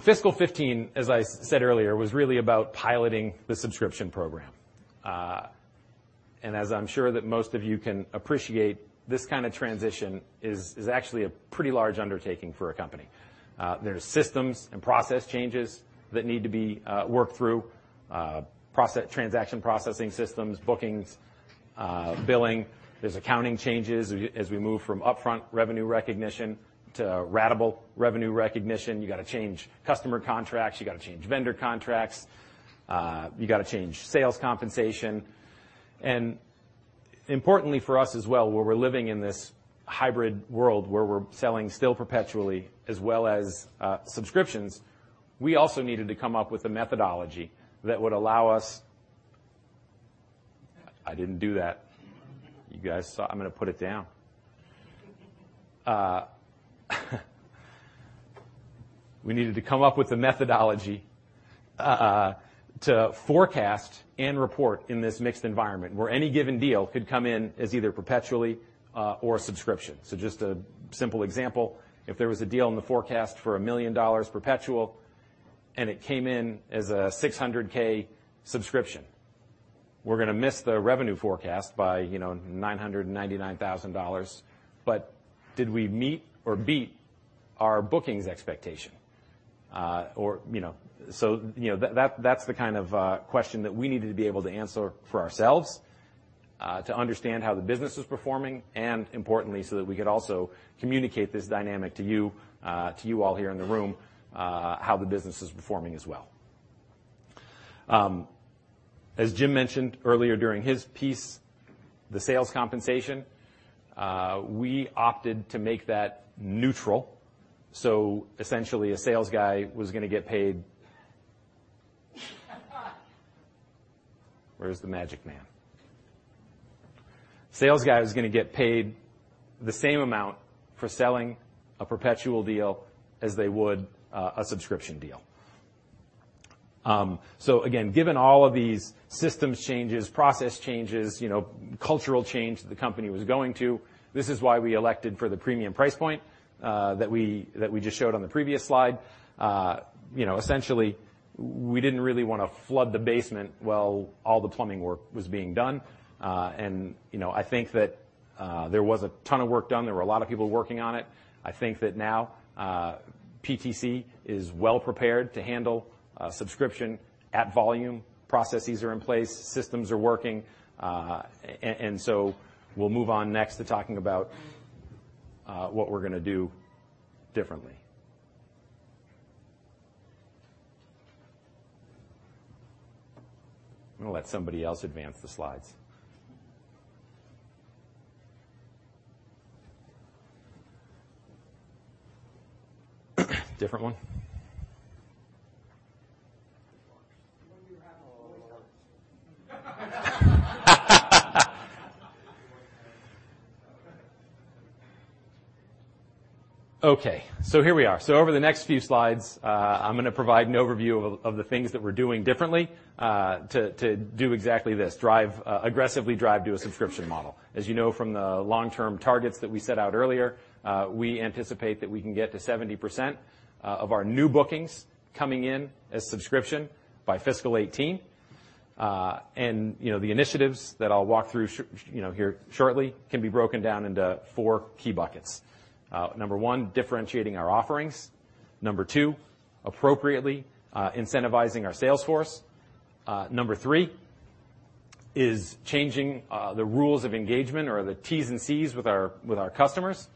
Fiscal 2015, as I said earlier, was really about piloting the subscription program. As I'm sure that most of you can appreciate, this kind of transition is actually a pretty large undertaking for a company. There's systems and process changes that need to be worked through, transaction processing systems, bookings, billing. There's accounting changes as we move from upfront revenue recognition to ratable revenue recognition. You got to change customer contracts, you got to change vendor contracts, you got to change sales compensation. Importantly for us as well, where we're living in this hybrid world, where we're selling still perpetually as well as subscriptions, we also needed to come up with a methodology that would allow us I didn't do that. You guys saw. I'm going to put it down. We needed to come up with a methodology to forecast and report in this mixed environment, where any given deal could come in as either perpetually or subscription. Just a simple example, if there was a deal in the forecast for $1 million perpetual, and it came in as a $600K subscription, we're going to miss the revenue forecast by $999,000. Did we meet or beat our bookings expectation? That's the kind of question that we needed to be able to answer for ourselves, to understand how the business was performing, and importantly, so that we could also communicate this dynamic to you all here in the room, how the business is performing as well. As Jim mentioned earlier during his piece, the sales compensation, we opted to make that neutral. Essentially, a sales guy was going to get paid Where is the magic man? Sales guy was going to get paid the same amount for selling a perpetual deal as they would a subscription deal. Again, given all of these systems changes, process changes, cultural change that the company was going to, this is why we elected for the premium price point that we just showed on the previous slide. Essentially, we didn't really want to flood the basement while all the plumbing work was being done. I think that there was a ton of work done. There were a lot of people working on it. I think that now PTC is well prepared to handle subscription at volume. Processes are in place, systems are working. We'll move on next to talking about what we're going to do differently. I'm going to let somebody else advance the slides. Different one. The one you have on. Here we are. Over the next few slides, I am going to provide an overview of the things that we are doing differently, to do exactly this, aggressively drive to a subscription model. As you know from the long-term targets that we set out earlier, we anticipate that we can get to 70% of our new bookings coming in as subscription by fiscal 2018. The initiatives that I will walk through here shortly can be broken down into four key buckets. Number 1, differentiating our offerings. Number 2, appropriately incentivizing our sales force. Number 3 is changing the rules of engagement or the T's and C's with our customers.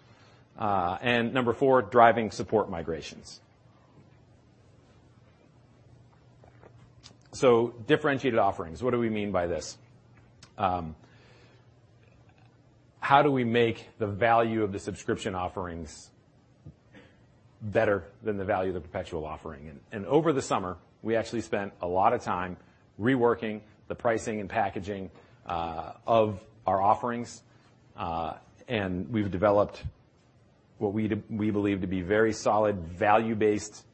Number 4, driving support migrations. Differentiated offerings. What do we mean by this? How do we make the value of the subscription offerings better than the value of the perpetual offering. Over the summer, we actually spent a lot of time reworking the pricing and packaging of our offerings. We have developed what we believe to be very solid value-based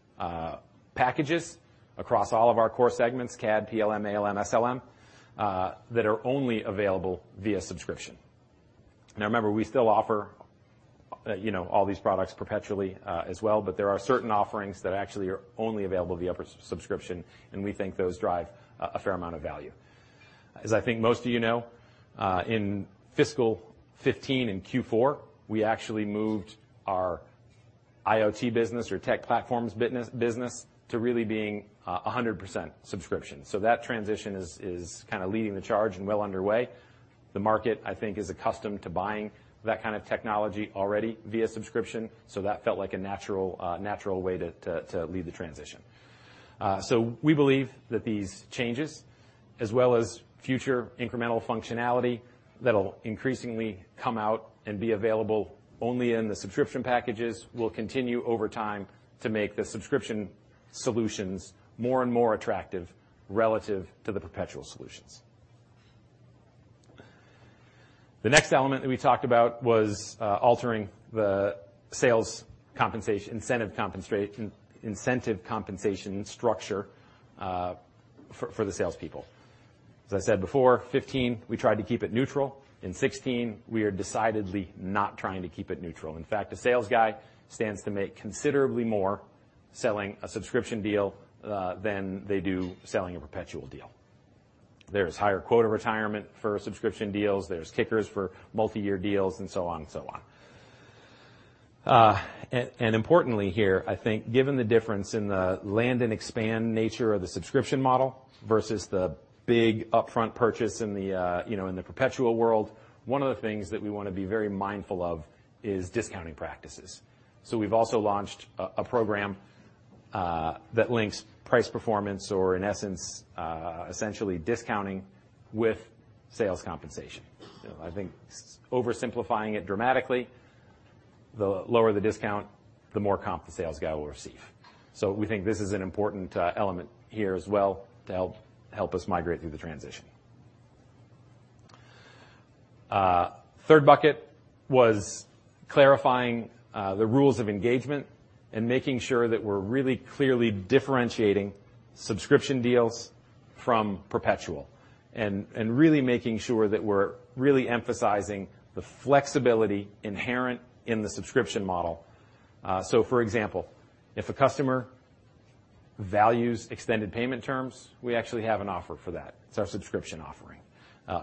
packages across all of our core segments, CAD, PLM, ALM, SLM, that are only available via subscription. Now remember, we still offer all these products perpetually as well, but there are certain offerings that actually are only available via subscription, and we think those drive a fair amount of value. As I think most of you know, in fiscal 2015, in Q4, we actually moved our IoT business or tech platforms business to really being 100% subscription. That transition is leading the charge and well underway. The market, I think, is accustomed to buying that kind of technology already via subscription, that felt like a natural way to lead the transition. We believe that these changes, as well as future incremental functionality that will increasingly come out and be available only in the subscription packages, will continue over time to make the subscription solutions more and more attractive relative to the perpetual solutions. The next element that we talked about was altering the sales incentive compensation structure for the salespeople. As I said before, 2015, we tried to keep it neutral. In 2016, we are decidedly not trying to keep it neutral. In fact, a sales guy stands to make considerably more selling a subscription deal, than they do selling a perpetual deal. There is higher quota retirement for subscription deals. There is kickers for multi-year deals and so on. Importantly here, I think given the difference in the land and expand nature of the subscription model versus the big upfront purchase in the perpetual world, one of the things that we want to be very mindful of is discounting practices. We've also launched a program that links price performance or in essence, essentially discounting with sales compensation. I think oversimplifying it dramatically, the lower the discount, the more comp the sales guy will receive. We think this is an important element here as well to help us migrate through the transition. Third bucket was clarifying the rules of engagement and making sure that we're really clearly differentiating subscription deals from perpetual, and really making sure that we're really emphasizing the flexibility inherent in the subscription model. For example, if a customer values extended payment terms, we actually have an offer for that. It's our subscription offering.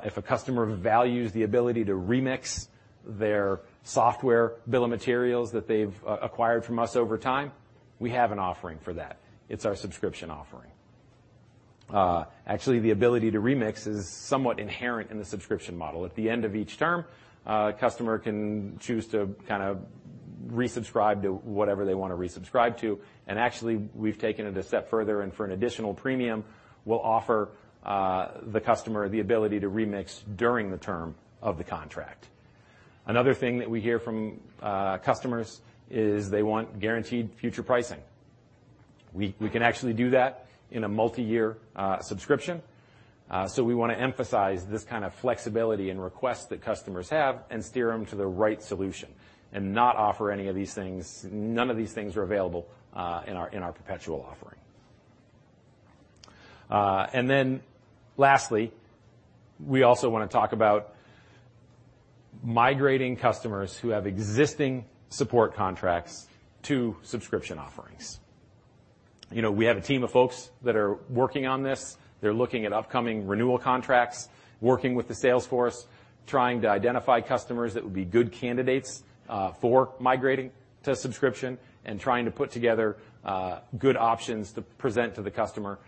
If a customer values the ability to remix their software bill of materials that they've acquired from us over time, we have an offering for that. It's our subscription offering. Actually, the ability to remix is somewhat inherent in the subscription model. At the end of each term, a customer can choose to resubscribe to whatever they want to resubscribe to. Actually, we've taken it a step further, and for an additional premium, we'll offer the customer the ability to remix during the term of the contract. Another thing that we hear from customers is they want guaranteed future pricing. We can actually do that in a multi-year subscription. We want to emphasize this kind of flexibility and requests that customers have and steer them to the right solution and not offer any of these things. None of these things are available in our perpetual offering. Lastly, we also want to talk about migrating customers who have existing support contracts to subscription offerings. We have a team of folks that are working on this. They're looking at upcoming renewal contracts, working with the sales force, trying to identify customers that would be good candidates for migrating to subscription and trying to put together good options to present to the customer,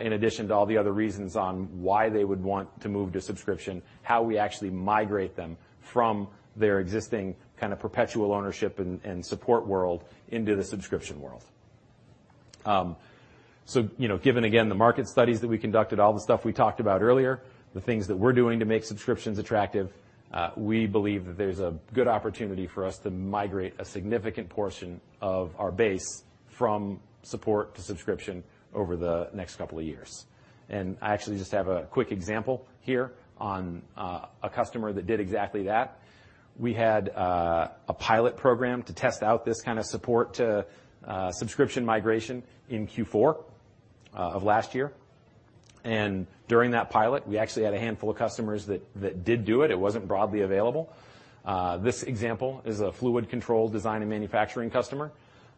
in addition to all the other reasons on why they would want to move to subscription, how we actually migrate them from their existing perpetual ownership and support world into the subscription world. Given again the market studies that we conducted, all the stuff we talked about earlier, the things that we're doing to make subscriptions attractive, we believe that there's a good opportunity for us to migrate a significant portion of our base from support to subscription over the next couple of years. I actually just have a quick example here on a customer that did exactly that. We had a pilot program to test out this kind of support to subscription migration in Q4 of last year. During that pilot, we actually had a handful of customers that did do it. It wasn't broadly available. This example is a fluid control design and manufacturing customer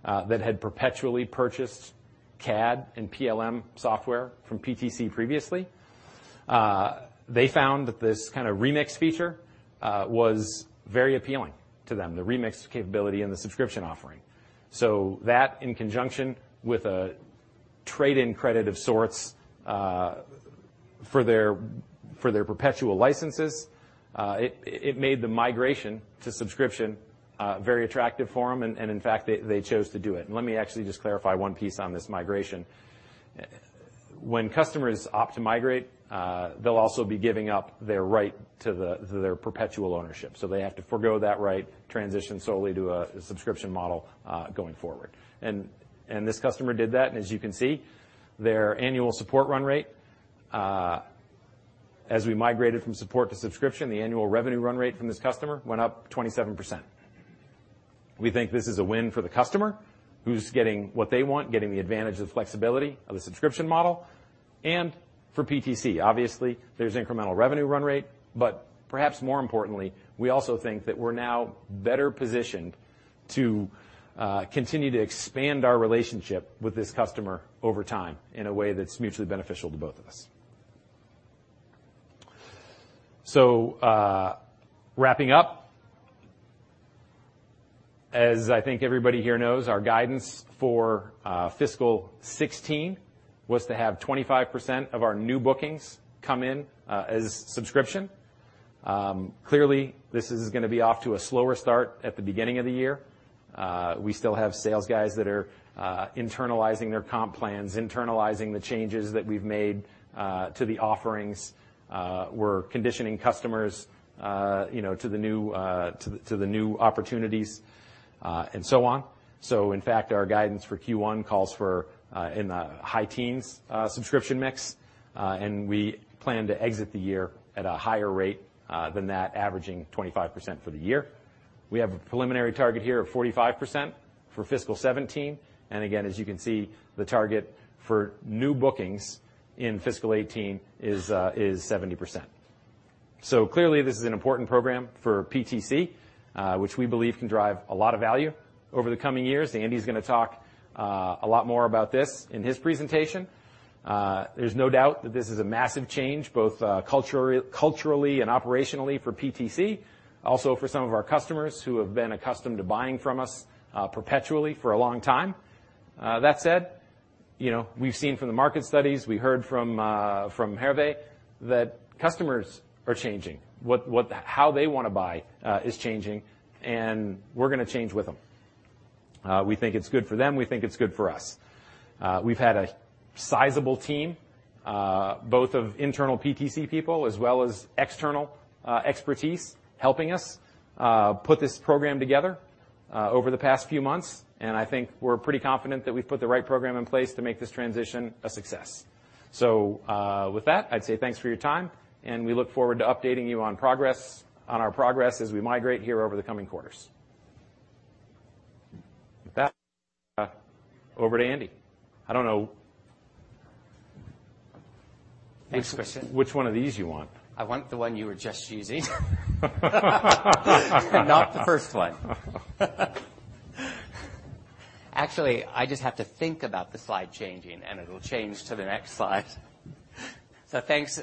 that had perpetually purchased CAD and PLM software from PTC previously. They found that this kind of remix feature was very appealing to them, the remix capability and the subscription offering. That in conjunction with a trade-in credit of sorts, for their perpetual licenses, it made the migration to subscription very attractive for them. In fact, they chose to do it. Let me actually just clarify one piece on this migration. When customers opt to migrate, they'll also be giving up their right to their perpetual ownership. They have to forego that right, transition solely to a subscription model going forward. This customer did that, and as you can see, their annual support run rate, as we migrated from support to subscription, the annual revenue run rate from this customer went up 27%. We think this is a win for the customer, who's getting what they want, getting the advantage of the flexibility of the subscription model, and for PTC. Obviously, there's incremental revenue run rate, but perhaps more importantly, we also think that we're now better positioned to continue to expand our relationship with this customer over time in a way that's mutually beneficial to both of us. Wrapping up, as I think everybody here knows, our guidance for fiscal 2016 was to have 25% of our new bookings come in as subscription. Clearly, this is going to be off to a slower start at the beginning of the year. We still have sales guys that are internalizing their comp plans, internalizing the changes that we've made to the offerings. We're conditioning customers to the new opportunities, and so on. In fact, our guidance for Q1 calls for in the high teens subscription mix. We plan to exit the year at a higher rate than that, averaging 25% for the year. We have a preliminary target here of 45% for fiscal 2017. Again, as you can see, the target for new bookings in fiscal 2018 is 70%. Clearly, this is an important program for PTC, which we believe can drive a lot of value over the coming years. Andy's going to talk a lot more about this in his presentation. There's no doubt that this is a massive change, both culturally and operationally for PTC. Also, for some of our customers who have been accustomed to buying from us perpetually for a long time. That said, we've seen from the market studies, we heard from Hervé that customers are changing. How they want to buy is changing, and we're going to change with them. We think it's good for them. We think it's good for us. We've had a sizable team, both of internal PTC people as well as external expertise, helping us put this program together over the past few months, and I think we're pretty confident that we've put the right program in place to make this transition a success. With that, I'd say thanks for your time, and we look forward to updating you on our progress as we migrate here over the coming quarters. With that, over to Andy. Thanks, Christian. Which one of these you want? I want the one you were just using. Not the first one. Actually, I just have to think about the slide changing, and it'll change to the next slide. Thanks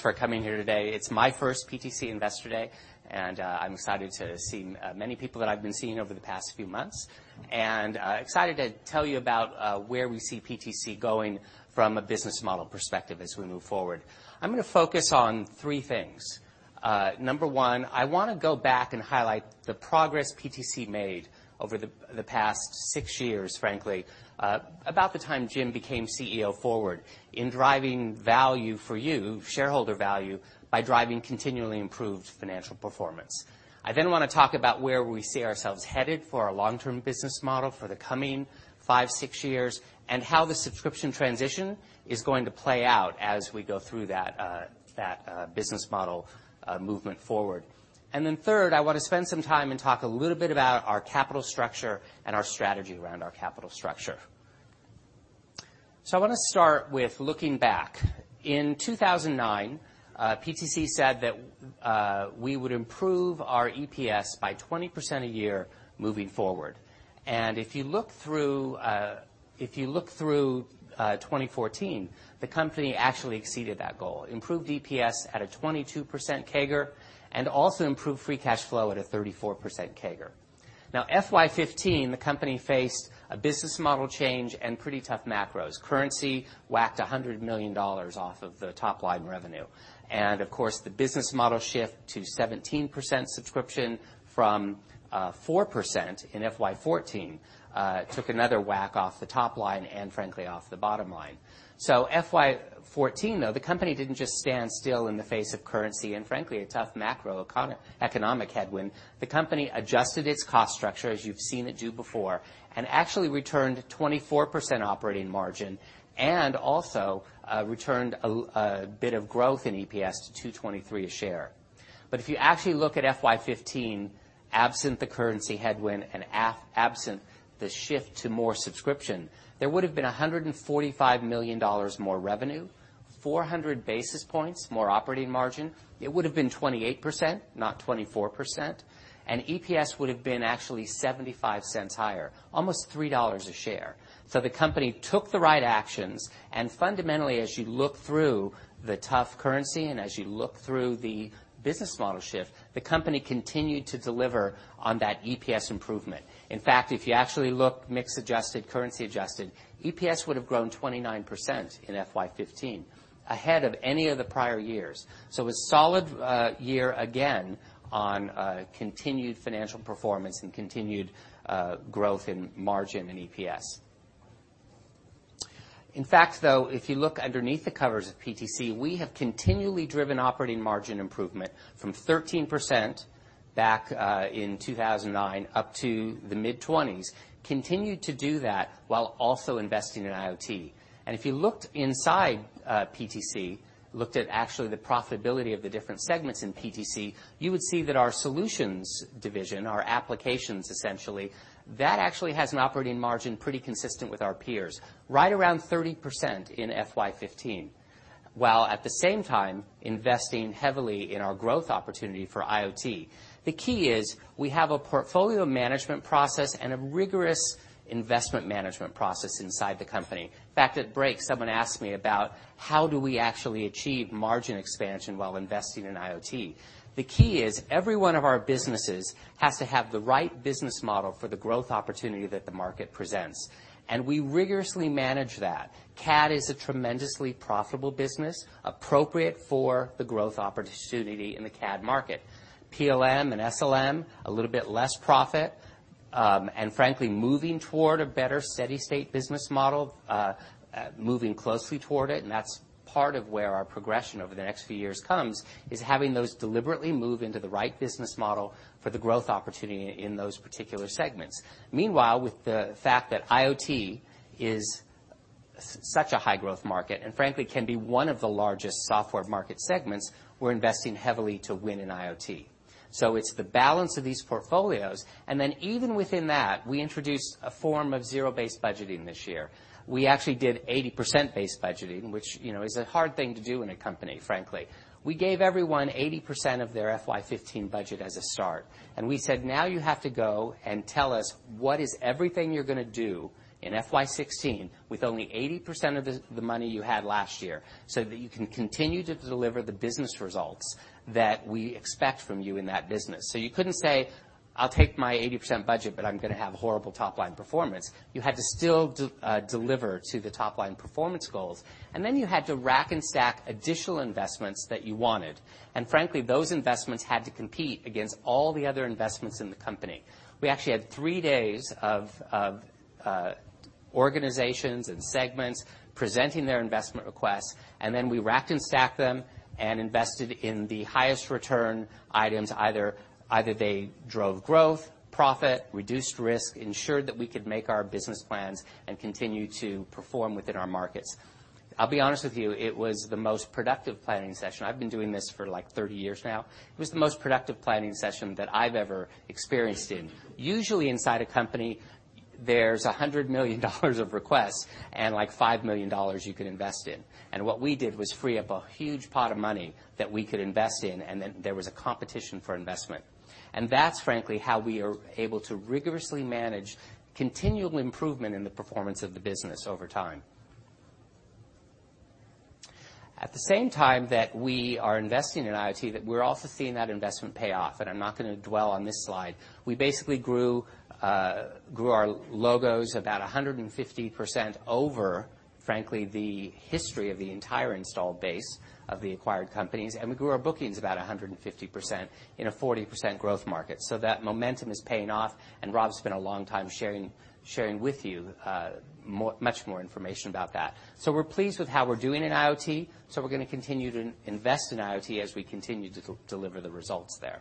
for coming here today. It's my first PTC Investor Day, and I'm excited to see many people that I've been seeing over the past few months, and excited to tell you about where we see PTC going from a business model perspective as we move forward. I'm going to focus on three things. Number one, I want to go back and highlight the progress PTC made over the past six years, frankly, about the time Jim became CEO forward, in driving value for you, shareholder value, by driving continually improved financial performance. I then want to talk about where we see ourselves headed for our long-term business model for the coming five, six years, and how the subscription transition is going to play out as we go through that business model movement forward. Then third, I want to spend some time and talk a little bit about our capital structure and our strategy around our capital structure. I want to start with looking back. In 2009, PTC said that we would improve our EPS by 20% a year moving forward. If you look through 2014, the company actually exceeded that goal, improved EPS at a 22% CAGR, and also improved free cash flow at a 34% CAGR. FY 2015, the company faced a business model change and pretty tough macros. Currency whacked $100 million off of the top line revenue. Of course, the business model shift to 17% subscription from 4% in FY 2014 took another whack off the top line and frankly, off the bottom line. FY 2014, though, the company didn't just stand still in the face of currency and frankly, a tough macroeconomic headwind. The company adjusted its cost structure as you've seen it do before, and actually returned 24% operating margin, and also returned a bit of growth in EPS to $2.23 a share. If you actually look at FY 2015, absent the currency headwind and absent the shift to more subscription, there would have been $145 million more revenue, 400 basis points more operating margin. It would have been 28%, not 24%, and EPS would have been actually $0.75 higher, almost $3 a share. The company took the right actions, and fundamentally, as you look through the tough currency and as you look through the business model shift, the company continued to deliver on that EPS improvement. In fact, if you actually look mix adjusted, currency adjusted, EPS would have grown 29% in FY 2015, ahead of any of the prior years. A solid year again on continued financial performance and continued growth in margin and EPS. In fact, though, if you look underneath the covers of PTC, we have continually driven operating margin improvement from 13% back in 2009 up to the mid-20s, continued to do that while also investing in IoT. If you looked inside PTC, looked at actually the profitability of the different segments in PTC, you would see that our solutions division, our applications essentially, that actually has an operating margin pretty consistent with our peers, right around 30% in FY 2015, while at the same time, investing heavily in our growth opportunity for IoT. The key is we have a portfolio management process and a rigorous investment management process inside the company. In fact, at break, someone asked me about how do we actually achieve margin expansion while investing in IoT. The key is every one of our businesses has to have the right business model for the growth opportunity that the market presents, and we rigorously manage that. CAD is a tremendously profitable business appropriate for the growth opportunity in the CAD market. PLM and SLM, a little bit less profit, and frankly, moving toward a better steady state business model, moving closely toward it, and that's part of where our progression over the next few years comes, is having those deliberately move into the right business model for the growth opportunity in those particular segments. Meanwhile, with the fact that IoT is such a high growth market, and frankly, can be one of the largest software market segments, we're investing heavily to win in IoT. It's the balance of these portfolios. Then even within that, we introduced a form of zero-based budgeting this year. We actually did 80% based budgeting, which is a hard thing to do in a company, frankly. We gave everyone 80% of their FY 2015 budget as a start, we said, "Now you have to go and tell us what is everything you're going to do in FY 2016 with only 80% of the money you had last year so that you can continue to deliver the business results that we expect from you in that business." You couldn't say, "I'll take my 80% budget, but I'm going to have horrible top-line performance." You had to still deliver to the top-line performance goals, then you had to rack and stack additional investments that you wanted. Frankly, those investments had to compete against all the other investments in the company. We actually had three days of organizations and segments presenting their investment requests, then we racked and stacked them and invested in the highest return items. Either they drove growth, profit, reduced risk, ensured that we could make our business plans and continue to perform within our markets. I'll be honest with you, it was the most productive planning session. I've been doing this for 30 years now. It was the most productive planning session that I've ever experienced in. Usually inside a company, there's $100 million of requests and $5 million you could invest in. What we did was free up a huge pot of money that we could invest in, then there was a competition for investment. That's frankly how we are able to rigorously manage continual improvement in the performance of the business over time. At the same time that we are investing in IoT, that we're also seeing that investment pay off, I'm not going to dwell on this slide. We basically grew our logos about 150% over, frankly, the history of the entire installed base of the acquired companies, we grew our bookings about 150% in a 40% growth market. That momentum is paying off, Rob spent a long time sharing with you much more information about that. We're pleased with how we're doing in IoT. We're going to continue to invest in IoT as we continue to deliver the results there.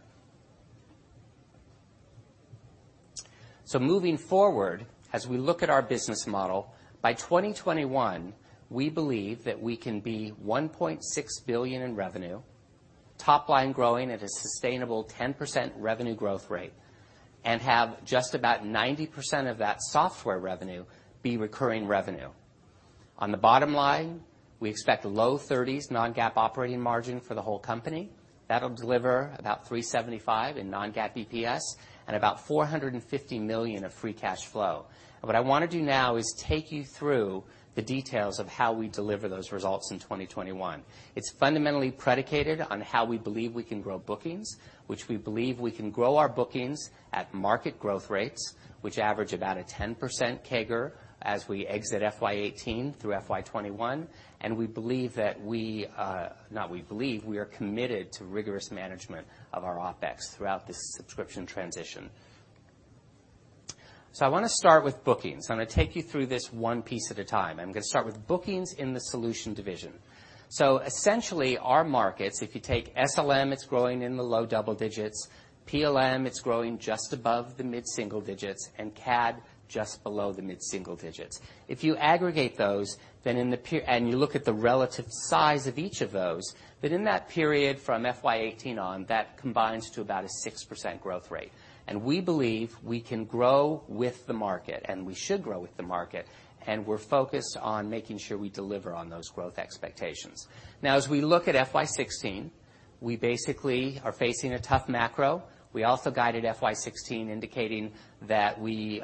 Moving forward, as we look at our business model, by 2021, we believe that we can be $1.6 billion in revenue, top line growing at a sustainable 10% revenue growth rate, and have just about 90% of that software revenue be recurring revenue. On the bottom line, we expect low 30s non-GAAP operating margin for the whole company. That'll deliver about $375 in non-GAAP EPS and about $450 million of free cash flow. What I want to do now is take you through the details of how we deliver those results in 2021. It's fundamentally predicated on how we believe we can grow bookings, which we believe we can grow our bookings at market growth rates, which average about a 10% CAGR as we exit FY 2018 through FY 2021. We believe that we are committed to rigorous management of our OpEx throughout this subscription transition. I want to start with bookings, I'm going to take you through this one piece at a time. I'm going to start with bookings in the solution division. Essentially, our markets, if you take SLM, it's growing in the low double digits, PLM, it's growing just above the mid-single digits, and CAD just below the mid-single digits. If you aggregate those, and you look at the relative size of each of those, but in that period from FY 2018 on, that combines to about a 6% growth rate. We believe we can grow with the market, and we should grow with the market, and we're focused on making sure we deliver on those growth expectations. As we look at FY 2016, we basically are facing a tough macro. We also guided FY 2016 indicating that we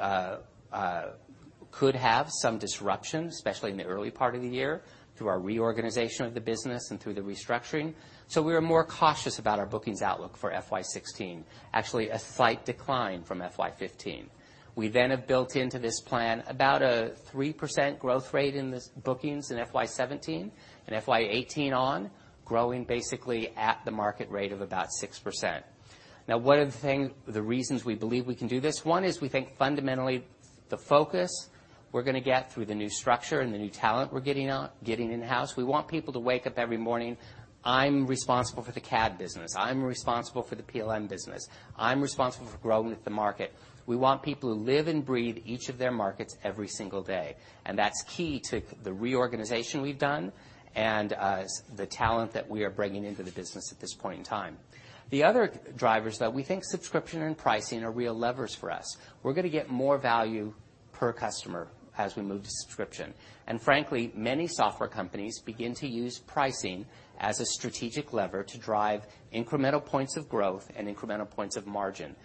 could have some disruptions, especially in the early part of the year, through our reorganization of the business and through the restructuring. We are more cautious about our bookings outlook for FY 2016. Actually, a slight decline from FY 2015. We have built into this plan about a 3% growth rate in this bookings in FY 2017 and FY 2018 on, growing basically at the market rate of about 6%. One of the reasons we believe we can do this, one is we think fundamentally the focus we're going to get through the new structure and the new talent we're getting in-house. We want people to wake up every morning, "I'm responsible for the CAD business. I'm responsible for the PLM business. I'm responsible for growing with the market." We want people who live and breathe each of their markets every single day, and that's key to the reorganization we've done and the talent that we are bringing into the business at this point in time. The other drivers, though, we think subscription and pricing are real levers for us. We're going to get more value per customer as we move to subscription. Frankly, many software companies begin to use pricing as a strategic lever to drive incremental points of growth and incremental points of margin.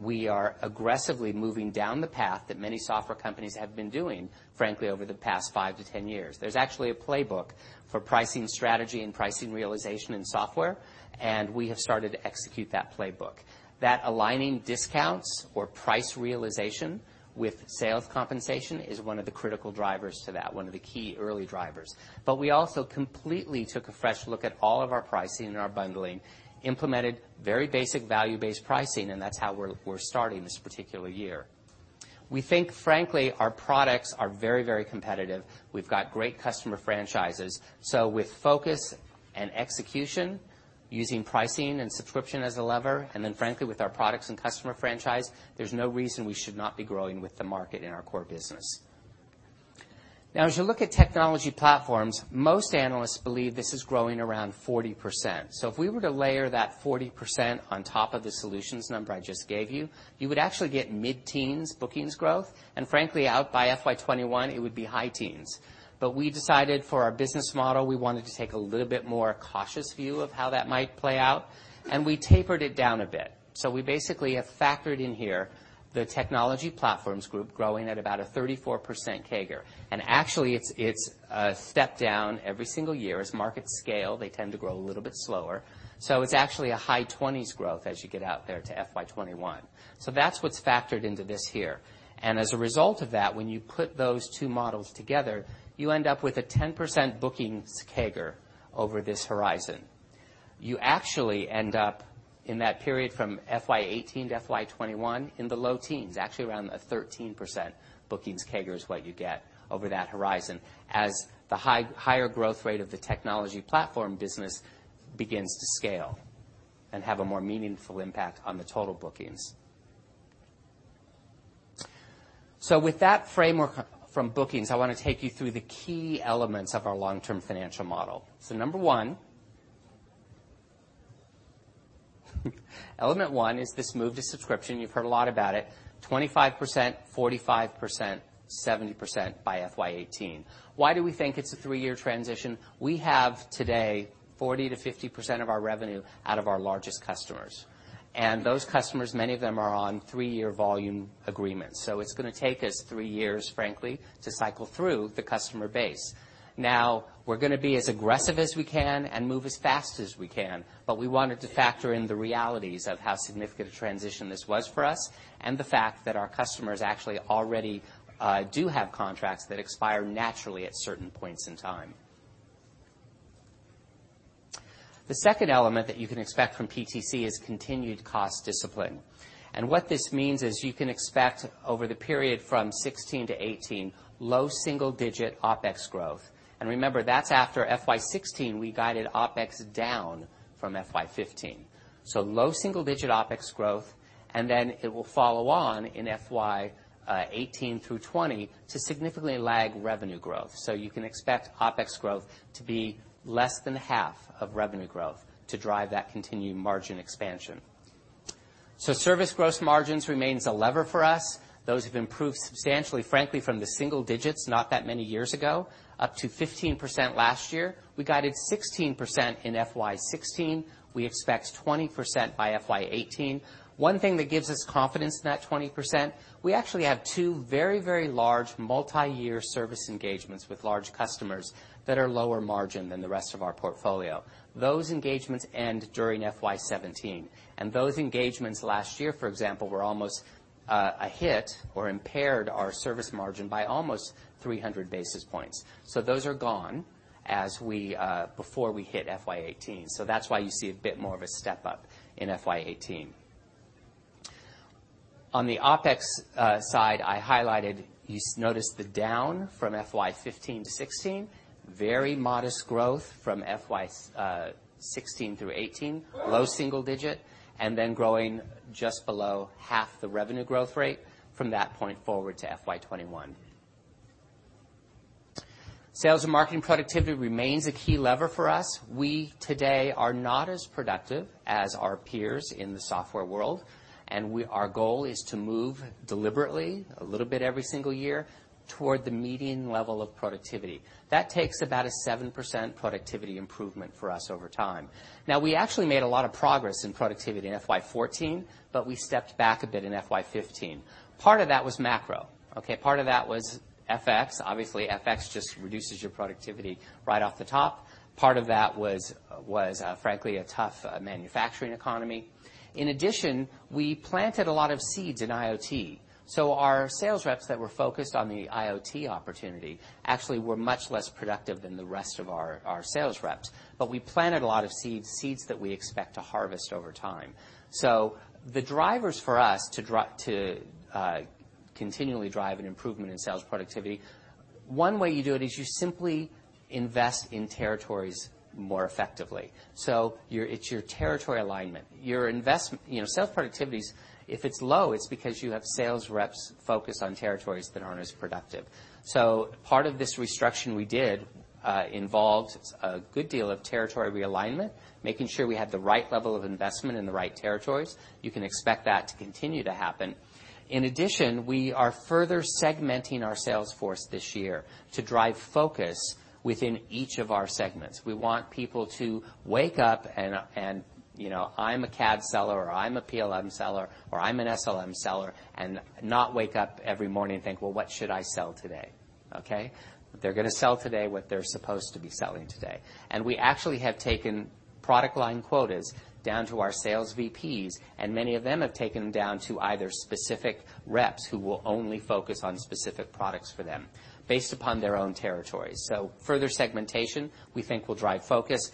We are aggressively moving down the path that many software companies have been doing, frankly, over the past 5 to 10 years. There's actually a playbook for pricing strategy and pricing realization in software, and we have started to execute that playbook. That aligning discounts or price realization with sales compensation is one of the critical drivers to that, one of the key early drivers. We also completely took a fresh look at all of our pricing and our bundling, implemented very basic value-based pricing, and that's how we're starting this particular year. We think, frankly, our products are very competitive. We've got great customer franchises. With focus and execution, using pricing and subscription as a lever, and then frankly, with our products and customer franchise, there's no reason we should not be growing with the market in our core business. As you look at technology platforms, most analysts believe this is growing around 40%. If we were to layer that 40% on top of the solutions number I just gave you would actually get mid-teens bookings growth, and frankly, out by FY 2021, it would be high teens. We decided for our business model, we wanted to take a little bit more cautious view of how that might play out, and we tapered it down a bit. We basically have factored in here the technology platforms group growing at about a 34% CAGR. Actually, it's a step down every single year. As markets scale, they tend to grow a little bit slower. It's actually a high 20s growth as you get out there to FY 2021. That's what's factored into this here. As a result of that, when you put those 2 models together, you end up with a 10% bookings CAGR over this horizon. You actually end up in that period from FY 2018 to FY 2021 in the low teens, actually around a 13% bookings CAGR is what you get over that horizon as the higher growth rate of the technology platform business begins to scale and have a more meaningful impact on the total bookings. With that framework from bookings, I want to take you through the key elements of our long-term financial model. Number one element one is this move to subscription. You've heard a lot about it, 25%, 45%, 70% by FY 2018. Why do we think it's a 3-year transition? We have today 40%-50% of our revenue out of our largest customers. Those customers, many of them are on 3-year volume agreements. It's going to take us 3 years, frankly, to cycle through the customer base. We're going to be as aggressive as we can and move as fast as we can, but we wanted to factor in the realities of how significant a transition this was for us and the fact that our customers actually already do have contracts that expire naturally at certain points in time. The second element that you can expect from PTC is continued cost discipline. What this means is you can expect over the period from 2016-2018, low single-digit OpEx growth. Remember, that's after FY 2016, we guided OpEx down from FY 2015. Low single-digit OpEx growth, then it will follow on in FY 2018 through 2020 to significantly lag revenue growth. You can expect OpEx growth to be less than half of revenue growth to drive that continued margin expansion. Service gross margins remains a lever for us. Those have improved substantially, frankly, from the single digits, not that many years ago, up to 15% last year. We guided 16% in FY 2016. We expect 20% by FY 2018. One thing that gives us confidence in that 20%, we actually have 2 very large multi-year service engagements with large customers that are lower margin than the rest of our portfolio. Those engagements end during FY 2017. Those engagements last year, for example, were almost a hit or impaired our service margin by almost 300 basis points. Those are gone before we hit FY 2018. That's why you see a bit more of a step-up in FY 2018. On the OpEx side, I highlighted, you notice the down from FY 2015-2016, very modest growth from FY 2016 through 2018, low single digit, then growing just below half the revenue growth rate from that point forward to FY 2021. Sales and marketing productivity remains a key lever for us. We today are not as productive as our peers in the software world, and our goal is to move deliberately, a little bit every single year toward the median level of productivity. That takes about a 7% productivity improvement for us over time. We actually made a lot of progress in productivity in FY 2014, but we stepped back a bit in FY 2015. Part of that was macro. Part of that was FX. Obviously, FX just reduces your productivity right off the top. Part of that was, frankly, a tough manufacturing economy. In addition, we planted a lot of seeds in IoT. Our sales reps that were focused on the IoT opportunity actually were much less productive than the rest of our sales reps. We planted a lot of seeds that we expect to harvest over time. The drivers for us to continually drive an improvement in sales productivity. One way you do it is you simply invest in territories more effectively. It's your territory alignment. Sales productivities, if it's low, it's because you have sales reps focused on territories that aren't as productive. Part of this restructuring we did involved a good deal of territory realignment, making sure we had the right level of investment in the right territories. You can expect that to continue to happen. In addition, we are further segmenting our sales force this year to drive focus within each of our segments. We want people to wake up and, "I'm a CAD seller" or, "I'm a PLM seller" or, "I'm an SLM seller," and not wake up every morning and think, "Well, what should I sell today?" They're going to sell today what they're supposed to be selling today. We actually have taken product line quotas down to our sales VPs, and many of them have taken them down to either specific reps who will only focus on specific products for them based upon their own territories. Further segmentation, we think, will drive focus.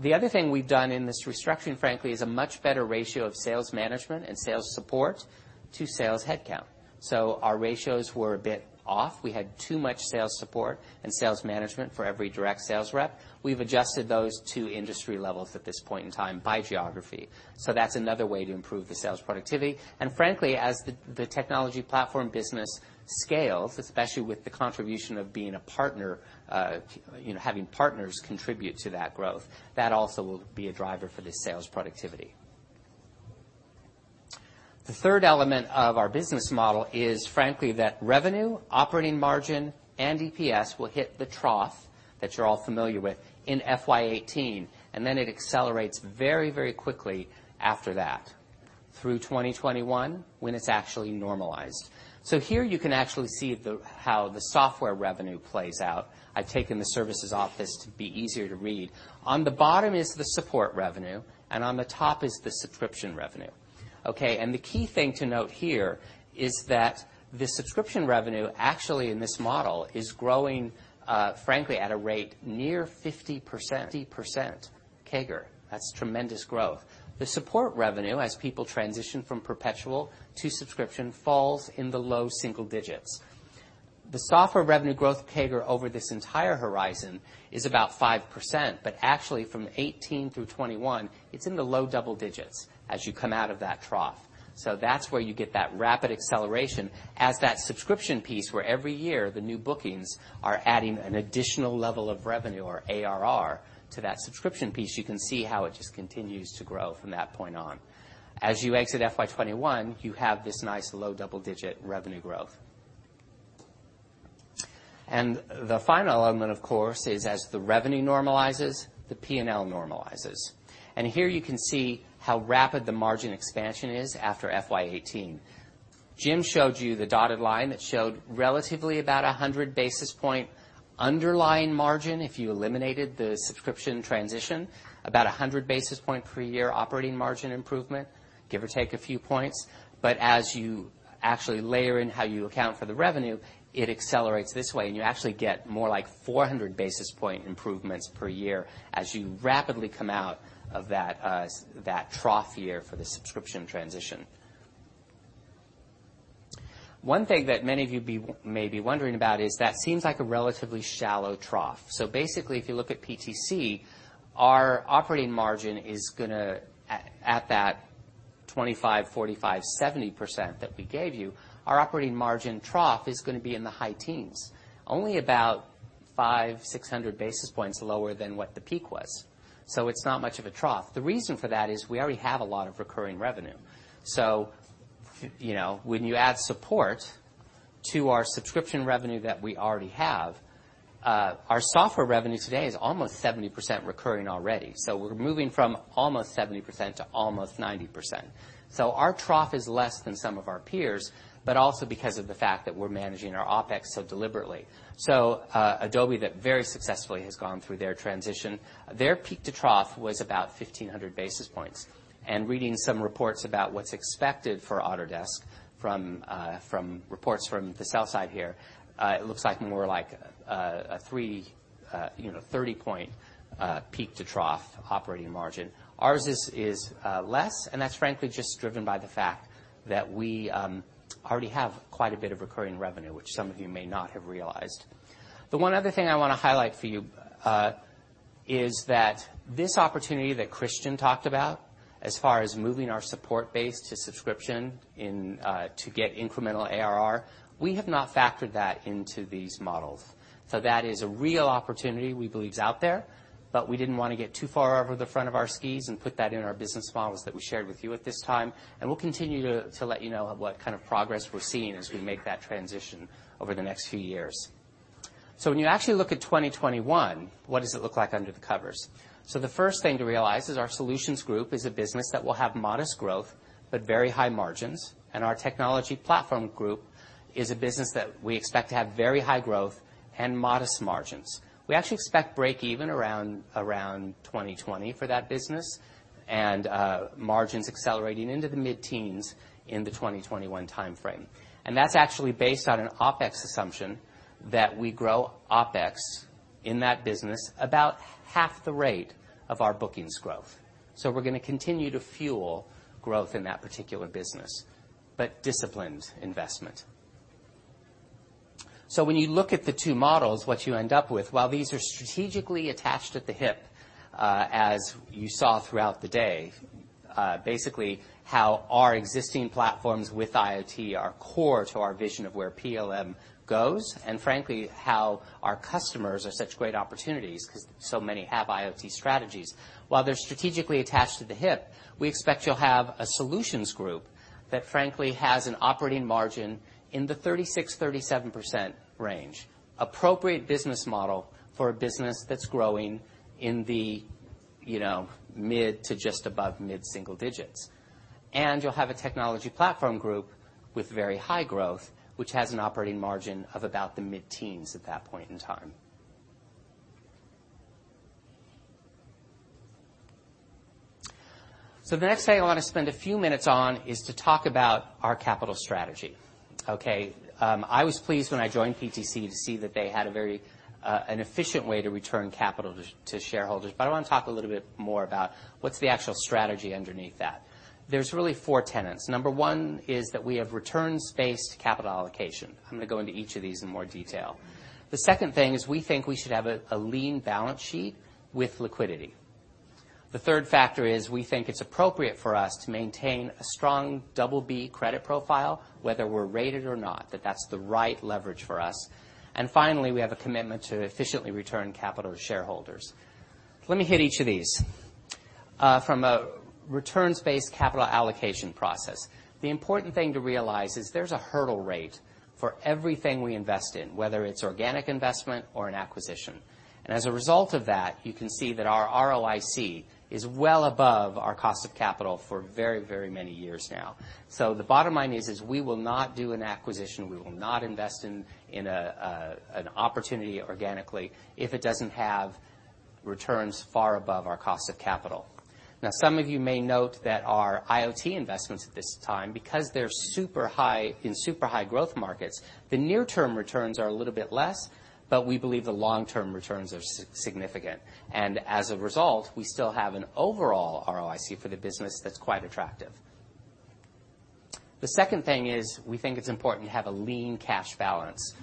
The other thing we've done in this restructuring, frankly, is a much better ratio of sales management and sales support to sales headcount. Our ratios were a bit off. We had too much sales support and sales management for every direct sales rep. We've adjusted those to industry levels at this point in time by geography. That's another way to improve the sales productivity. Frankly, as the technology platform business scales, especially with the contribution of having partners contribute to that growth, that also will be a driver for the sales productivity. The third element of our business model is frankly that revenue, operating margin, and EPS will hit the trough that you're all familiar with in FY 2018, and then it accelerates very quickly after that through 2021, when it's actually normalized. Here you can actually see how the software revenue plays out. I've taken the services office to be easier to read. On the bottom is the support revenue, and on the top is the subscription revenue. The key thing to note here is that the subscription revenue actually in this model is growing, frankly, at a rate near 50% CAGR. That's tremendous growth. The support revenue, as people transition from perpetual to subscription, falls in the low single digits. The software revenue growth CAGR over this entire horizon is about 5%, but actually from 2018 through 2021, it's in the low double digits as you come out of that trough. That's where you get that rapid acceleration as that subscription piece where every year the new bookings are adding an additional level of revenue or ARR to that subscription piece. You can see how it just continues to grow from that point on. As you exit FY 2021, you have this nice low double-digit revenue growth. The final element, of course, is as the revenue normalizes, the P&L normalizes. Here you can see how rapid the margin expansion is after FY 2018. Jim showed you the dotted line that showed relatively about 100 basis points underlying margin if you eliminated the subscription transition, about 100 basis points per year operating margin improvement, give or take a few points. As you actually layer in how you account for the revenue, it accelerates this way, and you actually get more like 400 basis points improvements per year as you rapidly come out of that trough year for the subscription transition. One thing that many of you may be wondering about is that seems like a relatively shallow trough. Basically, if you look at PTC, our operating margin is going to, at that 25%, 45%, 70% that we gave you, our operating margin trough is going to be in the high teens. Only about 500-600 basis points lower than what the peak was. It's not much of a trough. The reason for that is we already have a lot of recurring revenue. When you add support to our subscription revenue that we already have, our software revenue today is almost 70% recurring already. We're moving from almost 70% to almost 90%. Our trough is less than some of our peers, but also because of the fact that we're managing our OpEx so deliberately. Adobe, that very successfully has gone through their transition, their peak to trough was about 1,500 basis points. Reading some reports about what's expected for Autodesk from reports from the sell side here, it looks like more like a 30-point peak to trough operating margin. Ours is less, that's frankly just driven by the fact that we already have quite a bit of recurring revenue, which some of you may not have realized. The one other thing I want to highlight for you is that this opportunity that Christian talked about as far as moving our support base to subscription to get incremental ARR, we have not factored that into these models. That is a real opportunity we believe is out there, but we didn't want to get too far over the front of our skis and put that in our business models that we shared with you at this time. We'll continue to let you know what kind of progress we're seeing as we make that transition over the next few years. When you actually look at 2021, what does it look like under the covers? The first thing to realize is our Solutions Group is a business that will have modest growth but very high margins. Our Technology Platform Group is a business that we expect to have very high growth and modest margins. We actually expect breakeven around 2020 for that business and margins accelerating into the mid-teens in the 2021 timeframe. That's actually based on an OpEx assumption that we grow OpEx in that business, about half the rate of our bookings growth. We're going to continue to fuel growth in that particular business, but disciplined investment. When you look at the two models, what you end up with, while these are strategically attached at the hip, as you saw throughout the day, basically how our existing platforms with IoT are core to our vision of where PLM goes, and frankly, how our customers are such great opportunities because so many have IoT strategies. While they're strategically attached at the hip, we expect you'll have a solutions group that frankly has an operating margin in the 36%-37% range. Appropriate business model for a business that's growing in the mid to just above mid-single digits. You'll have a technology platform group with very high growth, which has an operating margin of about the mid-teens at that point in time. The next thing I want to spend a few minutes on is to talk about our capital strategy. Okay. I was pleased when I joined PTC to see that they had a very efficient way to return capital to shareholders. I want to talk a little bit more about what's the actual strategy underneath that. There's really four tenets. Number one is that we have returns-based capital allocation. I'm going to go into each of these in more detail. The second thing is we think we should have a lean balance sheet with liquidity. The third factor is we think it's appropriate for us to maintain a strong BB credit profile, whether we're rated or not, that that's the right leverage for us. Finally, we have a commitment to efficiently return capital to shareholders. Let me hit each of these. From a returns-based capital allocation process, the important thing to realize is there's a hurdle rate for everything we invest in, whether it's organic investment or an acquisition. As a result of that, you can see that our ROIC is well above our cost of capital for very, very many years now. The bottom line is we will not do an acquisition, we will not invest in an opportunity organically if it doesn't have returns far above our cost of capital. Now, some of you may note that our IoT investments at this time, because they're in super high growth markets, the near-term returns are a little bit less. We believe the long-term returns are significant. As a result, we still have an overall ROIC for the business that's quite attractive. The second thing is we think it's important to have a lean cash balance.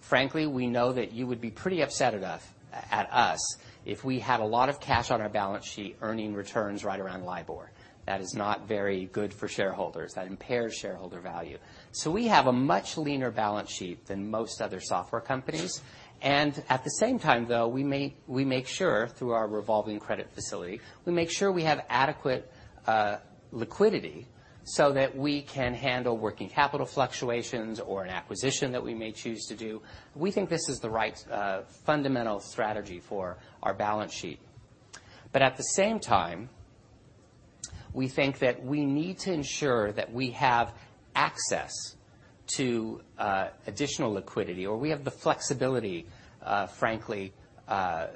Frankly, we know that you would be pretty upset at us if we had a lot of cash on our balance sheet earning returns right around LIBOR. That is not very good for shareholders. That impairs shareholder value. We have a much leaner balance sheet than most other software companies. At the same time, though, we make sure through our revolving credit facility, we make sure we have adequate liquidity so that we can handle working capital fluctuations or an acquisition that we may choose to do. We think this is the right fundamental strategy for our balance sheet. At the same time, we think that we need to ensure that we have access to additional liquidity, or we have the flexibility, frankly, to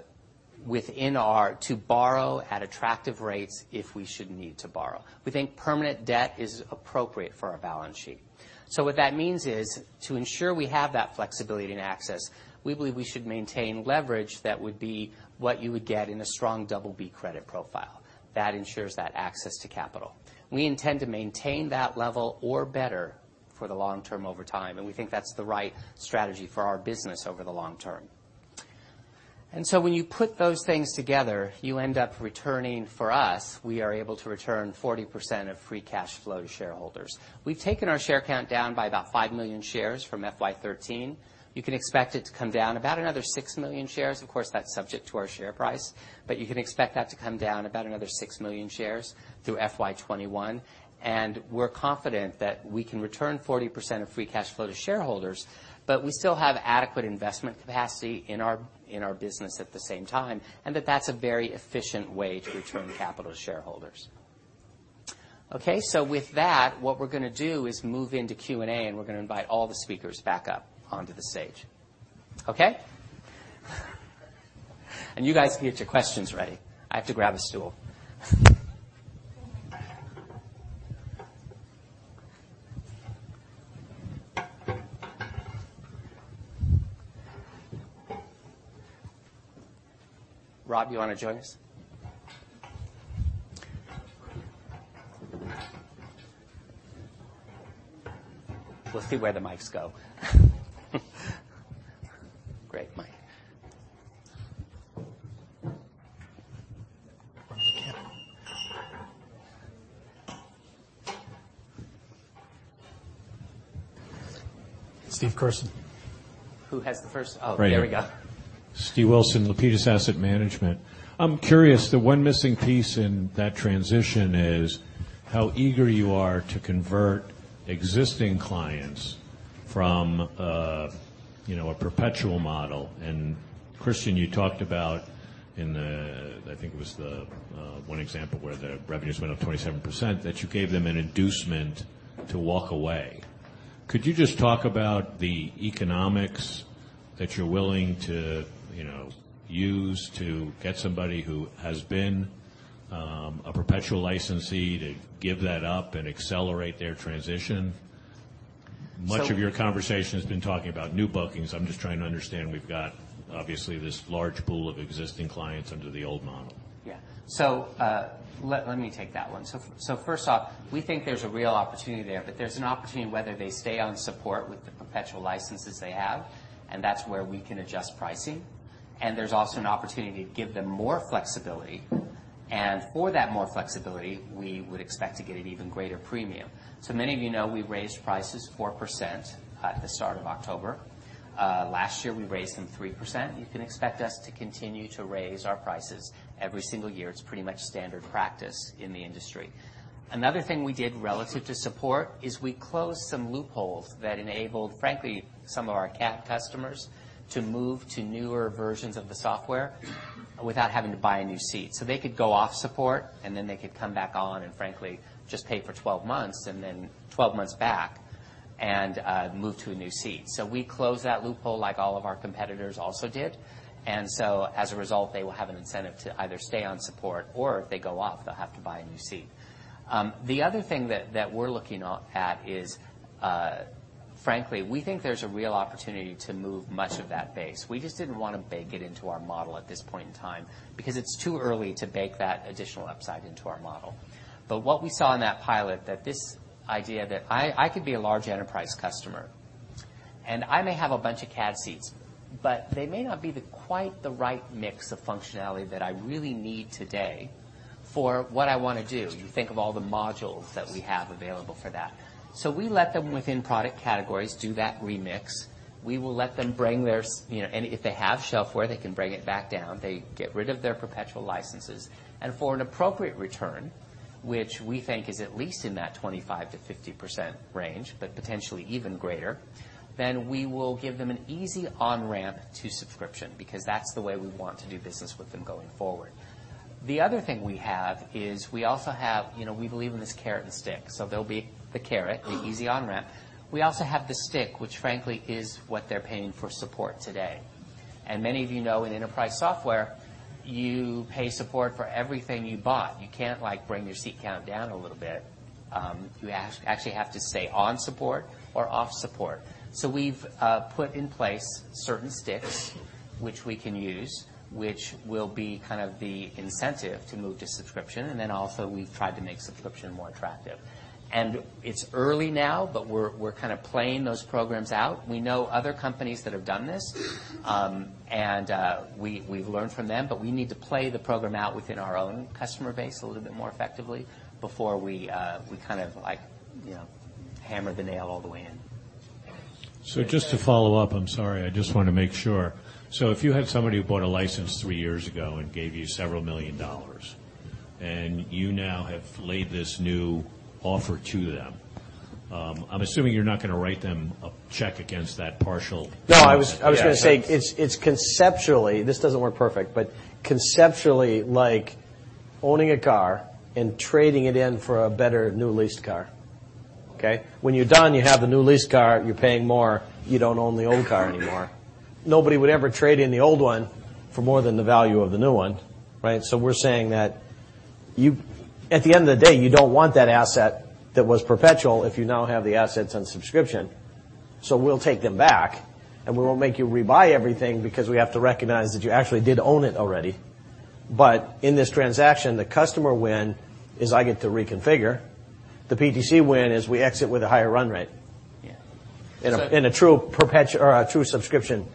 borrow at attractive rates if we should need to borrow. We think permanent debt is appropriate for our balance sheet. What that means is, to ensure we have that flexibility and access, we believe we should maintain leverage that would be what you would get in a strong BB credit profile. That ensures that access to capital. We intend to maintain that level or better for the long term over time, and we think that's the right strategy for our business over the long term. When you put those things together, you end up returning for us, we are able to return 40% of free cash flow to shareholders. We've taken our share count down by about 5 million shares from FY 2013. You can expect it to come down about another 6 million shares. Of course, that's subject to our share price, but you can expect that to come down about another 6 million shares through FY 2021. We're confident that we can return 40% of free cash flow to shareholders, but we still have adequate investment capacity in our business at the same time, and that that's a very efficient way to return capital to shareholders. With that, what we're going to do is move into Q&A, and we're going to invite all the speakers back up onto the stage. Okay. You guys can get your questions ready. I have to grab a stool. Rob, you want to join us? We'll see where the mics go. Great mic. Steve Wilson. Who has the first-- Oh, there we go. Steve Wilson, Lapides Asset Management. I'm curious, the one missing piece in that transition is how eager you are to convert existing clients from a perpetual model. Christian, you talked about in the, I think it was the one example where the revenues went up 27%, that you gave them an inducement to walk away. Could you just talk about the economics that you're willing to use to get somebody who has been a perpetual licensee to give that up and accelerate their transition. So- Much of your conversation has been talking about new bookings. I'm just trying to understand. We've got, obviously, this large pool of existing clients under the old model. Let me take that one. First off, we think there's a real opportunity there, but there's an opportunity whether they stay on support with the perpetual licenses they have, and that's where we can adjust pricing. There's also an opportunity to give them more flexibility. For that more flexibility, we would expect to get an even greater premium. Many of you know we raised prices 4% at the start of October. Last year, we raised them 3%. You can expect us to continue to raise our prices every single year. It's pretty much standard practice in the industry. Another thing we did relative to support is we closed some loopholes that enabled, frankly, some of our CAD customers to move to newer versions of the software without having to buy a new seat. They could go off support, and then they could come back on and frankly just pay for 12 months and then 12 months back and move to a new seat. We closed that loophole like all of our competitors also did. As a result, they will have an incentive to either stay on support, or if they go off, they'll have to buy a new seat. The other thing that we're looking at is, frankly, we think there's a real opportunity to move much of that base. We just didn't want to bake it into our model at this point in time, because it's too early to bake that additional upside into our model. What we saw in that pilot, that this idea that I could be a large enterprise customer, and I may have a bunch of CAD seats. They may not be the quite the right mix of functionality that I really need today for what I want to do. You think of all the modules that we have available for that. We let them, within product categories, do that remix. If they have shelfware, they can bring it back down. They get rid of their perpetual licenses. For an appropriate return, which we think is at least in that 25%-50% range, but potentially even greater, we will give them an easy on-ramp to subscription, because that's the way we want to do business with them going forward. The other thing we have is we also have, we believe in this carrot and stick. There will be the carrot, the easy on-ramp. We also have the stick, which frankly is what they're paying for support today. Many of you know, in enterprise software, you pay support for everything you bought. You can't like bring your seat count down a little bit. You actually have to stay on support or off support. We've put in place certain sticks which we can use, which will be kind of the incentive to move to subscription. Also we've tried to make subscription more attractive. It's early now, but we're kind of playing those programs out. We know other companies that have done this, and we've learned from them. We need to play the program out within our own customer base a little bit more effectively before we kind of hammer the nail all the way in. Just to follow up, I'm sorry, I just want to make sure. If you had somebody who bought a license three years ago and gave you $several million, and you now have laid this new offer to them, I'm assuming you're not going to write them a check against that partial- No, I was going to say, it's conceptually, this doesn't work perfect, but conceptually like owning a car and trading it in for a better new leased car. Okay? When you're done, you have the new leased car, you're paying more, you don't own the old car anymore. Nobody would ever trade in the old one for more than the value of the new one, right? We're saying that at the end of the day, you don't want that asset that was perpetual if you now have the assets on subscription. We'll take them back, and we won't make you rebuy everything because we have to recognize that you actually did own it already. In this transaction, the customer win is I get to reconfigure. The PTC win is we exit with a higher run rate. Yeah. In a true subscription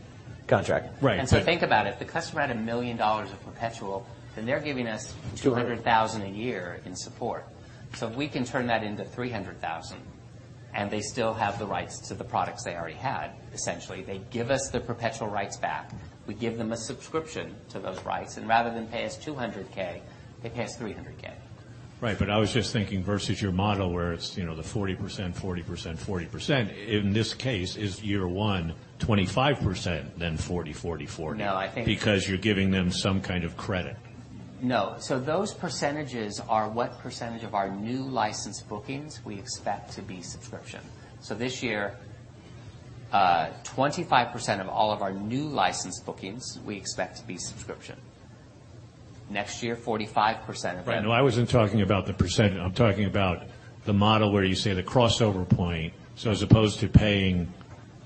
contract. Right. Think about it, if the customer had $1 million of perpetual, then they're giving us 200 $200,000 a year in support. If we can turn that into $300,000, and they still have the rights to the products they already had, essentially, they give us the perpetual rights back, we give them a subscription to those rights, and rather than pay us $200K, they pay us $300K. Right. I was just thinking versus your model where it's the 40%, 40%, 40%. In this case, is year 1 25% then 40%, 40%, 40%? No, I think. Because you're giving them some kind of credit. No. Those percentages are what percentage of our new license bookings we expect to be subscription. Next year, 45% of them. Right. No, I wasn't talking about the percentage. I am talking about the model where you say the crossover point. As opposed to paying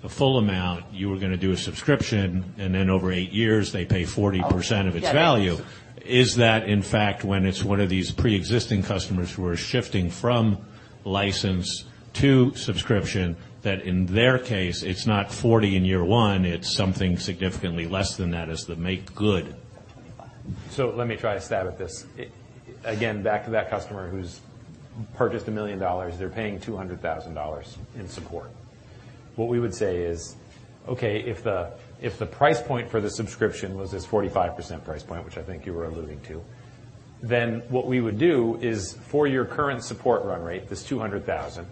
the full amount, you were going to do a subscription, and then over 8 years, they pay 40% of its value. Oh. Got it. Is that in fact when it is one of these preexisting customers who are shifting from license to subscription, that in their case, it is not 40% in year one, it is something significantly less than that as the make good? 25. Let me try a stab at this. Again, back to that customer who has purchased $1 million. They are paying $200,000 in support. What we would say is, okay, if the price point for the subscription was this 45% price point, which I think you were alluding to, what we would do is for your current support run rate, this $200,000,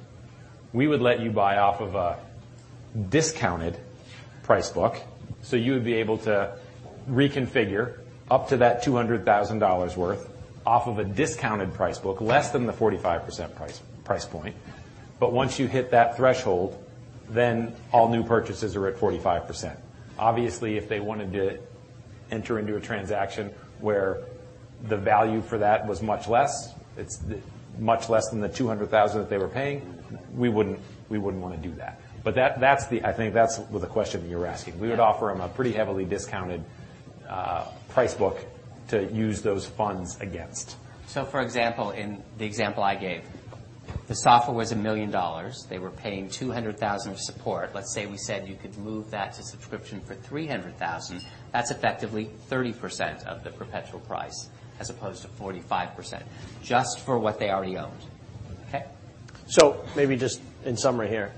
we would let you buy off of a discounted price book. You would be able to reconfigure up to that $200,000 worth off of a discounted price book, less than the 45% price point. Once you hit that threshold, then all new purchases are at 45%. Obviously, if they wanted to enter into a transaction where the value for that was much less than the $200,000 that they were paying, we would not want to do that. I think that is the question you were asking. We would offer them a pretty heavily discounted price book to use those funds against. For example, in the example I gave, the software was $1 million. They were paying $200,000 of support. Let's say we said you could move that to subscription for $300,000. That's effectively 30% of the perpetual price as opposed to 45% just for what they already owned. Okay? Maybe just in summary here,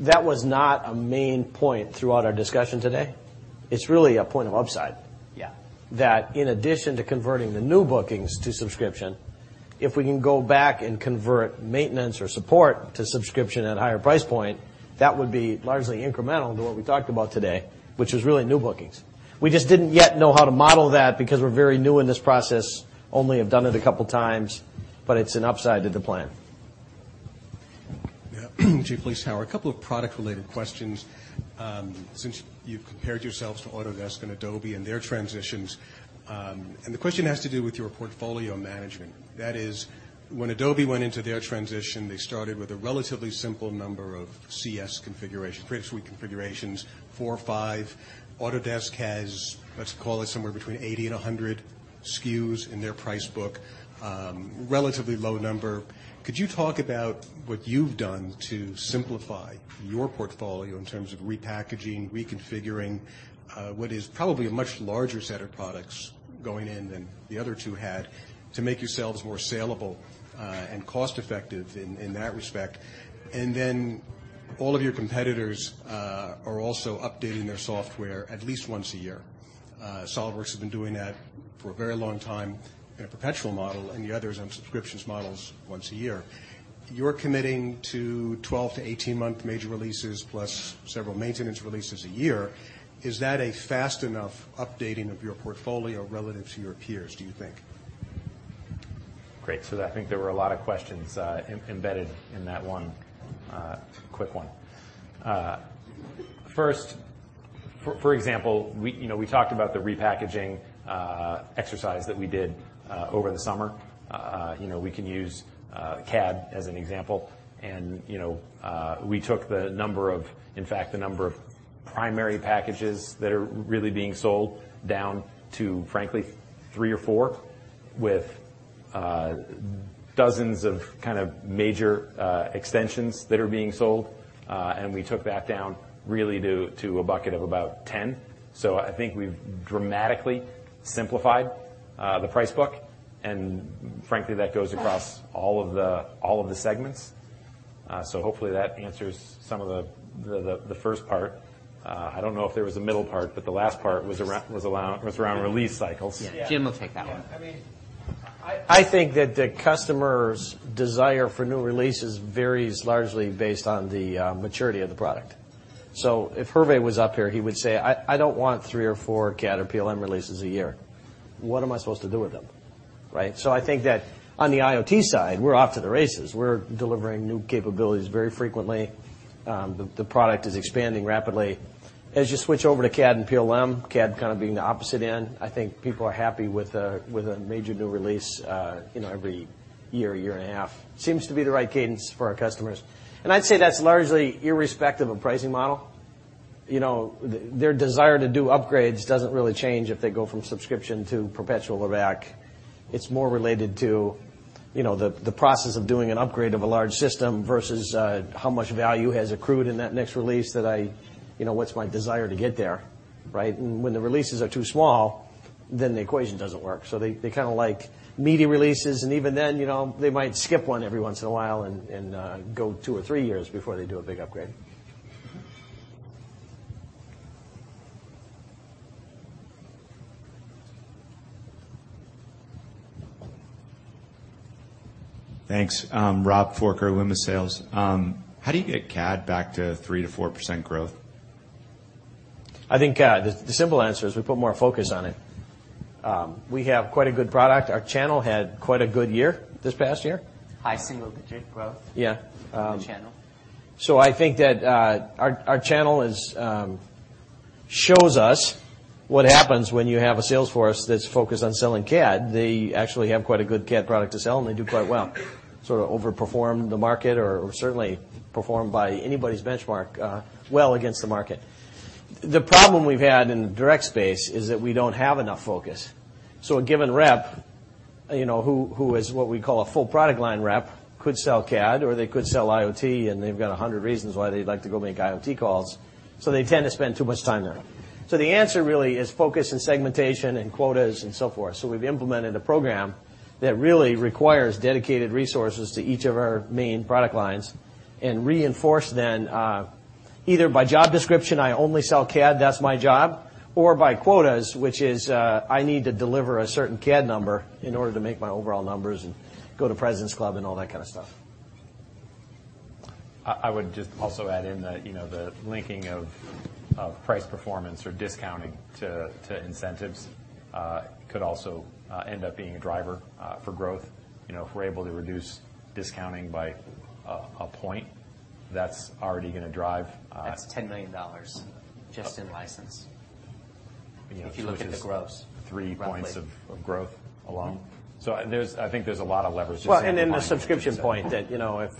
that was not a main point throughout our discussion today. It's really a point of upside. Yeah. That in addition to converting the new bookings to subscription, if we can go back and convert maintenance or support to subscription at a higher price point, that would be largely incremental to what we talked about today, which was really new bookings. We just didn't yet know how to model that because we're very new in this process, only have done it a couple times, but it's an upside to the plan. Jay Vleeschhouwer. A couple of product-related questions. Since you've compared yourselves to Autodesk and Adobe and their transitions, the question has to do with your portfolio management. That is, when Adobe went into their transition, they started with a relatively simple number of CS configuration, Creative Suite configurations, four or five. Autodesk has, let's call it somewhere between 80 and 100 SKUs in their price book. Relatively low number. Could you talk about what you've done to simplify your portfolio in terms of repackaging, reconfiguring, what is probably a much larger set of products going in than the other two had, to make yourselves more saleable, cost-effective in that respect? All of your competitors are also updating their software at least once a year. SOLIDWORKS has been doing that for a very long time in a perpetual model, the others on subscriptions models once a year. You're committing to 12 to 18-month major releases plus several maintenance releases a year. Is that a fast enough updating of your portfolio relative to your peers, do you think? Great. I think there were a lot of questions embedded in that one quick one. First, for example, we talked about the repackaging exercise that we did over the summer. We can use CAD as an example, we took the number of primary packages that are really being sold down to, frankly, three or four, with dozens of major extensions that are being sold. We took that down really to a bucket of about 10. I think we've dramatically simplified the price book, frankly, that goes across all of the segments. Hopefully, that answers some of the first part. I don't know if there was a middle part, the last part was around release cycles. Yeah. Jim will take that one. I think that the customer's desire for new releases varies largely based on the maturity of the product. If Hervé was up here, he would say, "I don't want three or four CAD or PLM releases a year. What am I supposed to do with them?" Right? I think that on the IoT side, we're off to the races. We're delivering new capabilities very frequently. The product is expanding rapidly. As you switch over to CAD and PLM, CAD kind of being the opposite end, I think people are happy with a major new release every year and a half. Seems to be the right cadence for our customers. I'd say that's largely irrespective of pricing model. Their desire to do upgrades doesn't really change if they go from subscription to perpetual or back. It's more related to the process of doing an upgrade of a large system versus how much value has accrued in that next release that what's my desire to get there, right? When the releases are too small, the equation doesn't work. They like meaty releases, and even then, they might skip one every once in a while and go two or three years before they do a big upgrade. Thanks. Rob Forker, Loomis, Sayles & Co. How do you get CAD back to 3%-4% growth? I think the simple answer is we put more focus on it. We have quite a good product. Our channel had quite a good year this past year. High single-digit growth. Yeah. The channel. I think that our channel shows us what happens when you have a sales force that's focused on selling CAD. They actually have quite a good CAD product to sell, and they do quite well, sort of over-perform the market or certainly perform by anybody's benchmark well against the market. The problem we've had in the direct space is that we don't have enough focus. A given rep, who is what we call a full product line rep, could sell CAD or they could sell IoT, and they've got 100 reasons why they'd like to go make IoT calls. They tend to spend too much time there. The answer really is focus and segmentation and quotas and so forth. We've implemented a program that really requires dedicated resources to each of our main product lines and reinforce then, either by job description, I only sell CAD, that's my job, or by quotas, which is, I need to deliver a certain CAD number in order to make my overall numbers and go to President's Club and all that kind of stuff. I would just also add in that the linking of price performance or discounting to incentives could also end up being a driver for growth. If we're able to reduce discounting by a point. That's $10 million just in license. Three points of growth along. I think there's a lot of leverage just in the platform itself. The subscription point that,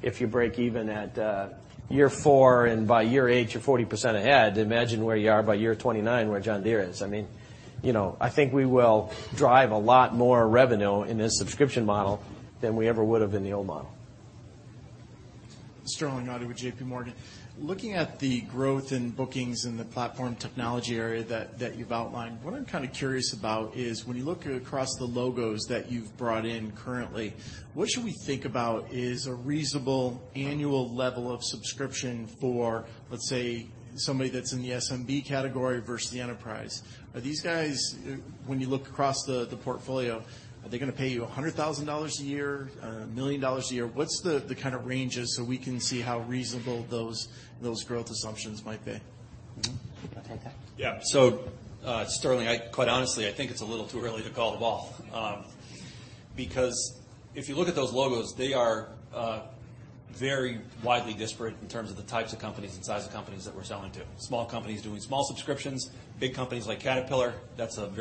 if you break even at year 4 and by year 8 you're 40% ahead, imagine where you are by year 29, where John Deere is. I think we will drive a lot more revenue in this subscription model than we ever would've in the old model. Sterling Auty with JP Morgan. Looking at the growth in bookings in the platform technology area that you've outlined, what I'm kind of curious about is when you look across the logos that you've brought in currently, what should we think about is a reasonable annual level of subscription for, let's say, somebody that's in the SMB category versus the enterprise? Are these guys, when you look across the portfolio, are they going to pay you $100,000 a year, $1 million a year? What's the kind of ranges so we can see how reasonable those growth assumptions might be? You can take that. Yeah. Sterling, quite honestly, I think it's a little too early to call the ball. Because if you look at those logos, they are very widely disparate in terms of the types of companies and size of companies that we're selling to. Small companies doing small subscriptions, big companies like Caterpillar, that would've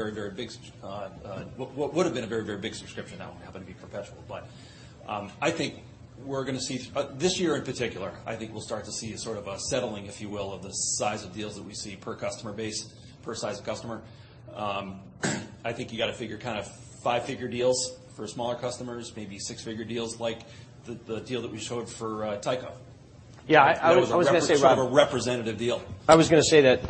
been a very, very big subscription. Now it happened to be perpetual, but I think we're going to see. This year in particular, I think we'll start to see sort of a settling, if you will, of the size of deals that we see per customer base, per size of customer. I think you got to figure kind of five-figure deals for smaller customers, maybe six-figure deals like the deal that we showed for Tyco. Yeah, I was going to say. That was sort of a representative deal. I was going to say that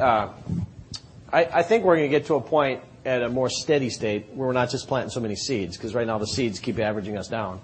I think we're going to get to a point at a more steady state where we're not just planting so many seeds because right now the seeds keep averaging us down.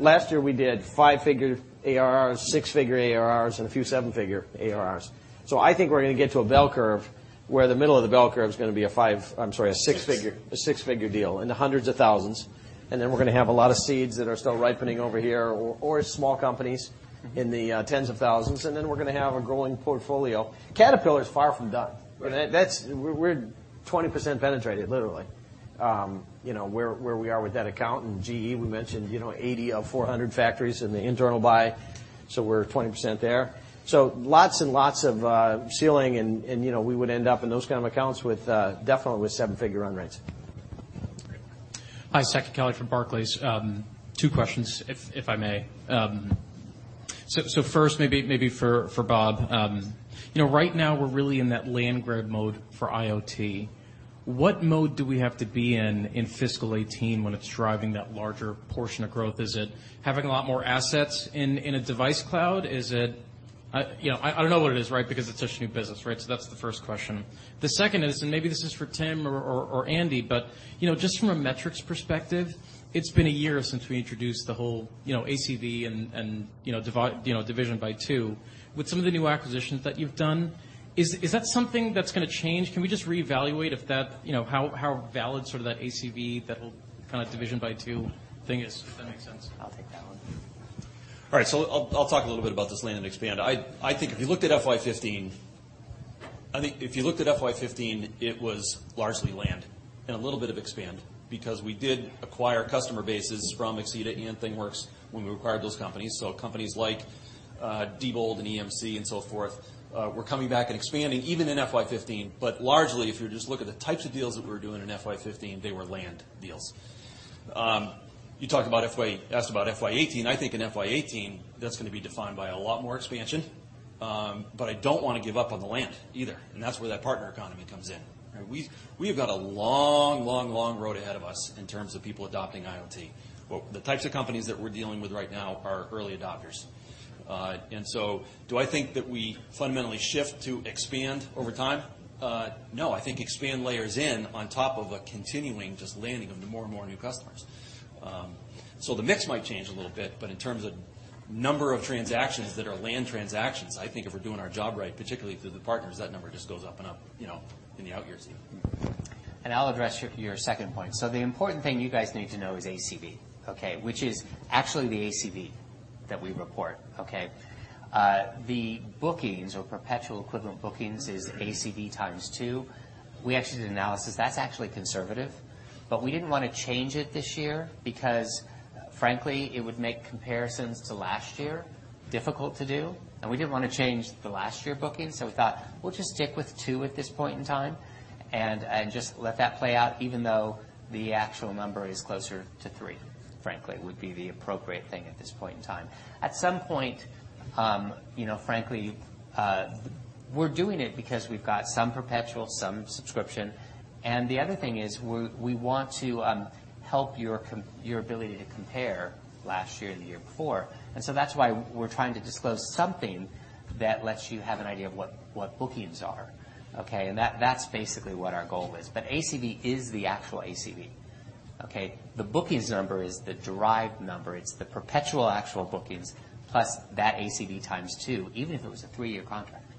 Last year we did five-figure ARRs, six-figure ARRs, and a few seven-figure ARRs. I think we're going to get to a bell curve where the middle of the bell curve is going to be a six-figure- Six a six-figure deal in the hundreds of thousands. Then we're going to have a lot of seeds that are still ripening over here or small companies in the tens of thousands. Then we're going to have a growing portfolio. Caterpillar's far from done. Right. We're 20% penetrated, literally, where we are with that account. GE, we mentioned, 80 of 400 factories in the internal buy, so we're 20% there. Lots and lots of ceiling and we would end up in those kind of accounts definitely with seven-figure run rates. Great. Hi. Saket Kalia from Barclays. Two questions, if I may. First, maybe for Rob. Right now we're really in that land grab mode for IoT. What mode do we have to be in FY 2018 when it's driving that larger portion of growth? Is it having a lot more assets in a device cloud? Is it I don't know what it is, right? It's such a new business, right? That's the first question. The second is, maybe this is for Tim or Andy, just from a metrics perspective, it's been a year since we introduced the whole ACV and division by two. With some of the new acquisitions that you've done, is that something that's going to change? Can we just reevaluate how valid sort of that ACV, that whole kind of division by two thing is? Does that make sense? I'll take that one. I'll talk a little bit about this land and expand. I think if you looked at FY 2015, it was largely land and a little bit of expand because we did acquire customer bases from Axeda and ThingWorx when we acquired those companies. Companies like Diebold and EMC and so forth were coming back and expanding even in FY 2015. Largely, if you just look at the types of deals that we were doing in FY 2015, they were land deals. You asked about FY 2018. I think in FY 2018, that's going to be defined by a lot more expansion, I don't want to give up on the land either, and that's where that partner economy comes in. We have got a long road ahead of us in terms of people adopting IoT, the types of companies that we're dealing with right now are early adopters. Do I think that we fundamentally shift to expand over time? No, I think expand layers in on top of a continuing just landing of more and more new customers. The mix might change a little bit, in terms of number of transactions that are land transactions, I think if we're doing our job right, particularly through the partners, that number just goes up and up in the out years. I'll address your second point. The important thing you guys need to know is ACV, okay? Which is actually the ACV that we report, okay? The bookings or perpetual equivalent bookings is ACV times 2. We actually did an analysis. That's actually conservative, but we didn't want to change it this year because frankly, it would make comparisons to last year difficult to do, and we didn't want to change the last year bookings. We thought we'll just stick with 2 at this point in time and just let that play out even though the actual number is closer to 3, frankly, would be the appropriate thing at this point in time. At some point, frankly, we're doing it because we've got some perpetual, some subscription, and the other thing is we want to help your ability to compare last year to the year before. That's why we're trying to disclose something that lets you have an idea of what bookings are, okay? That's basically what our goal is. ACV is the actual ACV, okay? The bookings number is the derived number. It's the perpetual actual bookings plus that ACV times 2. Even if it was a 3-year contract,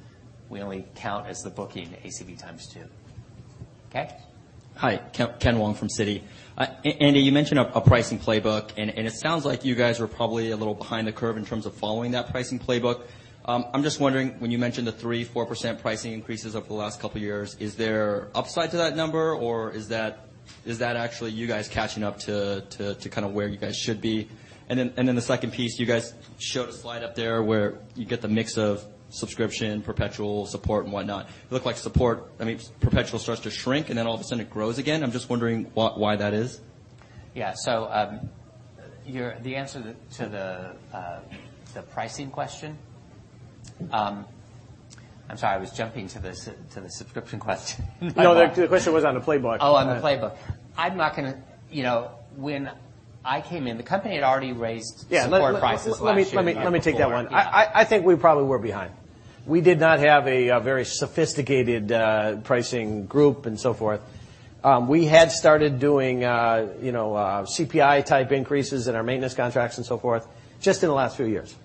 we only count as the booking ACV times 2. Okay? Hi, Ken Wong from Citi. Andy, you mentioned a pricing playbook. It sounds like you guys were probably a little behind the curve in terms of following that pricing playbook. I'm just wondering, when you mentioned the 3%, 4% pricing increases over the last couple of years, is there upside to that number, or is that Is that actually you guys catching up to where you guys should be? The second piece, you guys showed a slide up there where you get the mix of subscription, perpetual support and whatnot. It looked like support, perpetual starts to shrink, then all of a sudden it grows again. I'm just wondering why that is. Yeah. The answer to the pricing question. I'm sorry, I was jumping to the subscription question. No, the question was on the playbook. Oh, on the playbook. When I came in, the company had already raised support prices last year. Let me take that one. I think we probably were behind. We did not have a very sophisticated pricing group and so forth. We had started doing CPI-type increases in our maintenance contracts and so forth just in the last few years.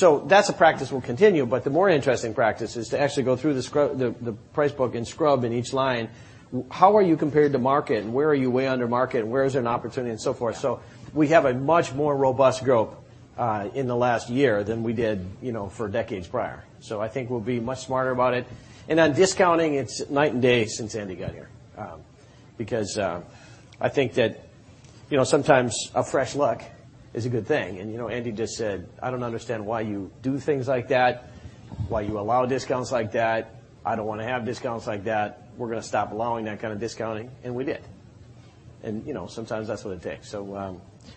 That's a practice we'll continue, but the more interesting practice is to actually go through the price book and scrub in each line. How are you compared to market, and where are you way under market, and where is there an opportunity, and so forth? We have a much more robust group in the last year than we did for decades prior. I think we'll be much smarter about it. On discounting, it's night and day since Andy got here, because I think that sometimes a fresh look is a good thing. Andy just said, "I don't understand why you do things like that, why you allow discounts like that. I don't want to have discounts like that. We're going to stop allowing that kind of discounting." We did. Sometimes that's what it takes.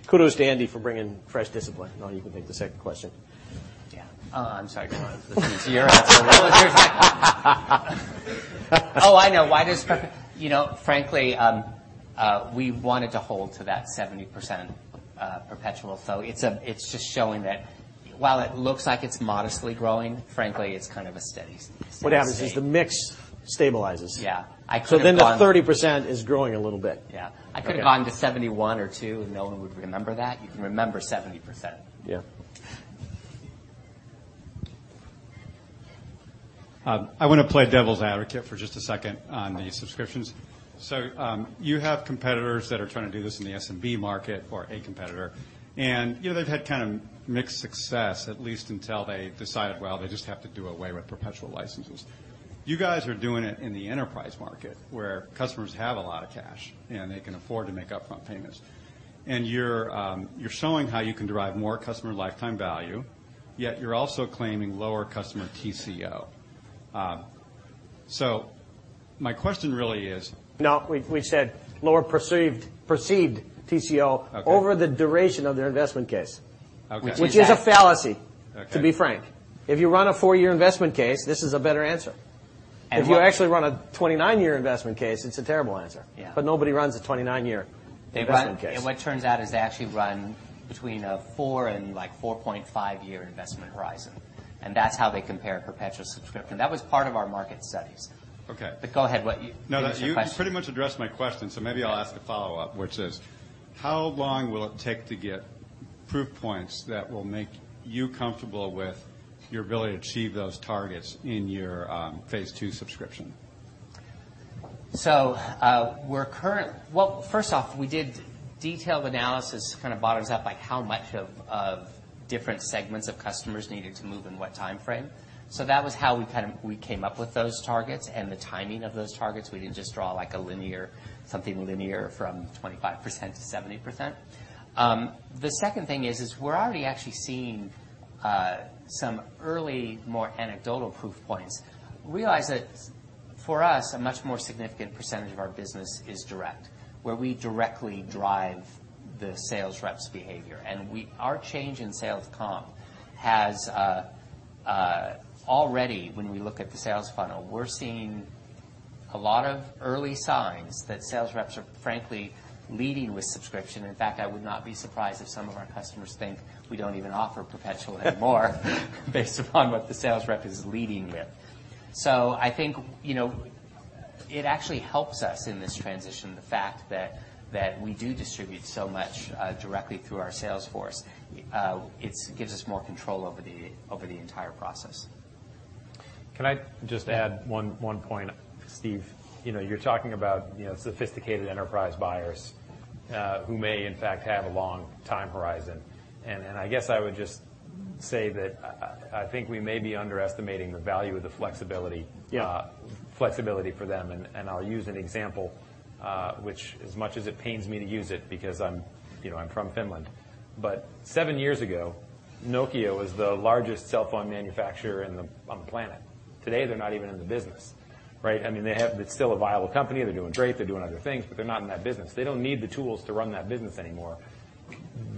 Kudos to Andy for bringing fresh discipline. No, you can take the second question. Yeah. I'm sorry, go on. This is your answer. Oh, I know. Frankly, we wanted to hold to that 70% perpetual. It's just showing that while it looks like it's modestly growing, frankly, it's kind of a steady state. What happens is the mix stabilizes. Yeah. I could have gone- the 30% is growing a little bit. Yeah. Okay. I could have gone to 71 or 2. No one would remember that. You can remember 70%. Yeah. I want to play devil's advocate for just a second on the subscriptions. You have competitors that are trying to do this in the SMB market, or a competitor. They've had kind of mixed success, at least until they decided, well, they just have to do away with perpetual licenses. You guys are doing it in the enterprise market, where customers have a lot of cash, and they can afford to make upfront payments. You're showing how you can derive more customer lifetime value, yet you're also claiming lower customer TCO. My question really is- No, we said lower perceived TCO- Okay over the duration of their investment case. Okay. Which is- Which is a fallacy- Okay to be frank. If you run a four-year investment case, this is a better answer. And what- If you actually run a 29-year investment case, it's a terrible answer. Yeah. Nobody runs a 29-year investment case. What it turns out is they actually run between a four and 4.5 year investment horizon, and that's how they compare perpetual subscription. That was part of our market studies. Okay. Go ahead. Question. You pretty much addressed my question, so maybe I'll ask a follow-up, which is: how long will it take to get proof points that will make you comfortable with your ability to achieve those targets in your phase two subscription? First off, we did detailed analysis, kind of bottoms up, like how much of different segments of customers needed to move in what time frame. That was how we came up with those targets and the timing of those targets. We didn't just draw something linear from 25%-70%. The second thing is we're already actually seeing some early, more anecdotal proof points. Realize that for us, a much more significant percentage of our business is direct, where we directly drive the sales reps' behavior. Our change in sales comp has, already when we look at the sales funnel, we're seeing a lot of early signs that sales reps are frankly leading with subscription. In fact, I would not be surprised if some of our customers think we don't even offer perpetual anymore based upon what the sales rep is leading with. I think it actually helps us in this transition, the fact that we do distribute so much directly through our sales force. It gives us more control over the entire process. Can I just add one point, Steve? You are talking about sophisticated enterprise buyers who may, in fact, have a long time horizon. I guess I would just say that I think we may be underestimating the value of the flexibility- Yeah flexibility for them. I will use an example, which, as much as it pains me to use it, because I am from Finland. Seven years ago, Nokia was the largest cell phone manufacturer on the planet. Today, they are not even in the business, right? It is still a viable company. They are doing great. They are doing other things, but they are not in that business. They do not need the tools to run that business anymore.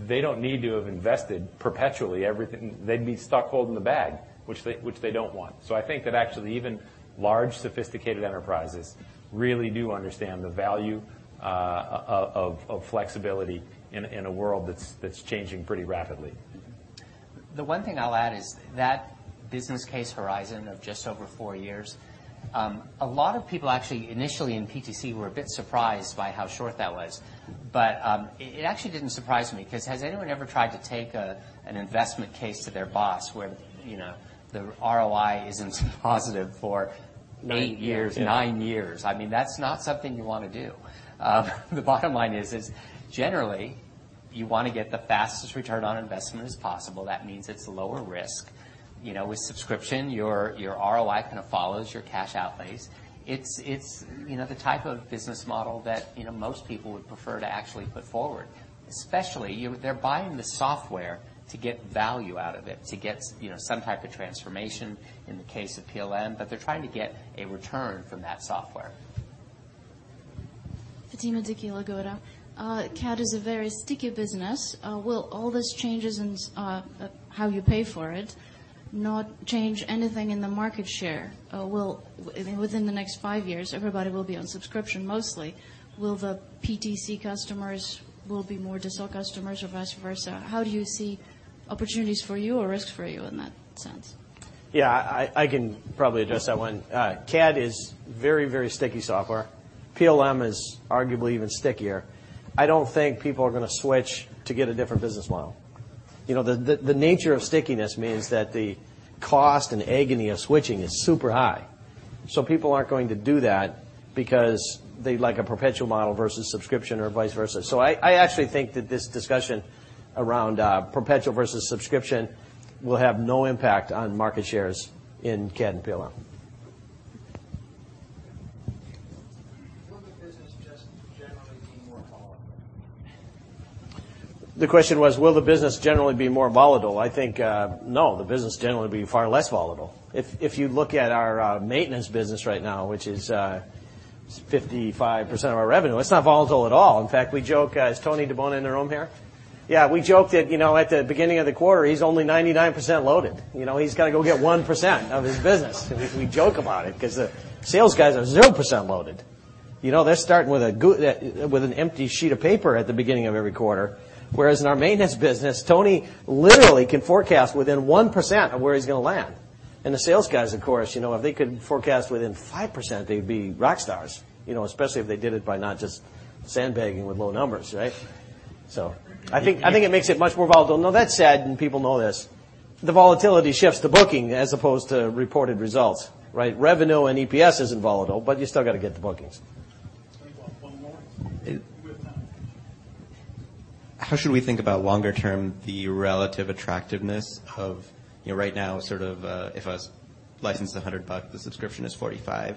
They do not need to have invested perpetually everything. They would be stuck holding the bag, which they do not want. I think that actually even large, sophisticated enterprises really do understand the value of flexibility in a world that is changing pretty rapidly. The one thing I will add is that business case horizon of just over four years, a lot of people actually initially in PTC were a bit surprised by how short that was. It actually did not surprise me, because has anyone ever tried to take an investment case to their boss where the ROI is not positive for eight years, nine years? That is not something you want to do. The bottom line is generally. You want to get the fastest return on investment as possible. That means it is lower risk. With subscription, your ROI kind of follows your cash outlays. It is the type of business model that most people would prefer to actually put forward, especially, they are buying the software to get value out of it, to get some type of transformation in the case of PLM, but they are trying to get a return from that software. Fatima Dickey Lagoda. CAD is a very sticky business. Will all these changes in how you pay for it not change anything in the market share? Within the next five years, everybody will be on subscription mostly. Will the PTC customers be more Dassault customers or vice versa? How do you see opportunities for you or risks for you in that sense? I can probably address that one. CAD is very, very sticky software. PLM is arguably even stickier. I don't think people are going to switch to get a different business model. The nature of stickiness means that the cost and agony of switching is super high. People aren't going to do that because they like a perpetual model versus subscription or vice versa. I actually think that this discussion around perpetual versus subscription will have no impact on market shares in CAD and PLM. Will the business just generally be more volatile? The question was, will the business generally be more volatile? I think, no. The business generally will be far less volatile. If you look at our maintenance business right now, which is 55% of our revenue, it's not volatile at all. In fact, we joke, is Tony DiBona in the room here? Yeah, we joke that at the beginning of the quarter, he's only 99% loaded. He's got to go get 1% of his business. We joke about it because the sales guys are 0% loaded. They're starting with an empty sheet of paper at the beginning of every quarter. Whereas in our maintenance business, Tony literally can forecast within 1% of where he's going to land. The sales guys, of course, if they could forecast within 5%, they'd be rock stars, especially if they did it by not just sandbagging with low numbers, right? I think it makes it much more volatile. Now that said, and people know this, the volatility shifts the booking as opposed to reported results, right? Revenue and EPS isn't volatile, but you still got to get the bookings. One more with Mike. How should we think about longer term, the relative attractiveness of right now, sort of if a license is $100, the subscription is $45.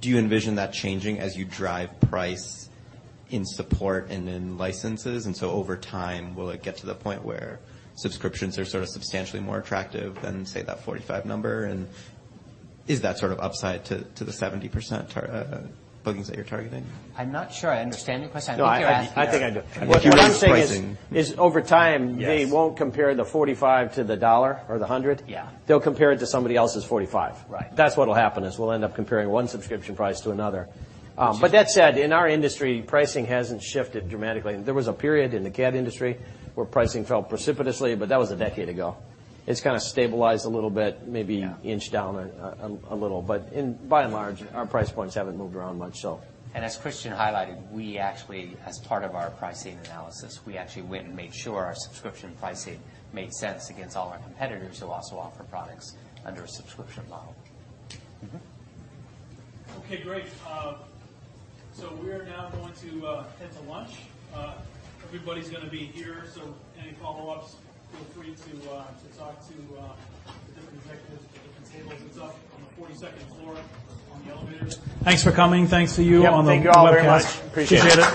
Do you envision that changing as you drive price in support and in licenses? Over time, will it get to the point where subscriptions are sort of substantially more attractive than, say, that $45 number? Is that sort of upside to the 70% bookings that you're targeting? I'm not sure I understand your question. No, I think I do. pricing. What Jim is saying is, over time. Yes they won't compare the $45 to the $1 or the $100. Yeah. They'll compare it to somebody else's $45. Right. That's what'll happen is we'll end up comparing one subscription price to another. That said, in our industry, pricing hasn't shifted dramatically. There was a period in the CAD industry where pricing fell precipitously, but that was a decade ago. It's kind of stabilized a little bit, maybe. Yeah inched down a little. By and large, our price points haven't moved around much. As Christian highlighted, we actually, as part of our pricing analysis, we actually went and made sure our subscription pricing made sense against all our competitors who also offer products under a subscription model. Okay, great. We are now going to head to lunch. Everybody's going to be here, so any follow-ups, feel free to talk to the different executives at the different tables. It's up on the 42nd floor on the elevator. Thanks for coming. Thanks to you on the webcast. Yeah. Thank you all very much. Appreciate it